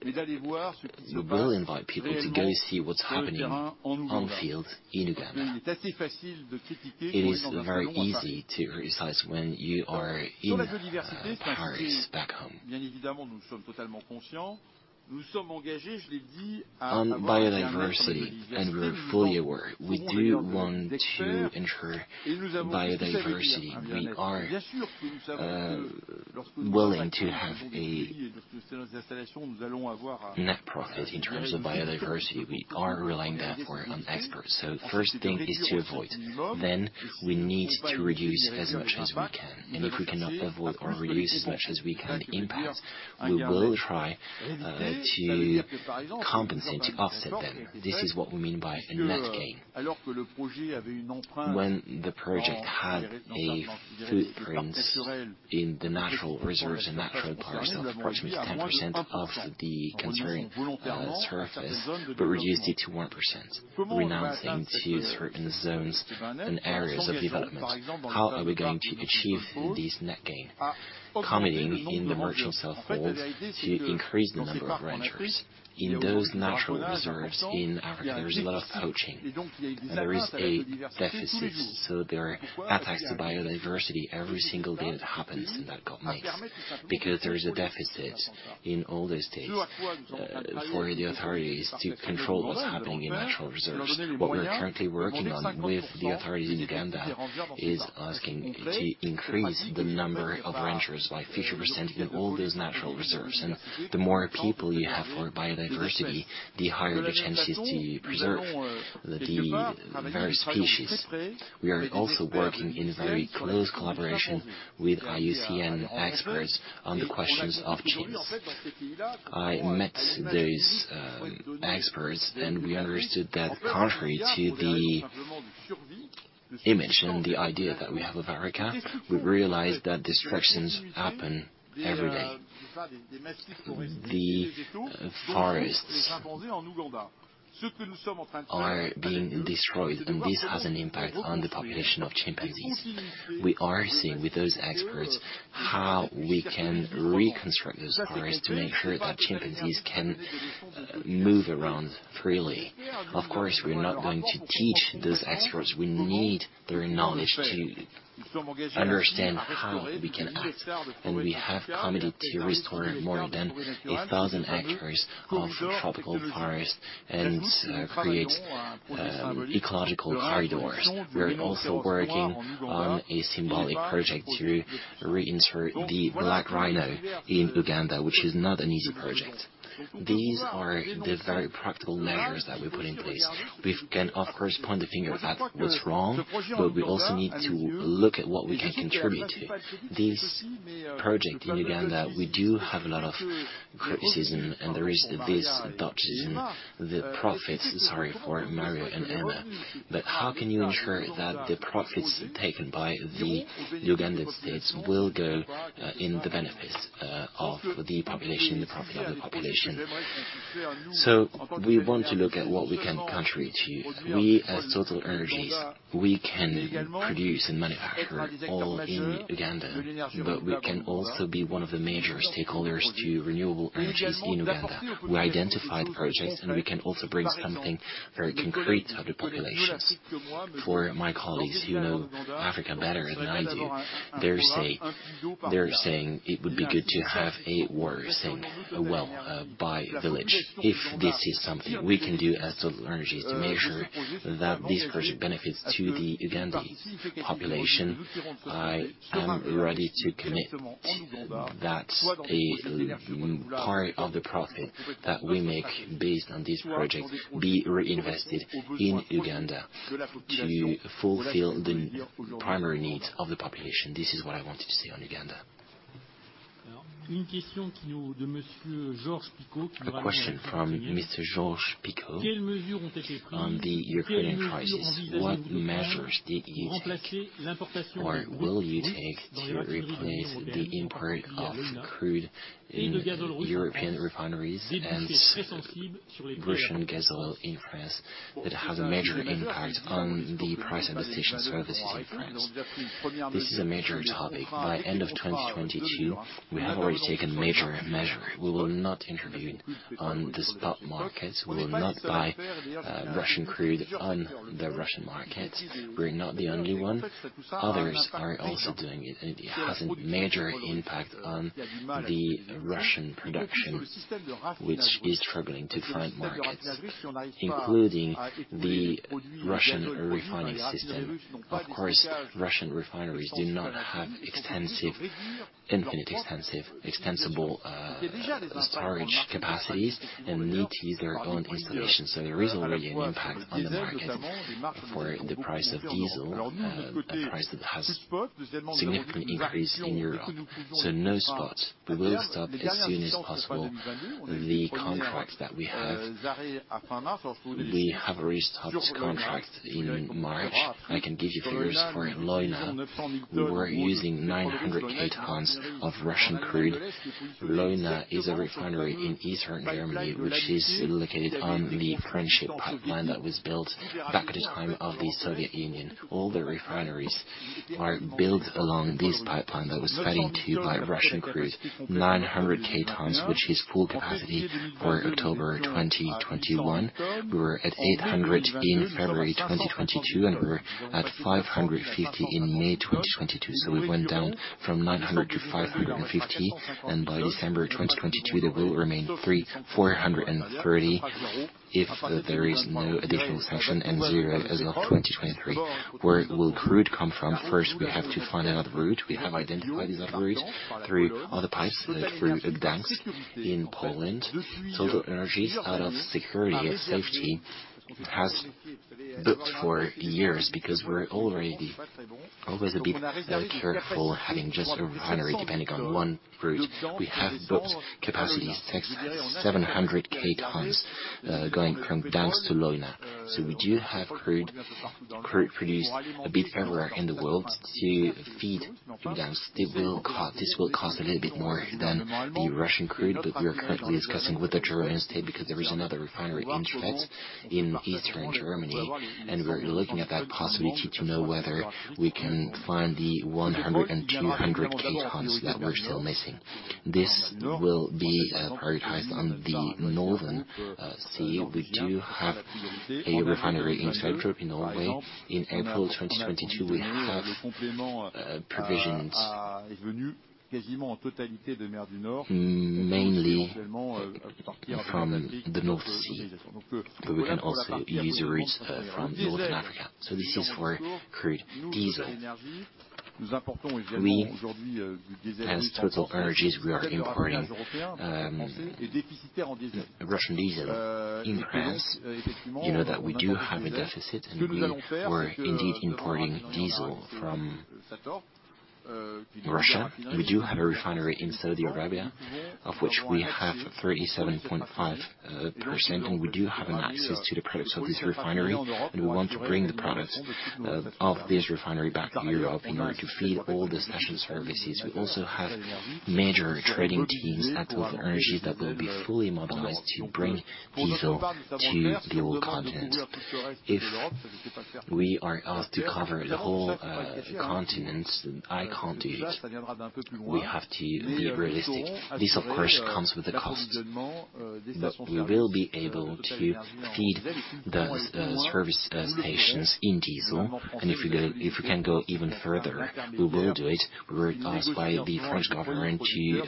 We will invite people to go see what's happening on field in Uganda. It is very easy to criticize when you are in Paris back home. On biodiversity, and we're fully aware, we do want to ensure biodiversity. We are willing to have a net profit in terms of biodiversity. We are relying there for it on experts. First thing is to avoid. We need to reduce as much as we can. If we cannot avoid or reduce as much as we can impact, we will try to compensate, to offset them. This is what we mean by a net gain. When the project had a footprint in the natural reserves and natural parks, that was approximately 10% of the concession surface, but reduced it to 1%, renouncing to certain zones and areas of development. How are we going to achieve this net gain? Committing in the biodiversity offsets to increase the number of rangers. In those natural reserves in Africa, there is a lot of poaching. There is a deficit, so there are attacks to biodiversity every single day that happens in the Congo, because there is a deficit in all the states for the authorities to control what's happening in natural reserves. What we are currently working on with the authorities in Uganda is asking to increase the number of rangers by 50% in all those natural reserves. The more people you have for biodiversity, the higher the chances to preserve the various species. We are also working in very close collaboration with IUCN experts on the questions of change. I met these experts, and we understood that contrary to the image and the idea that we have of Africa, we've realized that disruptions happen every day. The forests are being destroyed, and this has an impact on the population of chimpanzees. We are seeing with those experts how we can reconstruct those forests to make sure that chimpanzees can move around freely. Of course, we're not going to teach those experts. We need their knowledge to understand how we can act. We have committed to restore more than 1,000 hectares of tropical forest and create ecological corridors. We are also working on a symbolic project to reinsert the black rhino in Uganda, which is not an easy project. These are the very practical measures that we put in place. We can, of course, point the finger at what's wrong, but we also need to look at what we can contribute to. This project in Uganda, we do have a lot of criticism, and there is this doctrine, the profits. Sorry for Mario and Anna. How can you ensure that the profits taken by the Ugandan states will go in the benefits of the population, the profit of the population? We want to look at what we can contribute to. We as TotalEnergies, we can produce and manufacture oil in Uganda, but we can also be one of the major stakeholders to renewable energies in Uganda. We identified projects, and we can also bring something very concrete to the population. For my colleagues who know Africa better than I do, they're saying it would be good to have a well by village. If this is something we can do as TotalEnergies to measure that this project benefits the Ugandan population, I am ready to commit that a large part of the profit that we make based on this project be reinvested in Uganda to fulfill the primary needs of the population. This is what I wanted to say on Uganda. A question from Mr. Georges-Picot on the Ukrainian crisis. What measures did you take or will you take to replace the import of crude in European refineries and Russian gas oil in France that has a major impact on the price of service stations in France? This is a major topic. By end of 2022, we have already taken major measures. We will not intervene on the spot markets. We will not buy Russian crude on the Russian market. We're not the only one. Others are also doing it, and it has a major impact on the Russian production, which is struggling to find markets, including the Russian refining system. Of course, Russian refineries do not have extensive storage capacities and need to use their own installations. There is already an impact on the market for the price of diesel, a price that has significant increase in Europe. No spot. We will stop as soon as possible the contract that we have. We have a restocked contract in March. I can give you figures for Leuna. We were using 900,000 tons of Russian crude. Leuna is a refinery in Eastern Germany, which is located on the Druzhba pipeline that was built back at the time of the Soviet Union. All the refineries are built along this pipeline that was fed into by Russian crude. 900,000 tons, which is full capacity for October 2021. We were at 800,000 in February 2022, and we were at 550,000 in May 2022. We went down from 900,000 to 550,000 and by December 2022, there will remain 340,000 if there is no additional sanction and zero as of 2023. Where will crude come from? First, we have to find another route. We have identified these other routes through other pipes, through Gdańsk in Poland. TotalEnergies, out of security and safety, has booked for years because we're already always a bit careful having just a refinery depending on one route. We have booked capacities, 700,000 tons, going from Gdańsk to Leuna. We do have crude produced a bit everywhere in the world to feed Gdańsk. This will cost a little bit more than the Russian crude, but we are currently discussing with the German state because there is another refinery in Schwedt in Eastern Germany, and we're looking at that possibility to know whether we can find the 100,000 to 200,000 tons that we're still missing. This will be prioritized on the North Sea. We do have a refinery in Statoil, in Norway. In April 2022, we have provisions mainly from the North Sea. We can also use routes from North Africa. This is for crude diesel. We, as TotalEnergies, are importing Russian diesel in France. You know that we do have a deficit, and we were indeed importing diesel from Russia. We do have a refinery in Saudi Arabia, of which we have 37.5%, and we do have access to the products of this refinery, and we want to bring the products of this refinery back to Europe in order to feed all the service stations. We also have major trading teams at TotalEnergies that will be fully mobilized to bring diesel to the old continent. If we are asked to cover the whole continent, I can't do it. We have to be realistic. This, of course, comes with a cost, but we will be able to feed the service stations in diesel. If we can go even further, we will do it. We were asked by the French government to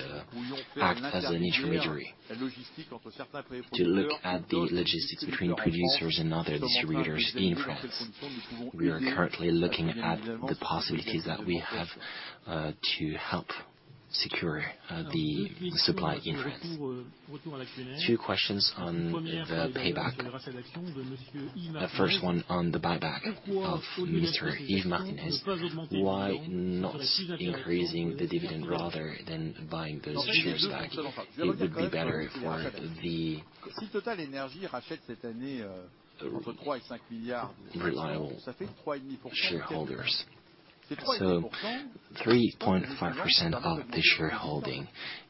act as an intermediary to look at the logistics between producers and other distributors in France. We are currently looking at the possibilities that we have to help secure the supply in France. Two questions on the buyback. First one on the buyback of Mr. Yves Martinez. Why not increasing the dividend rather than buying the shares back? It would be better for the loyal shareholders. 3.5% of the shareholding.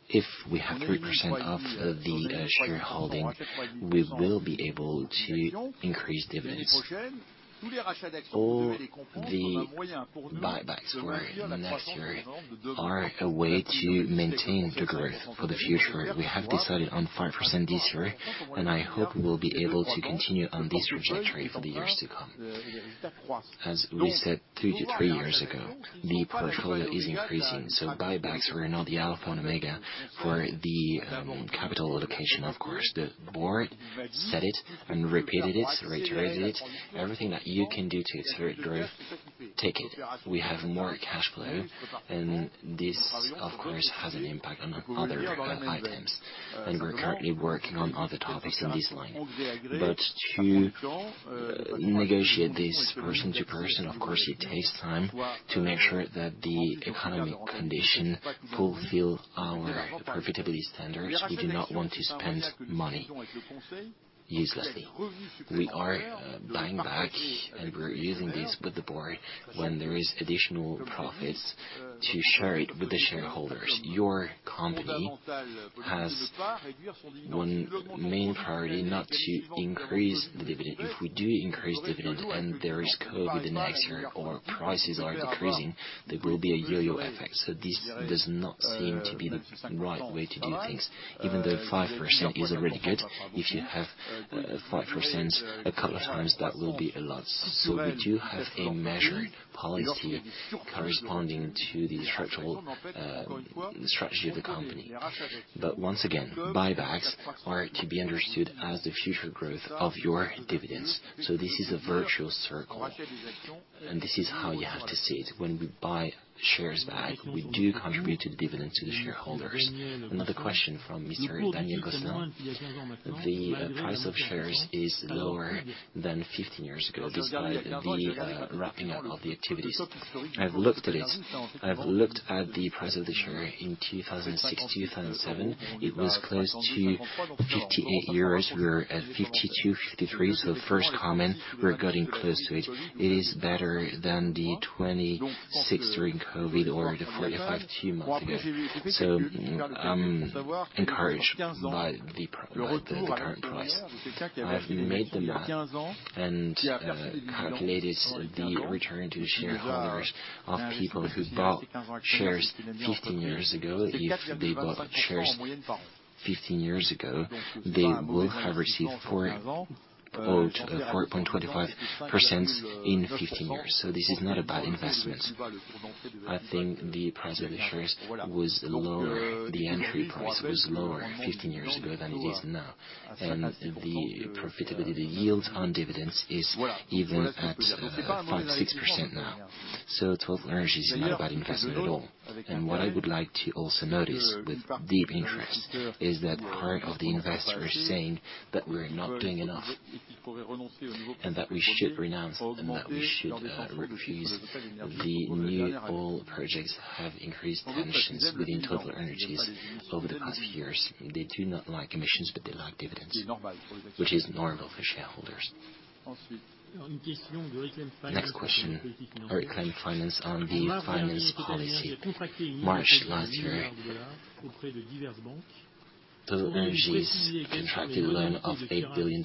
If we have 3% of the shareholding, we will be able to increase dividends. All the buybacks for next year are a way to maintain the growth for the future. We have decided on 5% this year, and I hope we'll be able to continue on this trajectory for the years to come. As we said two to three years ago, the portfolio is increasing, so buybacks were not the alpha and omega for the capital allocation, of course. The board said it and repeated it, reiterated it, everything that you can do to ensure growth, take it. We have more cash flow, and this, of course, has an impact on other items. We're currently working on other topics in this line. To negotiate this person to person, of course, it takes time to make sure that the economic condition fulfill our profitability standards. We do not want to spend money uselessly. We are buying back, and we're using this with the board when there is additional profits to share it with the shareholders. Your company has one main priority, not to increase the dividend. If we do increase dividend and there is COVID next year or prices are decreasing, there will be a yo-yo effect. This does not seem to be the right way to do things. Even though 5% is already good, if you have 5% a couple of times, that will be a lot. We do have a measured policy corresponding to the structural strategy of the company. Once again, buybacks are to be understood as the future growth of your dividends. This is a virtuous circle, and this is how you have to see it. When we buy shares back, we do contribute to the dividend to the shareholders. Another question from Mr. Daniel Gosselin. The price of shares is lower than 15 years ago, despite the ramping up of the activities. I've looked at it. I've looked at the price of the share. In 2006, 2007, it was close to 58 euros. We're at 52-53. First comment, we're getting close to it. It is better than the 26 during COVID or the 35 two months ago. I'm encouraged by the current price. I've made the math and calculated the return to shareholders of people who bought shares 15 years ago. If they bought shares 15 years ago, they will have received 4.25% in 15 years. This is not a bad investment. I think the price of the shares was lower, the entry price was lower 15 years ago than it is now. The profitability yield on dividends is even at 5%-6% now. TotalEnergies is not a bad investment at all. What I would like to also notice with deep interest is that part of the investors saying that we're not doing enough, and that we should renounce, and that we should refuse the new oil projects have increased commissions within TotalEnergies over the past years. They do not like emissions, but they like dividends, which is normal for shareholders. Next question, Eric Lim on the finance policy. March last year, TotalEnergies contracted a loan of $8 billion.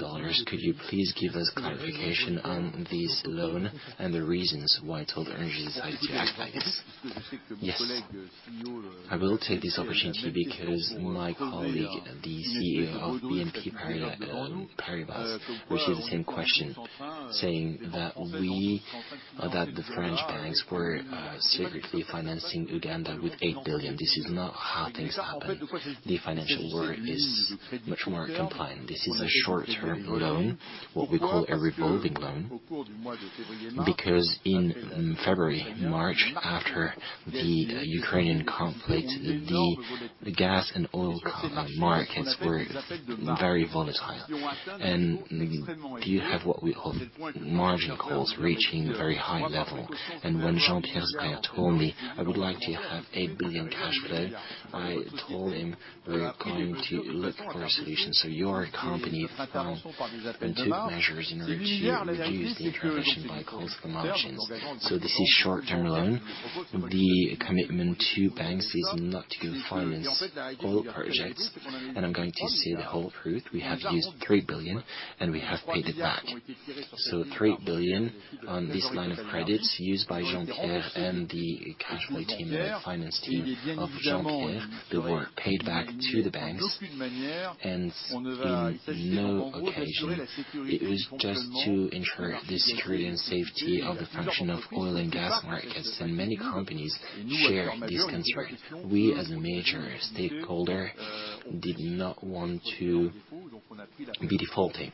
Could you please give us clarification on this loan and the reasons why TotalEnergies decided to act like this? Yes. I will take this opportunity because my colleague, the CEO of BNP Paribas, received the same question, saying that we or that the French banks were secretly financing Uganda with $8 billion. This is not how things happen. The financial world is much more compliant. This is a short-term loan, what we call a revolving loan, because in February, March, after the Ukrainian conflict, the gas and oil carbon markets were very volatile. You have what we call margin calls reaching very high level. When Jean-Pierre told me, "I would like to have 8 billion cash flow," I told him, "We're going to look for a solution." Your company found and took measures in order to reduce the intervention by margin calls. This is short-term loan. The commitment to banks is not to finance oil projects, and I'm going to say the whole truth. We have used 3 billion, and we have paid it back. Three billion on this line of credits used by Jean-Pierre and the treasury team, the finance team of Jean-Pierre. They were paid back to the banks and in no occasion. It was just to ensure the security and safety of the function of oil and gas markets, and many companies share this concern. We, as a major stakeholder, did not want to be defaulting.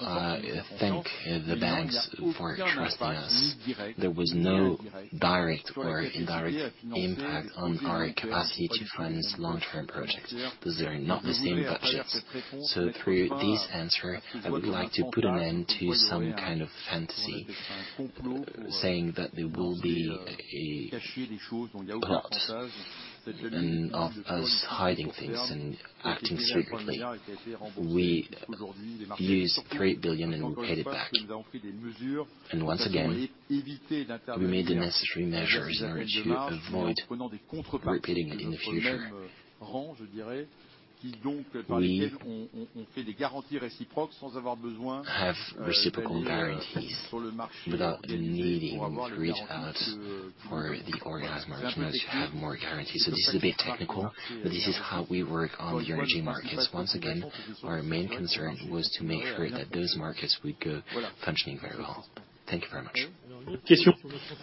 I thank the banks for trusting us. There was no direct or indirect impact on our capacity to finance long-term projects. Those are not the same budgets. Through this answer, I would like to put an end to some kind of fantasy saying that there will be a plot of us hiding things and acting secretly. We used 3 billion and we paid it back. Once again, we made the necessary measures there to avoid repeating it in the future. We have reciprocal guarantees without needing to reach out for the organized markets to have more guarantees. This is a bit technical, but this is how we work on the energy markets. Once again, our main concern was to make sure that those markets would go functioning very well. Thank you very much.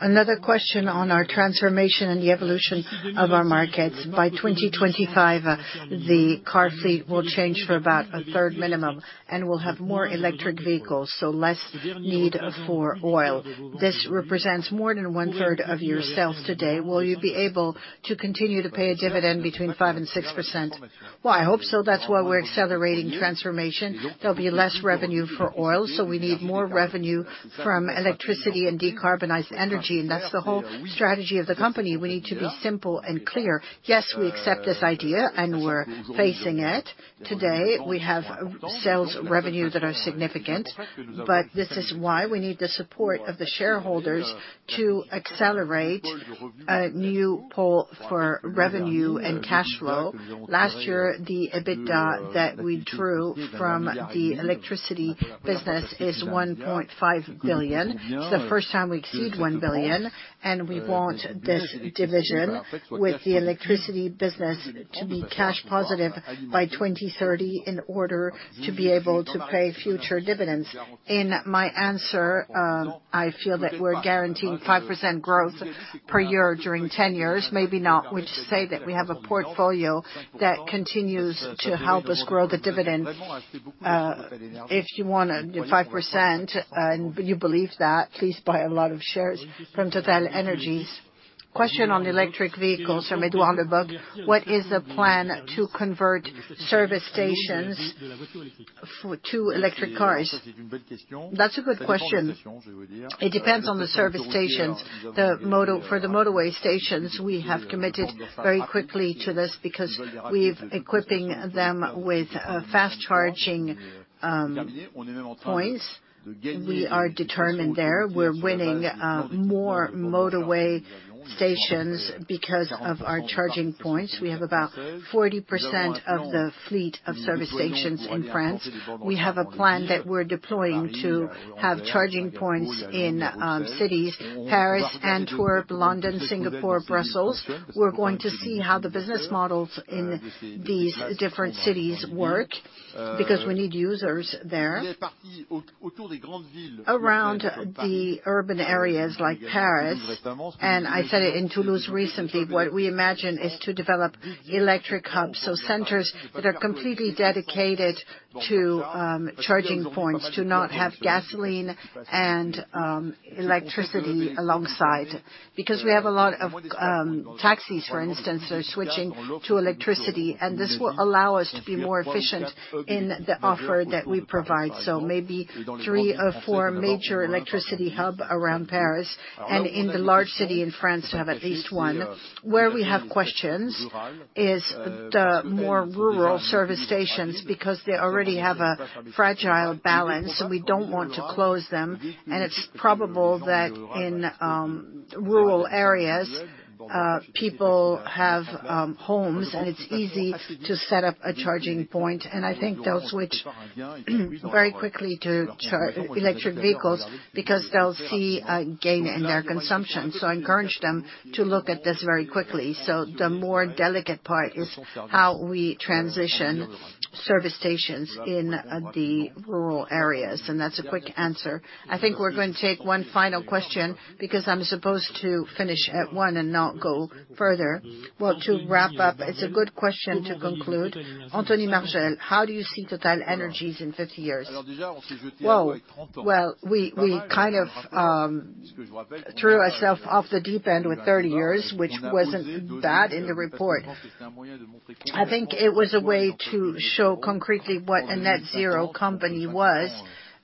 Another question on our transformation and the evolution of our markets. By 2025, the car fleet will change for about a third minimum, and we'll have more electric vehicles, so less need for oil. This represents more than 1/3 of your sales today. Will you be able to continue to pay a dividend between 5% and 6%? Well, I hope so. That's why we're accelerating transformation. There'll be less revenue for oil, so we need more revenue from electricity and decarbonized energy, and that's the whole strategy of the company. We need to be simple and clear. Yes, we accept this idea, and we're facing it. Today, we have sales revenue that are significant, but this is why we need the support of the shareholders to accelerate a new pole for revenue and cash flow. Last year, the EBITDA that we drew from the electricity business is 1.5 billion. It's the first time we exceed 1 billion, and we want this division with the electricity business to be cash positive by 2030 in order to be able to pay future dividends. In my answer, I feel that we're guaranteeing 5% growth per year during 10 years. Maybe not. We just say that we have a portfolio that continues to help us grow the dividend. If you want a 5% and you believe that, please buy a lot of shares from TotalEnergies. Question on electric vehicles from Edouard Leboucq: What is the plan to convert service stations to electric cars? That's a good question. It depends on the service stations. For the motorway stations, we have committed very quickly to this because we're equipping them with fast-charging points. We are determined there. We're winning more motorway stations because of our charging points. We have about 40% of the fleet of service stations in France. We have a plan that we're deploying to have charging points in cities: Paris, Antwerp, London, Singapore, Brussels. We're going to see how the business models in these different cities work because we need users there. Around the urban areas like Paris, and I said it in Toulouse recently, what we imagine is to develop electric hubs, so centers that are completely dedicated to charging points, to not have gasoline and electricity alongside. Because we have a lot of taxis, for instance, that are switching to electricity, and this will allow us to be more efficient in the offer that we provide. Maybe three or four major electricity hub around Paris, and in the large city in France to have at least one. Where we have questions is the more rural service stations because they already have a fragile balance, and we don't want to close them. It's probable that in rural areas, people have homes, and it's easy to set up a charging point. I think they'll switch very quickly to electric vehicles because they'll see a gain in their consumption. I encourage them to look at this very quickly. The more delicate part is how we transition to service stations in the rural areas. That's a quick answer. I think we're going to take one final question because I'm supposed to finish at one and not go further. Well, to wrap up, it's a good question to conclude. Anthony Marcel, how do you see TotalEnergies in 50 years? Well, we kind of threw ourself off the deep end with 30 years, which wasn't bad in the report. I think it was a way to show concretely what a net-zero company was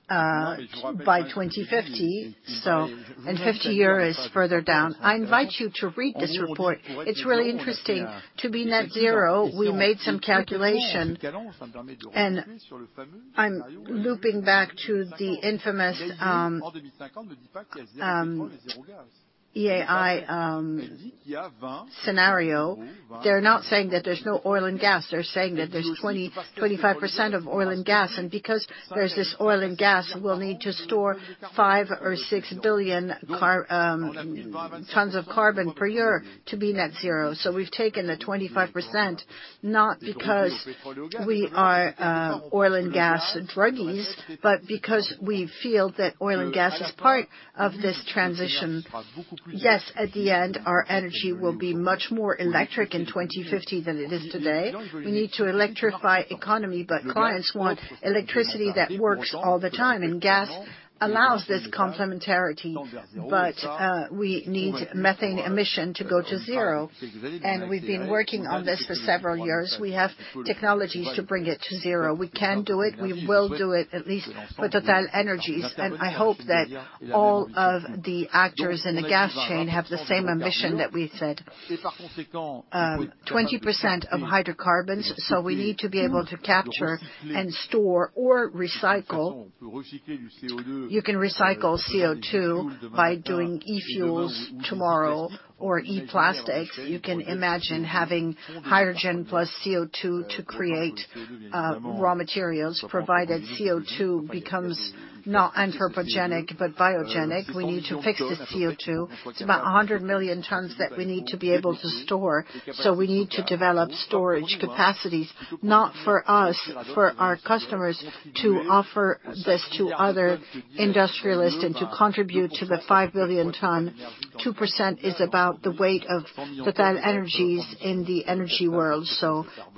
by 2050. 50 years is further down. I invite you to read this report. It's really interesting. To be net-zero, we made some calculations. I'm looping back to the infamous IEA scenario. They're not saying that there's no oil and gas. They're saying that there's 20-25% of oil and gas. Because there's this oil and gas, we'll need to store 5 or 6 billion tons of carbon per year to be net-zero. We've taken the 25%, not because we are oil and gas druggies, but because we feel that oil and gas is part of this transition. Yes, at the end, our energy will be much more electric in 2050 than it is today. We need to electrify economy, but clients want electricity that works all the time, and gas allows this complementarity. We need methane emission to go to zero, and we've been working on this for several years. We have technologies to bring it to zero. We can do it. We will do it, at least for TotalEnergies. I hope that all of the actors in the gas chain have the same ambition that we've said. 20% of hydrocarbons, so we need to be able to capture and store or recycle. You can recycle CO2 by doing e-fuels tomorrow or e-plastics. You can imagine having hydrogen plus CO2 to create raw materials, provided CO2 becomes not anthropogenic, but biogenic. We need to fix this CO2. It's about 100 million tons that we need to be able to store. We need to develop storage capacities, not for us, for our customers, to offer this to other industrialists and to contribute to the 5 billion ton. 2% is about the weight of TotalEnergies in the energy world.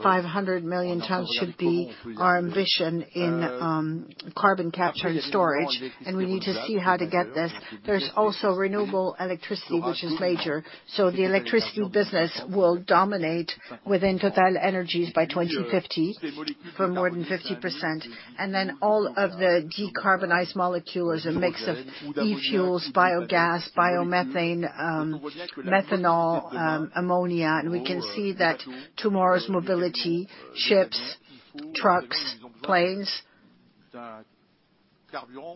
500 million tons should be our ambition in carbon capture and storage, and we need to see how to get this. There's also renewable electricity, which is major. The electricity business will dominate within TotalEnergies by 2050 for more than 50%. Then all of the decarbonized molecules, a mix of e-fuels, biogas, biomethane, methanol, ammonia. We can see that tomorrow's mobility, ships, trucks, planes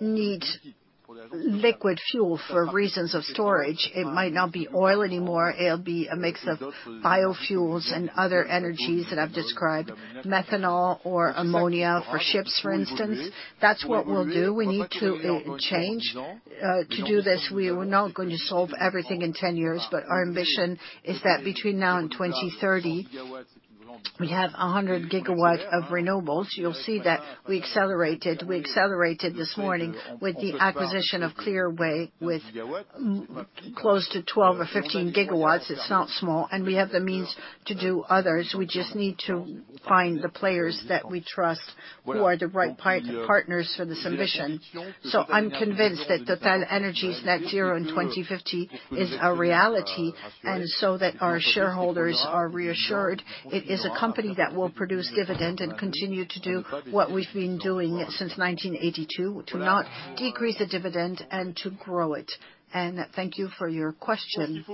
need liquid fuel for reasons of storage. It might not be oil anymore. It'll be a mix of biofuels and other energies that I've described, methanol or ammonia for ships, for instance. That's what we'll do. We need to change. To do this, we are not gonna solve everything in 10 years, but our ambition is that between now and 2030, we have 100 GW of renewables. You'll see that we accelerated. We accelerated this morning with the acquisition of Clearway close to 12 GW or 15 GW. It's not small, and we have the means to do others. We just need to find the players that we trust who are the right partners for this ambition. I'm convinced that TotalEnergies net-zero in 2050 is a reality, and so that our shareholders are reassured. It is a company that will produce dividend and continue to do what we've been doing since 1982, to not decrease the dividend and to grow it. Thank you for your question.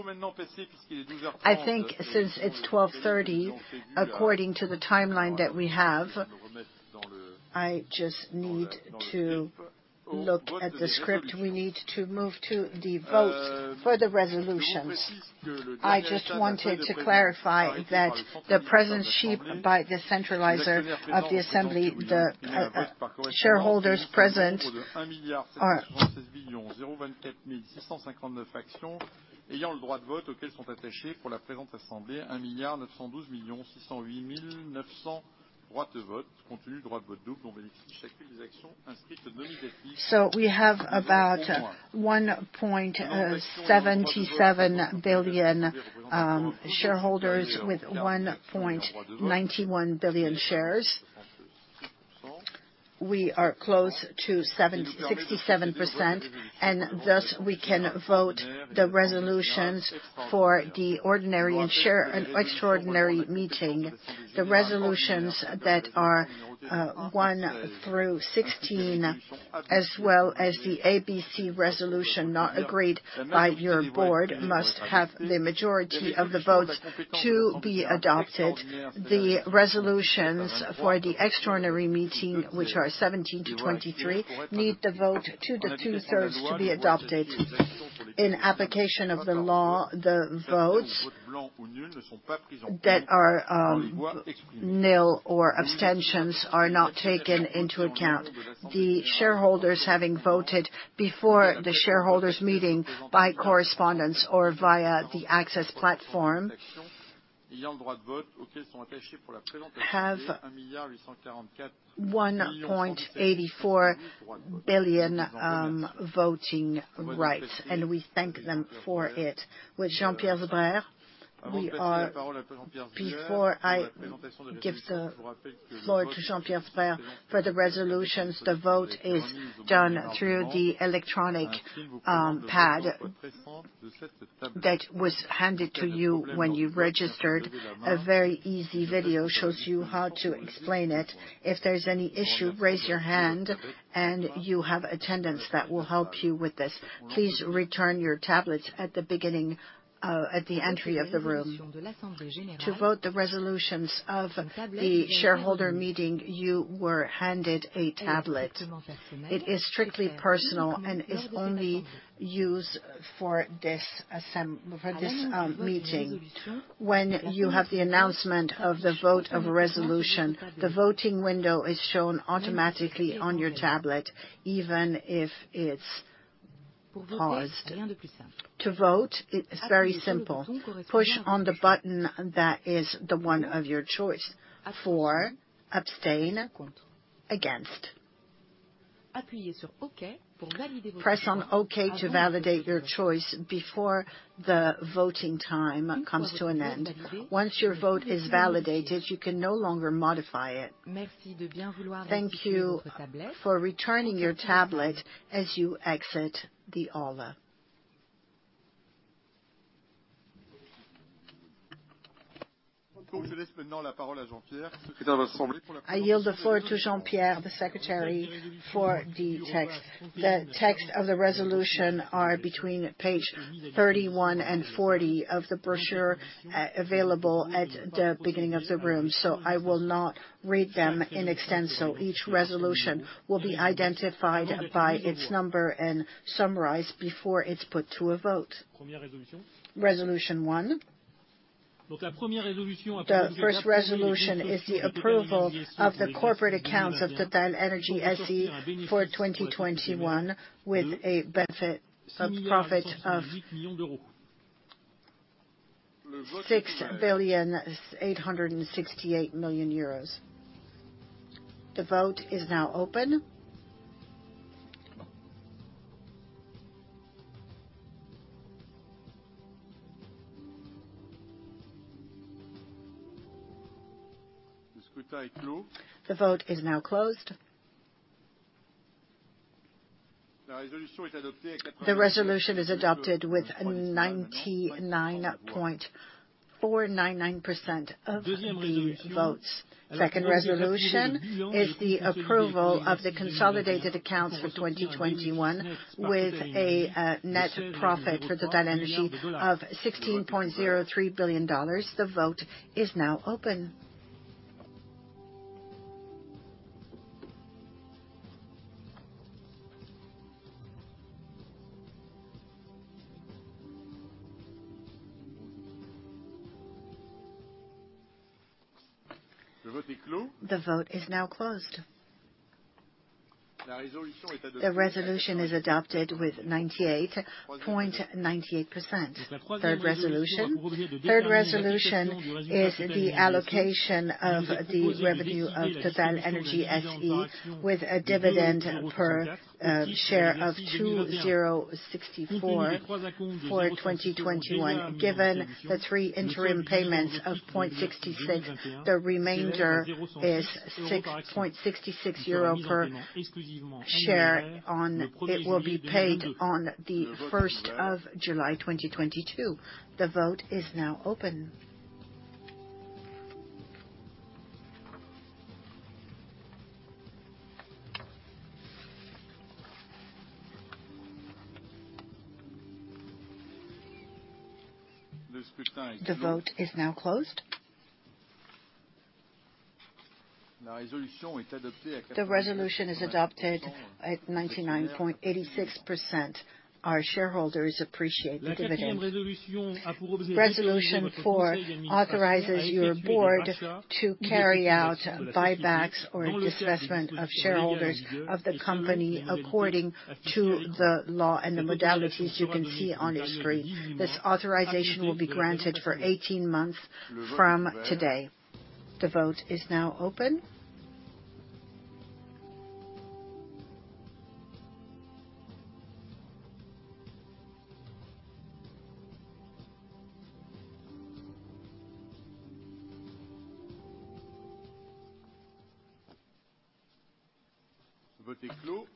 I think since it's 12:30 P.M., according to the timeline that we have, I just need to look at the script. We need to move to the vote for the resolutions. I just wanted to clarify that the presidency by the centralizer of the assembly, the shareholders present are. We have about 1.77 billion, shareholders with 1.91 billion shares. We are close to seven. 67%, and thus we can vote the resolutions for the ordinary and extraordinary meeting. The Resolutions that are 1 through 16, as well as the ABC resolution not agreed by your board, must have the majority of the votes to be adopted. The resolutions for the extraordinary meeting, which are 17 to 23, need the vote 2/3 to be adopted. In application of the law, the votes that are nil or abstentions are not taken into account. The shareholders having voted before the Shareholders' Meeting by correspondence or via the VOTACCESS have 1.84 billion voting rights, and we thank them for it. With Jean-Pierre Sbraire, before I give the floor to Jean-Pierre Sbraire for the resolutions, the vote is done through the electronic pad that was handed to you when you registered. A very easy video shows you how to explain it. If there's any issue, raise your hand, and you have attendants that will help you with this. Please return your tablets at the beginning, at the entry of the room. To vote the resolutions of the shareholder meeting, you were handed a tablet. It is strictly personal and is only used for this meeting. When you have the announcement of the vote of a resolution, the voting window is shown automatically on your tablet, even if it's paused. To vote, it is very simple. Push on the button that is the one of your choice. For, Abstain, Against. Press on OK to validate your choice before the voting time comes to an end. Once your vote is validated, you can no longer modify it. Thank you for returning your tablet as you exit the hall. I yield the floor to Jean-Pierre, the Secretary, for the text. The text of the resolution are between page 31 and 40 of the brochure available at the beginning of the room, so I will not read them in extenso. Each resolution will be identified by its number and summarized before it's put to a vote. Resolution 1. The first resolution is the approval of the corporate accounts of TotalEnergies SE for 2021 with a net profit of 6,868 million euros. The vote is now open. The vote is now closed. The resolution is adopted with 99.499% of the votes. Second resolution is the approval of the consolidated accounts of 2021 with a net profit for TotalEnergies of $16.03 billion. The vote is now open. The vote is now closed. The resolution is adopted with 98.98%. Third resolution. Third Resolution is the allocation of the revenue of TotalEnergies SE with a dividend per share of 20.64 for 2021. Given the three interim payments of 0.66, the remainder is 6.66 euro per share. It will be paid on July 1st, 2022. The vote is now open. The vote is now closed. The resolution is adopted at 99.86%. Our shareholders appreciate the dividends. Resolution 4 authorizes your board to carry out buybacks or disbursement of shareholders of the company, according to the law and the modalities you can see on your screen. This authorization will be granted for eighteen months from today. The vote is now open.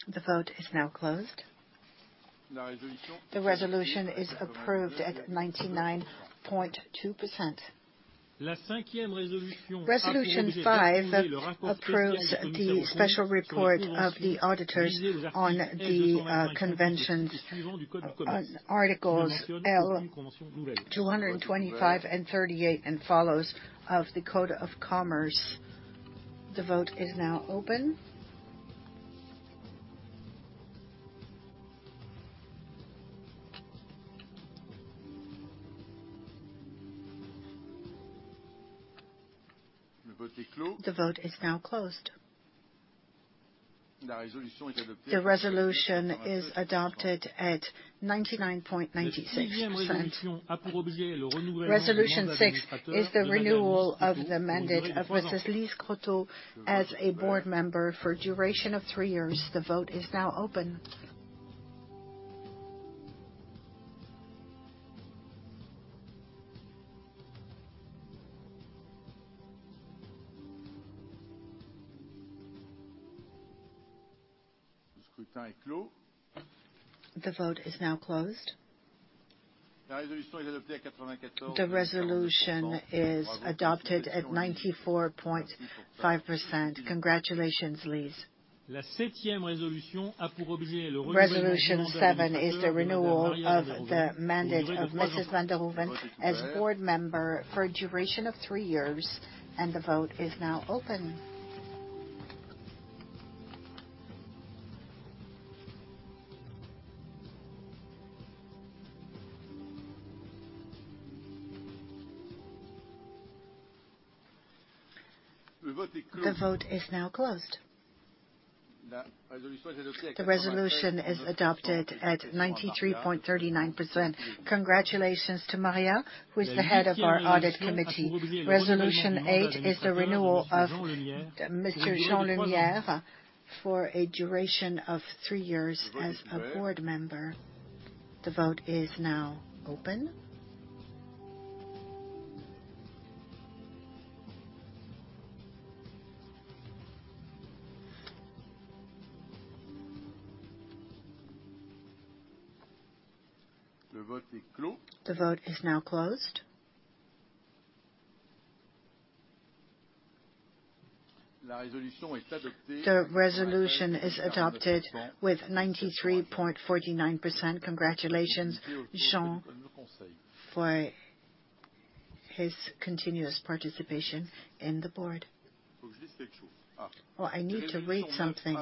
The vote is now closed. The resolution is approved at 99.2%. Resolution 5 approves the special report of the auditors on the conventions on Articles L. 225 and 38 and following of the Code de commerce. The vote is now open. The vote is now closed. The resolution is adopted at 99.96%. Resolution 6 is the renewal of the mandate of Mrs. Lise Croteau as a board member for a duration of three years. The vote is now open. The vote is now closed. The resolution is adopted at 94.5%. Congratulations, Lise. Resolution 7 is the renewal of the mandate of Mrs. van der Hoeven as board member for a duration of three years, and the vote is now open. The vote is now closed. The resolution is adopted at 93.39%. Congratulations to Maria, who is the Head of our Audit Committee. Resolution 8 is the renewal of Mr. Jean Lemierre for a duration of three years as a board member. The vote is now open. The vote is now closed. The resolution is adopted with 93.49%. Congratulations, Jean, for his continuous participation in the board. Oh, I need to read something.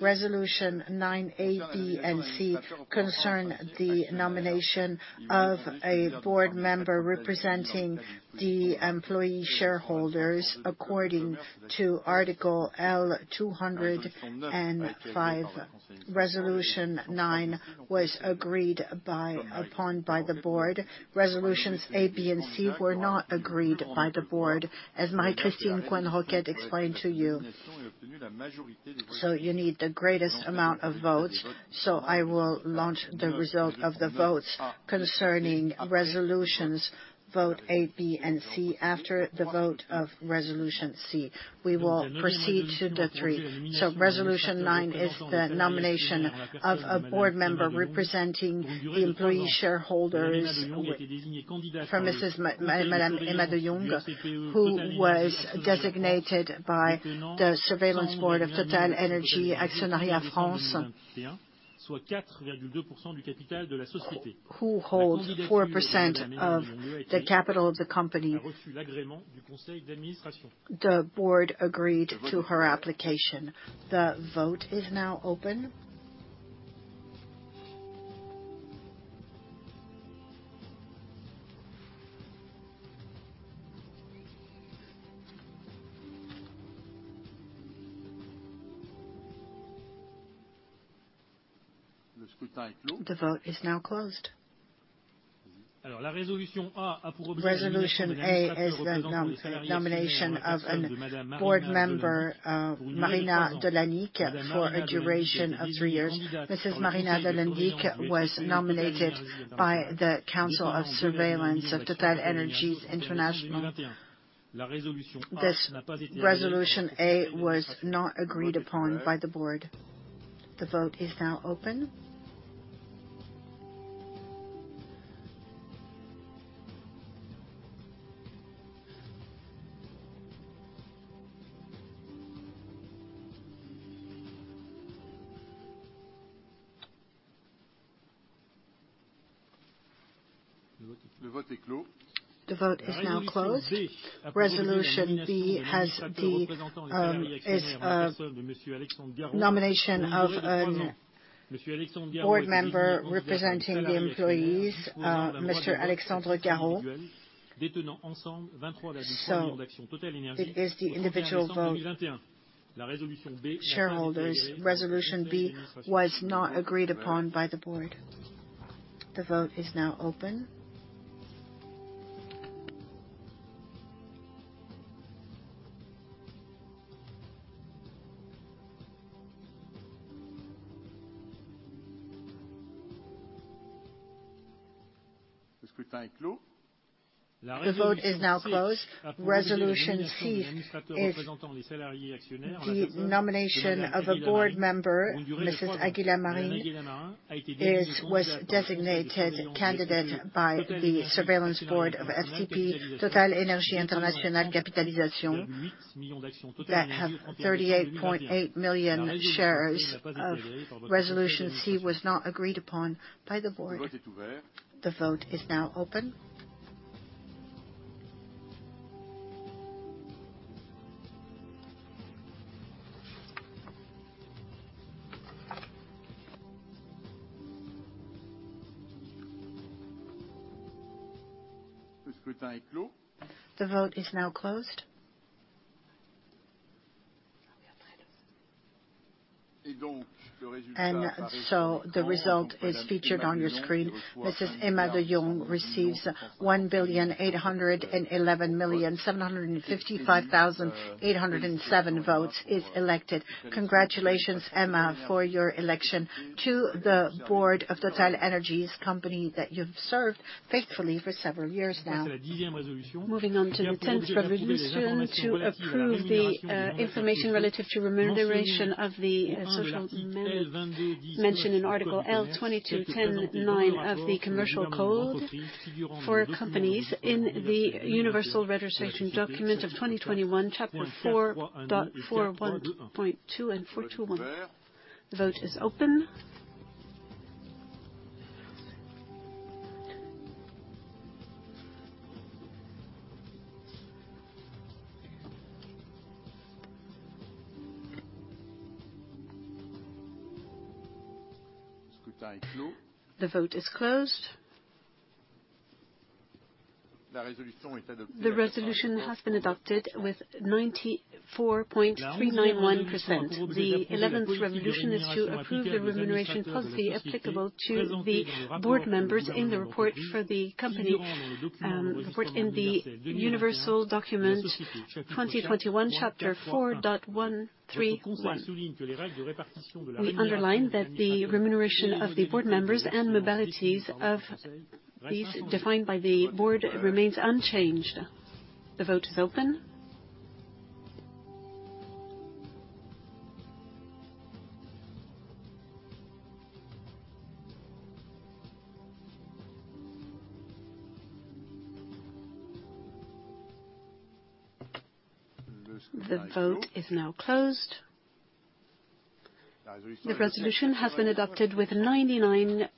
Resolution 9 A, B, and C concern the nomination of a board member representing the employee shareholders according to Article L. 205. Resolution 9 was agreed upon by the board. Resolutions A, B, and C were not agreed by the board, as Marie-Christine Coisne-Roquette explained to you. You need the greatest amount of votes, so I will launch the result of the votes concerning Resolutions 9 A, B, and C. After the vote of Resolution C, we will proceed to the three. Resolution 9 is the nomination of a board member representing the employee shareholders for Mrs. Madame Emma de Jonge, who was designated by the surveillance board of TotalEnergies Actionnariat France, who holds 4% of the capital of the company. The board agreed to her application. The vote is now open. The vote is now closed. Resolution A is the nomination of a board member, Marina Delendik, for a duration of three years. Mrs. Marina Delendik was nominated by the Council of Surveillance of TotalEnergies' International. This Resolution A was not agreed upon by the board. The vote is now open. The vote is now closed. Resolution B is the nomination of a board member representing the employees, Mr. Alexandre Garrot. It is the individual vote. Shareholders' Resolution B was not agreed upon by the board. The vote is now open. The vote is now closed. Resolution C is the nomination of a board member. Mrs. Agueda Marin was designated candidate by the Supervisory Board of FCPE TotalEnergies Actionnariat International Capitalisation that have 38.8 million shares. Resolution C was not agreed upon by the board. The vote is now open. The vote is now closed. The result is featured on your screen. Mrs. Emma de Jonge receives 1,811,755,807 votes, is elected. Congratulations, Emma, for your election to the board of TotalEnergies, company that you've served faithfully for several years now. Moving on to the 10th Resolution to approve the information relative to remuneration of the social mentioned in Article L. 2210-9 of the Code for companies in the Universal Registration Document of 2021, chapter 4.4.1.2 and 4.2.1. The vote is open. The vote is closed. The resolution has been adopted with 94.391%. The 11th Resolution is to approve the remuneration policy applicable to the board members in the report for the company, report in the Universal Registration Document 2021, chapter 4.1.3.1. We underline that the remuneration of the board members and mobility of these defined by the board remains unchanged. The vote is open. The vote is now closed. The resolution has been adopted with 99%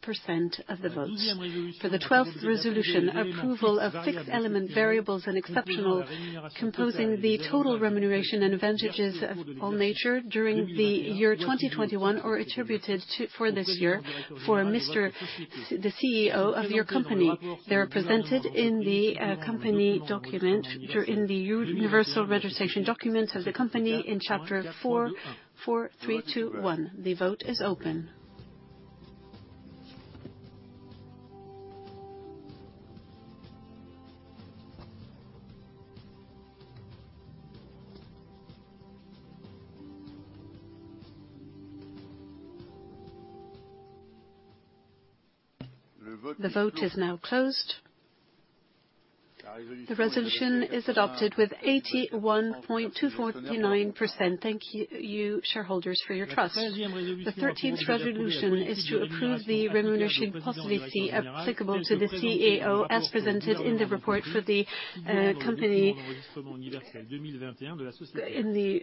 of the votes. For the 12th Resolution, approval of fixed element variables and exceptional composing the total remuneration and advantages of all nature during the year 2021 are attributed to for this year for Mr. Pouyanné the CEO of your company. They are presented in the company document in the Universal Registration Document of the company in chapter 4.4.3.2.1. The vote is open. The vote is now closed. The resolution is adopted with 81.2439%. Thank you, shareholders, for your trust. The 13th Resolution is to approve the remuneration policy for the CEO, as presented in the report for the company in the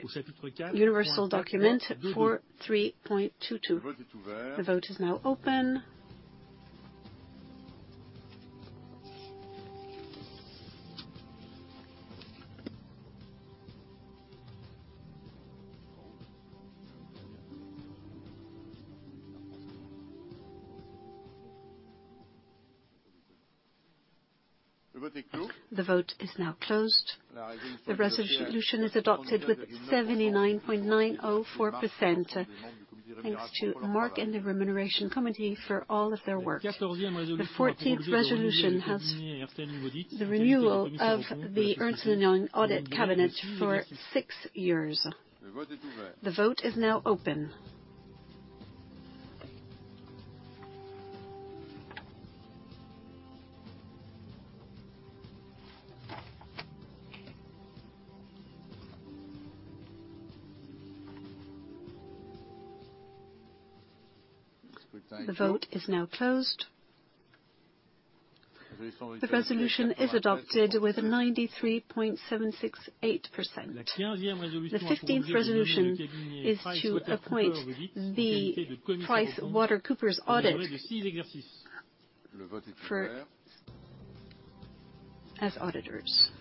Universal Document 43.22. The vote is now open. The vote is now closed. The resolution is adopted with 79.904%. Thanks to Mark and the Remuneration Committee for all of their work. The 14th Resolution has the renewal of the Ernst & Young audit firm for six years. The vote is now open. The vote is now closed. The resolution is adopted with 93.768%. The 15th Resolution is to appoint PricewaterhouseCoopers as auditors.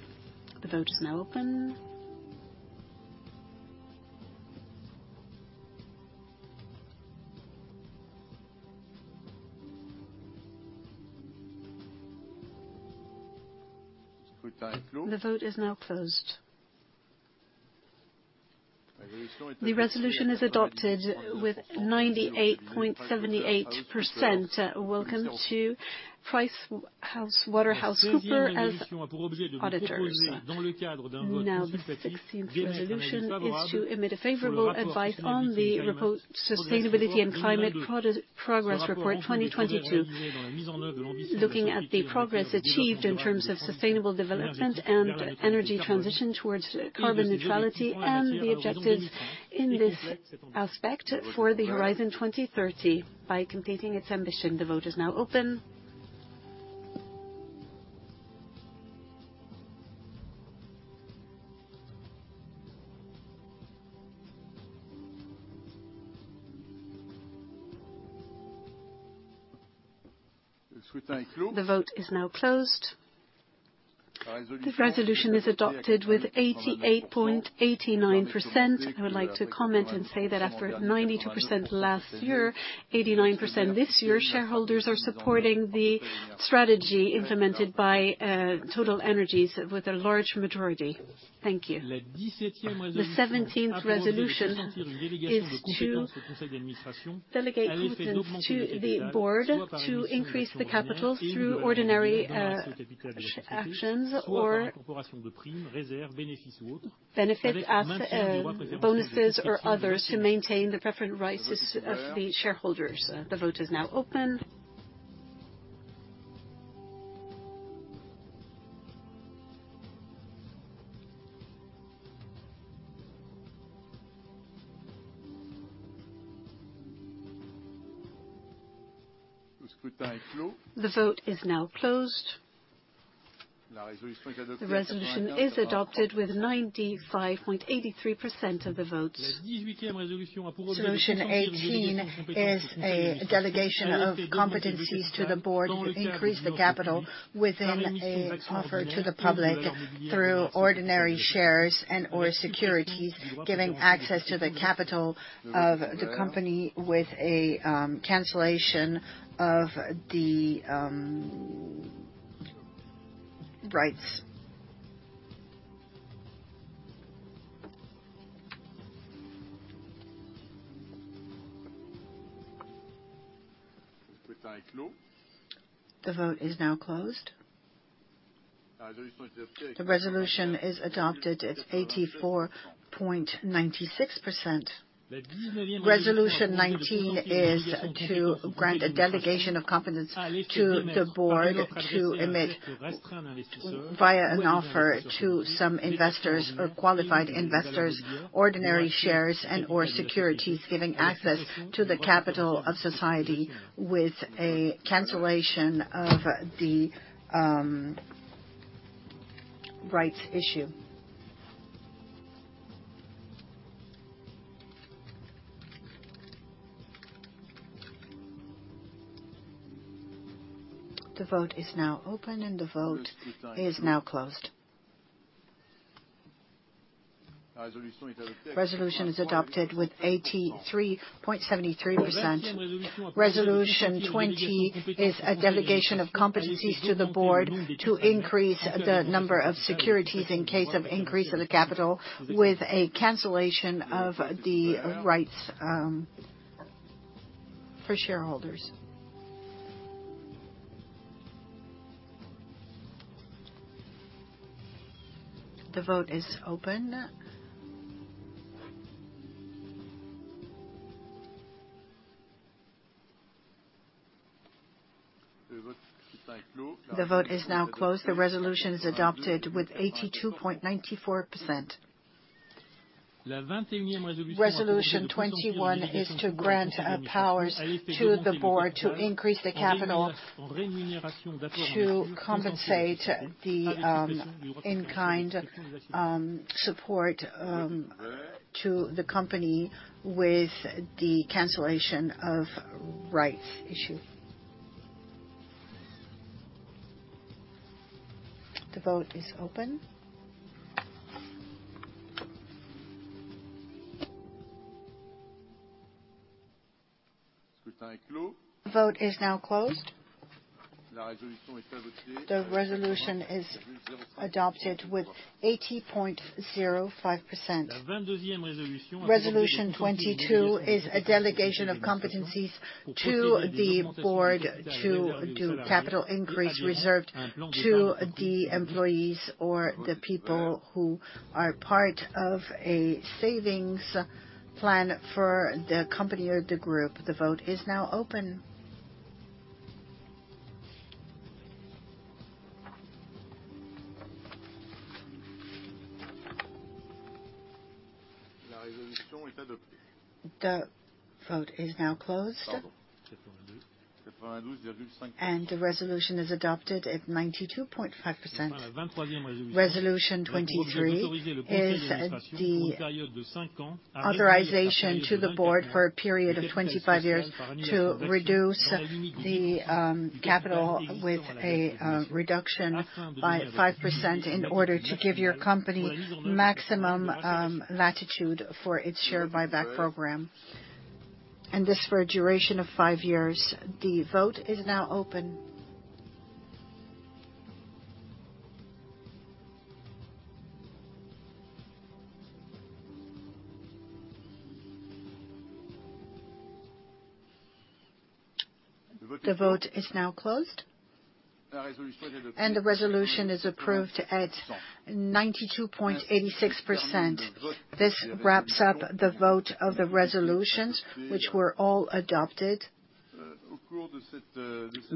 The vote is now open. The vote is now closed. The resolution is adopted with 98.78%. Welcome to PricewaterhouseCoopers as auditors. Now, the 16th Resolution is to issue a favorable opinion on the Sustainability & Climate Progress Report 2022. Looking at the progress achieved in terms of sustainable development and energy transition towards carbon neutrality and the objectives in this aspect for the horizon 2030 by completing its ambition. The vote is now open. The vote is now closed. The resolution is adopted with 88.89%. I would like to comment and say that after 92% last year, 89% this year, shareholders are supporting the strategy implemented by TotalEnergies with a large majority. Thank you. The 17th Resolution is to delegate competence to the board to increase the capital through ordinary shares or benefit bonuses or others to maintain the preferred rights of the shareholders. The vote is now open. The vote is now closed. The resolution is adopted with 95.83% of the vote. Resolution 18 is a delegation of competencies to the board to increase the capital within an offer to the public through ordinary shares or securities, giving access to the capital of the company with a cancellation of the rights. The vote is now closed. The resolution is adopted at 84.96%. Resolution 19 is to grant a delegation of competence to the board to emit via an offer to some investors or qualified investors, ordinary shares or securities, giving access to the capital of society with a cancellation of the rights issue. The vote is now open, and the vote is now closed. Resolution is adopted with 83.73%. Resolution 20 is a delegation of competencies to the board to increase the number of securities in case of increase of the capital with a cancellation of the rights for shareholders. The vote is open. The vote is now closed. The resolution is adopted with 82.94%. Resolution 21 is to grant powers to the board to increase the capital to compensate the in-kind support to the company with the cancellation of rights issue. The vote is open. The vote is now closed. The resolution is adopted with 80.05%. Resolution 22 is a delegation of competencies to the board to do capital increase reserved to the employees or the people who are part of a savings plan for the company or the group. The vote is now open. The vote is now closed. The resolution is adopted at 92.5%. Resolution 23 is the authorization to the board for a period of 25 years to reduce the capital with a reduction by 5% in order to give your company maximum latitude for its share buyback program, and this for a duration of five years. The vote is now open. The vote is now closed, and the resolution is approved at 92.86%. This wraps up the vote of the resolutions, which were all adopted.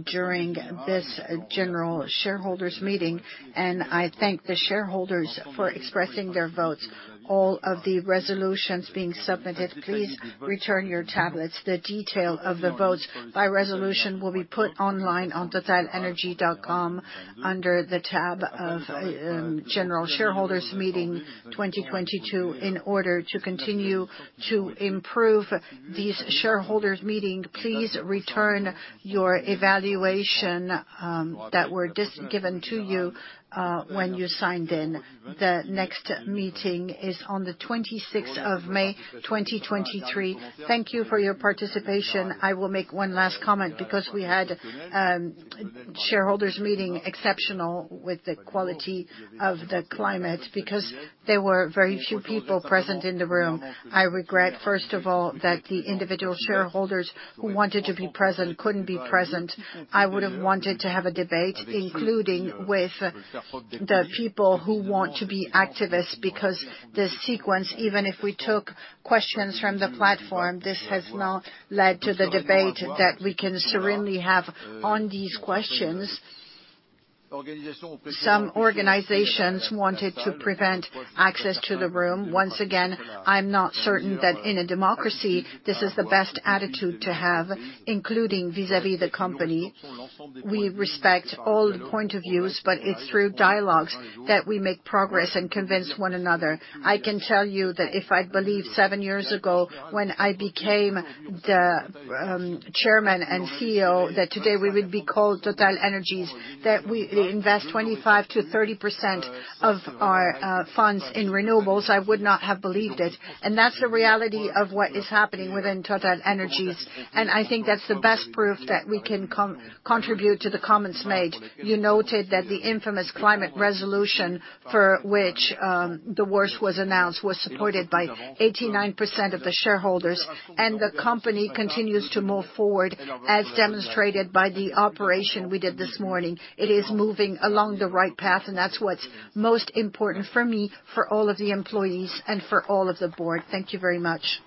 During this General Shareholders' Meeting, I thank the shareholders for expressing their votes, all of the resolutions being submitted. Please return your tablets. The detail of the votes by resolution will be put online on totalenergies.com under the tab of General Shareholders' Meeting 2022. In order to continue to improve these shareholders' meetings, please return your evaluation that were distributed to you when you signed in. The next meeting is on the 26th of May, 2023. Thank you for your participation. I will make one last comment because we had shareholders' meeting exceptional with the quality of the climate because there were very few people present in the room. I regret, first of all, that the individual shareholders who wanted to be present couldn't be present. I would have wanted to have a debate, including with the people who want to be activists because the sequence, even if we took questions from the platform, this has not led to the debate that we can serenely have on these questions. Some organizations wanted to prevent access to the room. Once again, I'm not certain that in a democracy this is the best attitude to have, including vis-à-vis the company. We respect all the points of view, but it's through dialogues that we make progress and convince one another. I can tell you that if I believed seven years ago when I became the Chairman and CEO, that today we would be called TotalEnergies, that we invest 25%-30% of our funds in renewables, I would not have believed it. That's the reality of what is happening within TotalEnergies, and I think that's the best proof that we can contribute to the comments made. You noted that the infamous climate resolution for which the worst was announced was supported by 89% of the shareholders. The company continues to move forward, as demonstrated by the operation we did this morning. It is moving along the right path, and that's what's most important for me, for all of the employees and for all of the board. Thank you very much.